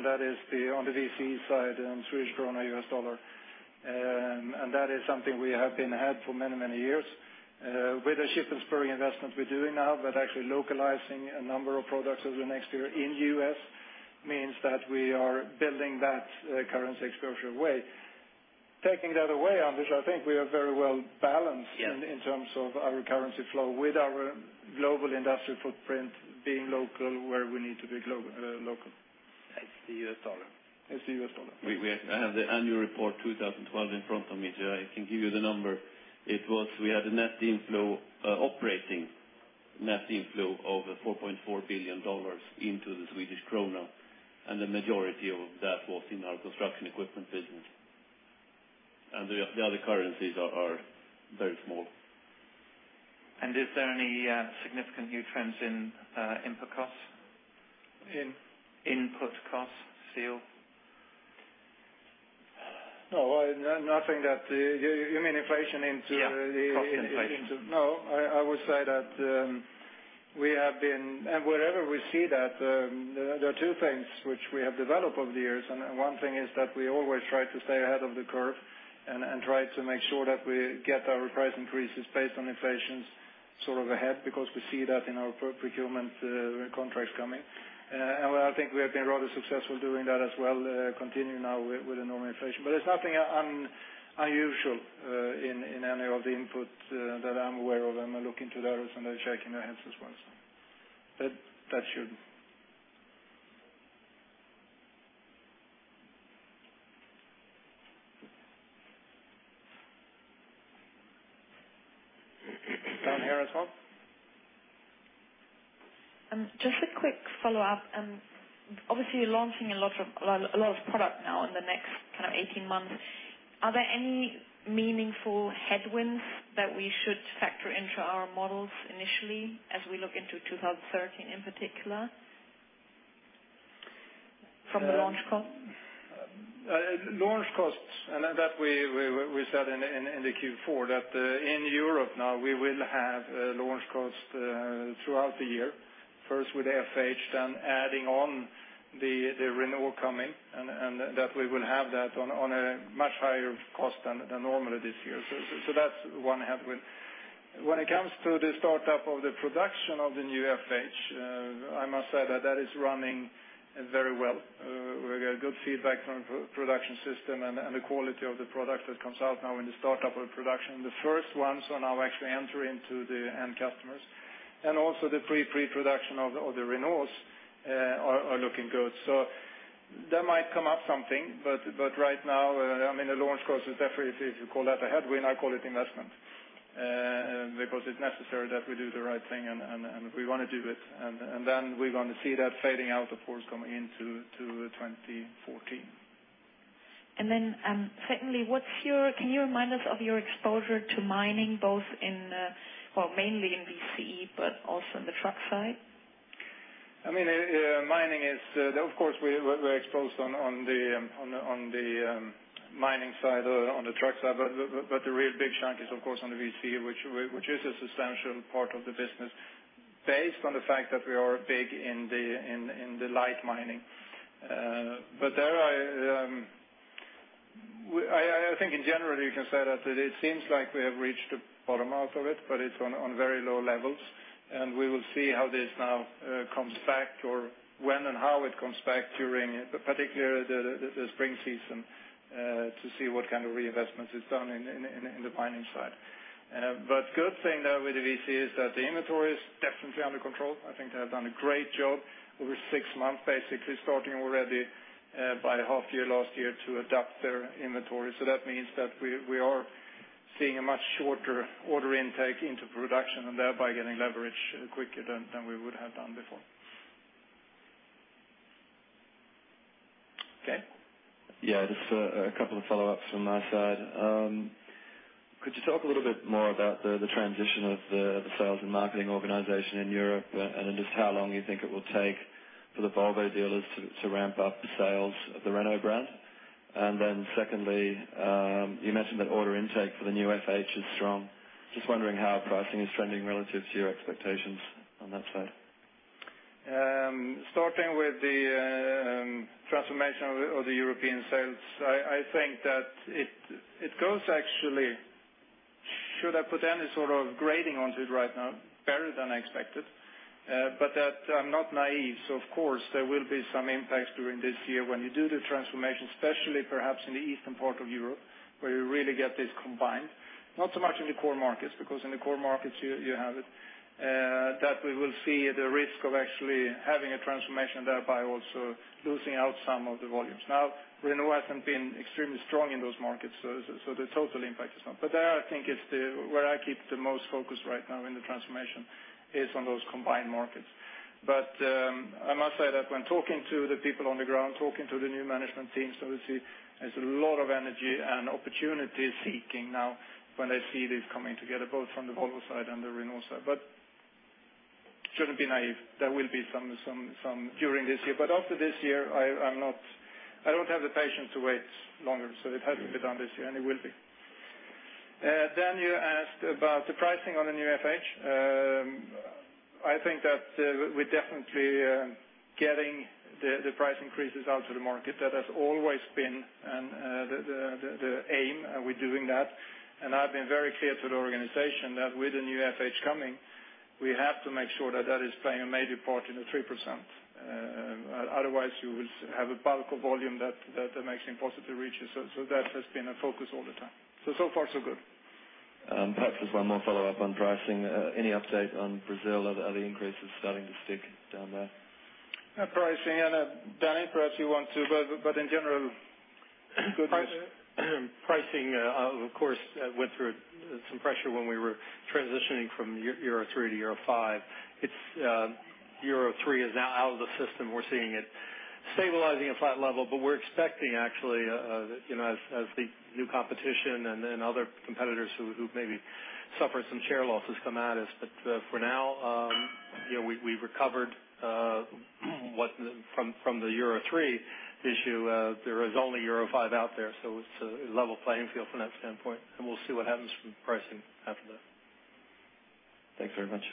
S2: that is on the VC side in Swedish krona, U.S. dollar. That is something we have had for many years. With the Shippensburg investment we're doing now, but actually localizing a number of products over the next year in the U.S. means that we are building that currency exposure away. Taking that away, Anders, I think we are very well balanced.
S8: Yes
S2: In terms of our currency flow with our global industrial footprint being local, where we need to be local.
S8: It's the U.S. dollar.
S2: It's the US dollar.
S6: I have the annual report 2012 in front of me. I can give you the number. We had a net inflow, operating net inflow of $4.4 billion into the Swedish krona, and the majority of that was in our construction equipment business. The other currencies are very small.
S8: Is there any significant new trends in input costs?
S2: In?
S8: Input costs, CEO.
S2: No, nothing. You mean inflation into the
S8: Yeah. Cost inflation.
S2: No, I would say that wherever we see that, there are two things which we have developed over the years, one thing is that we always try to stay ahead of the curve and try to make sure that we get our price increases based on inflation sort of ahead, because we see that in our procurement contracts coming. I think we have been rather successful doing that as well, continuing now with a normal inflation. It's nothing unusual in any of the inputs that I'm aware of. I'm looking to the others, and they're shaking their heads as well. That should.
S8: Down here as well.
S9: Just a quick follow-up. Obviously, you are launching a lot of product now in the next 18 months. Are there any meaningful headwinds that we should factor into our models initially as we look into 2013, in particular? From the launch cost.
S2: Launch costs, that we said in the Q4, that in Europe now, we will have launch costs throughout the year, first with Volvo FH, then adding on the Renault coming, that we will have that on a much higher cost than normally this year. That is one headwind. When it comes to the startup of the production of the new Volvo FH, I must say that that is running very well. We get good feedback from the production system and the quality of the product that comes out now in the startup of production. The first ones are now actually entering to the end customers. Also the pre-production of the Renaults are looking good. That might come up something. Right now, the launch cost is definitely, if you call that a headwind, I call it investment, because it is necessary that we do the right thing, and we want to do it. Then we are going to see that fading out, of course, coming into 2014.
S9: Secondly, can you remind us of your exposure to mining, mainly in BCE, but also in the truck side?
S2: Mining is, of course, we're exposed on the mining side, on the truck side. The real big chunk is, of course, on the VC, which is a substantial part of the business based on the fact that we are big in the light mining. There, I think in general, you can say that it seems like we have reached the bottom out of it, but it's on very low levels, and we will see how this now comes back or when and how it comes back during, particularly the spring season, to see what kind of reinvestments is done in the mining side. Good thing, though, with the VC is that the inventory is definitely under control. I think they have done a great job over 6 months, basically starting already by the half year last year to adapt their inventory. That means that we are seeing a much shorter order intake into production and thereby getting leverage quicker than we would have done before.
S8: Okay.
S7: Just a couple of follow-ups from my side. Could you talk a little bit more about the transition of the sales and marketing organization in Europe, and just how long you think it will take for the Volvo dealers to ramp up the sales of the Renault brand? Secondly, you mentioned that order intake for the new FH is strong. Just wondering how pricing is trending relative to your expectations on that side.
S2: Starting with the transformation of the European sales, I think that it goes actually, should I put any sort of grading onto it right now, better than expected. That I'm not naive, so of course, there will be some impacts during this year when you do the transformation, especially perhaps in the eastern part of Europe, where you really get this combined. Not so much in the core markets, because in the core markets you have it, that we will see the risk of actually having a transformation, thereby also losing out some of the volumes. Renault hasn't been extremely strong in those markets, so the total impact is some. There, I think, is where I keep the most focus right now in the transformation, is on those combined markets. I must say that when talking to the people on the ground, talking to the new management teams, obviously, there's a lot of energy and opportunity seeking now when they see this coming together, both from the Volvo side and the Renault side. Shouldn't be naive. There will be some during this year, but after this year, I don't have the patience to wait longer, so it has to be done this year, and it will be. You asked about the pricing on the new FH. I think that we're definitely getting the price increases out to the market. That has always been the aim, and we're doing that. I've been very clear to the organization that with the new FH coming, we have to make sure that is playing a major part in the 3%. Otherwise, you will have a particle volume that makes impossible to reach. That has been a focus all the time. So far, so good.
S7: Perhaps just one more follow-up on pricing. Any update on Brazil? Are the increases starting to stick down there?
S2: Pricing, Denny, perhaps you want to, in general, good news.
S3: Pricing, of course, went through some pressure when we were transitioning from Euro III to Euro 5. Euro III is now out of the system. We're seeing it stabilizing at flat level, but we're expecting actually, as the new competition and other competitors who maybe suffered some share losses come at us. For now, we've recovered from the Euro III issue, there is only Euro 5 out there, it's a level playing field from that standpoint, we'll see what happens from pricing after that.
S7: Thanks very much.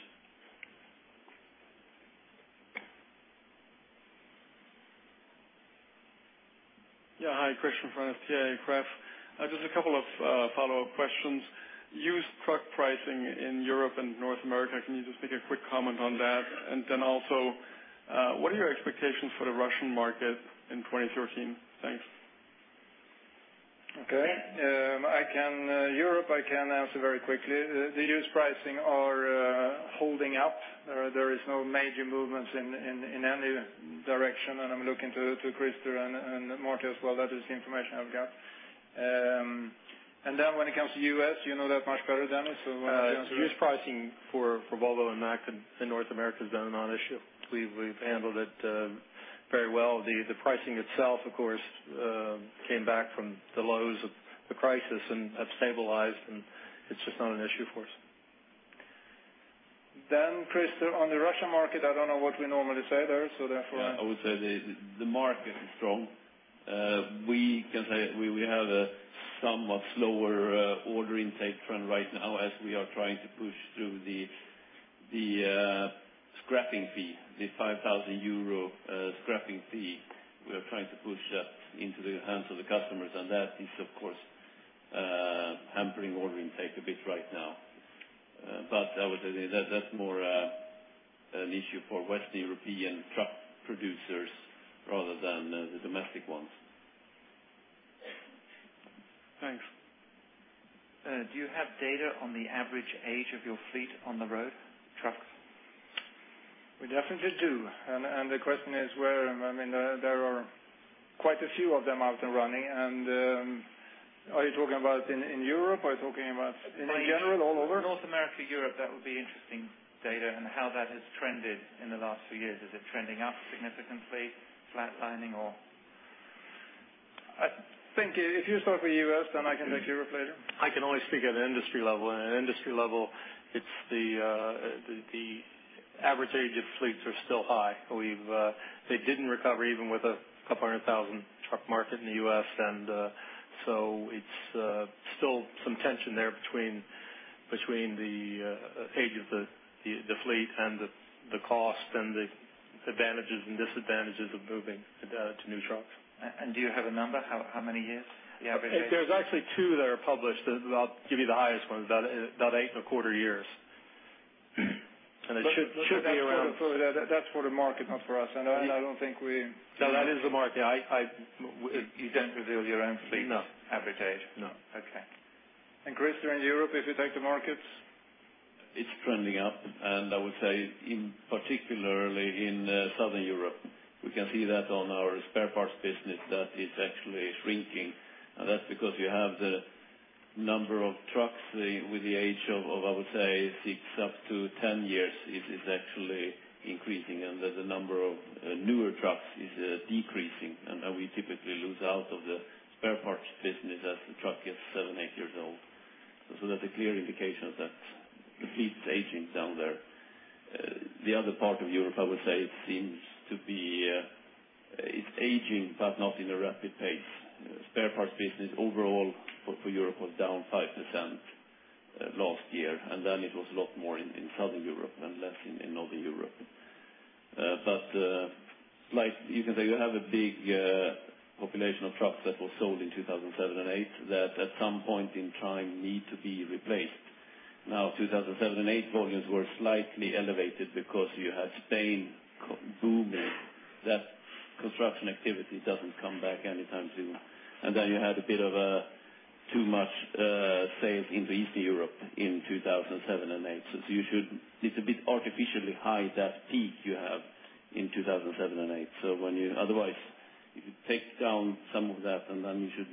S16: Yeah. Hi, Christian from STI Craft. Just a couple of follow-up questions. Used truck pricing in Europe and North America, can you just make a quick comment on that? What are your expectations for the Russian market in 2013? Thanks.
S2: Okay. Europe, I can answer very quickly. The used pricing are holding up. There is no major movements in any direction, I'm looking to Christer and Mark as well. That is the information I've got. When it comes to U.S., you know that much better, Danny, why don't you answer that?
S3: Used pricing for Volvo and Mack in North America has been a non-issue. We've handled it very well. The pricing itself, of course, came back from the lows of the crisis and have stabilized. It's just not an issue for us.
S2: Christer, on the Russia market, I don't know what we normally say there, so therefore.
S4: I would say the market is strong. We can say we have a somewhat slower order intake trend right now as we are trying to push through the scrapping fee, the 5,000 euro scrapping fee. We are trying to push that into the hands of the customers. That is, of course, hampering order intake a bit right now. I would say that's more an issue for Western European truck producers rather than the domestic ones.
S16: Thanks. Do you have data on the average age of your fleet on the road, trucks?
S2: We definitely do. The question is where? There are quite a few of them out and running. Are you talking about in Europe? Are you talking about in general, all over?
S16: North America, Europe, that would be interesting data and how that has trended in the last few years. Is it trending up significantly, flatlining, or?
S2: I think if you start with U.S., I can take Europe later.
S3: I can only speak at an industry level. At industry level, it's the average age of fleets are still high. They didn't recover even with a couple of 100,000 truck market in the U.S. It's still some tension there between the age of the fleet and the cost and the advantages and disadvantages of moving to new trucks.
S16: Do you have a number? How many years? The average age.
S3: There's actually two that are published. I'll give you the highest one, about eight and a quarter years.
S2: That's for the market, not for us. That is the market.
S4: No. -average age?
S2: No. Okay. Christer, in Europe, if you take the markets?
S4: It's trending up, I would say particularly in Southern Europe. We can see that on our spare parts business, that is actually shrinking. That's because you have the number of trucks with the age of, I would say, six up to 10 years, it is actually increasing, and the number of newer trucks is decreasing. We typically lose out of the spare parts business as the truck gets seven, eight years old. That's a clear indication that the fleet's aging down there. The other part of Europe, I would say, it's aging, but not in a rapid pace. Spare parts business overall for Europe was down 5% last year, it was a lot more in Southern Europe and less in Northern Europe. You can say you have a big population of trucks that were sold in 2007 and 2008 that at some point in time need to be replaced. Now, 2007 and 2008 volumes were slightly elevated because you had Spain booming. That construction activity doesn't come back anytime soon. You had a bit of too much sales in the Eastern Europe in 2007 and 2008. It's a bit artificially high, that peak you have in 2007 and 2008. Otherwise, if you take down some of that, you should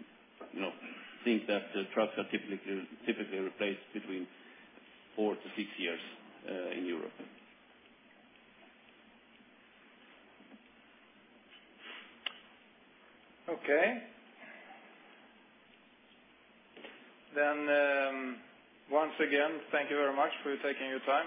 S4: think that the trucks are typically replaced between four to six years in Europe.
S2: Okay. once again, thank you very much for taking your time.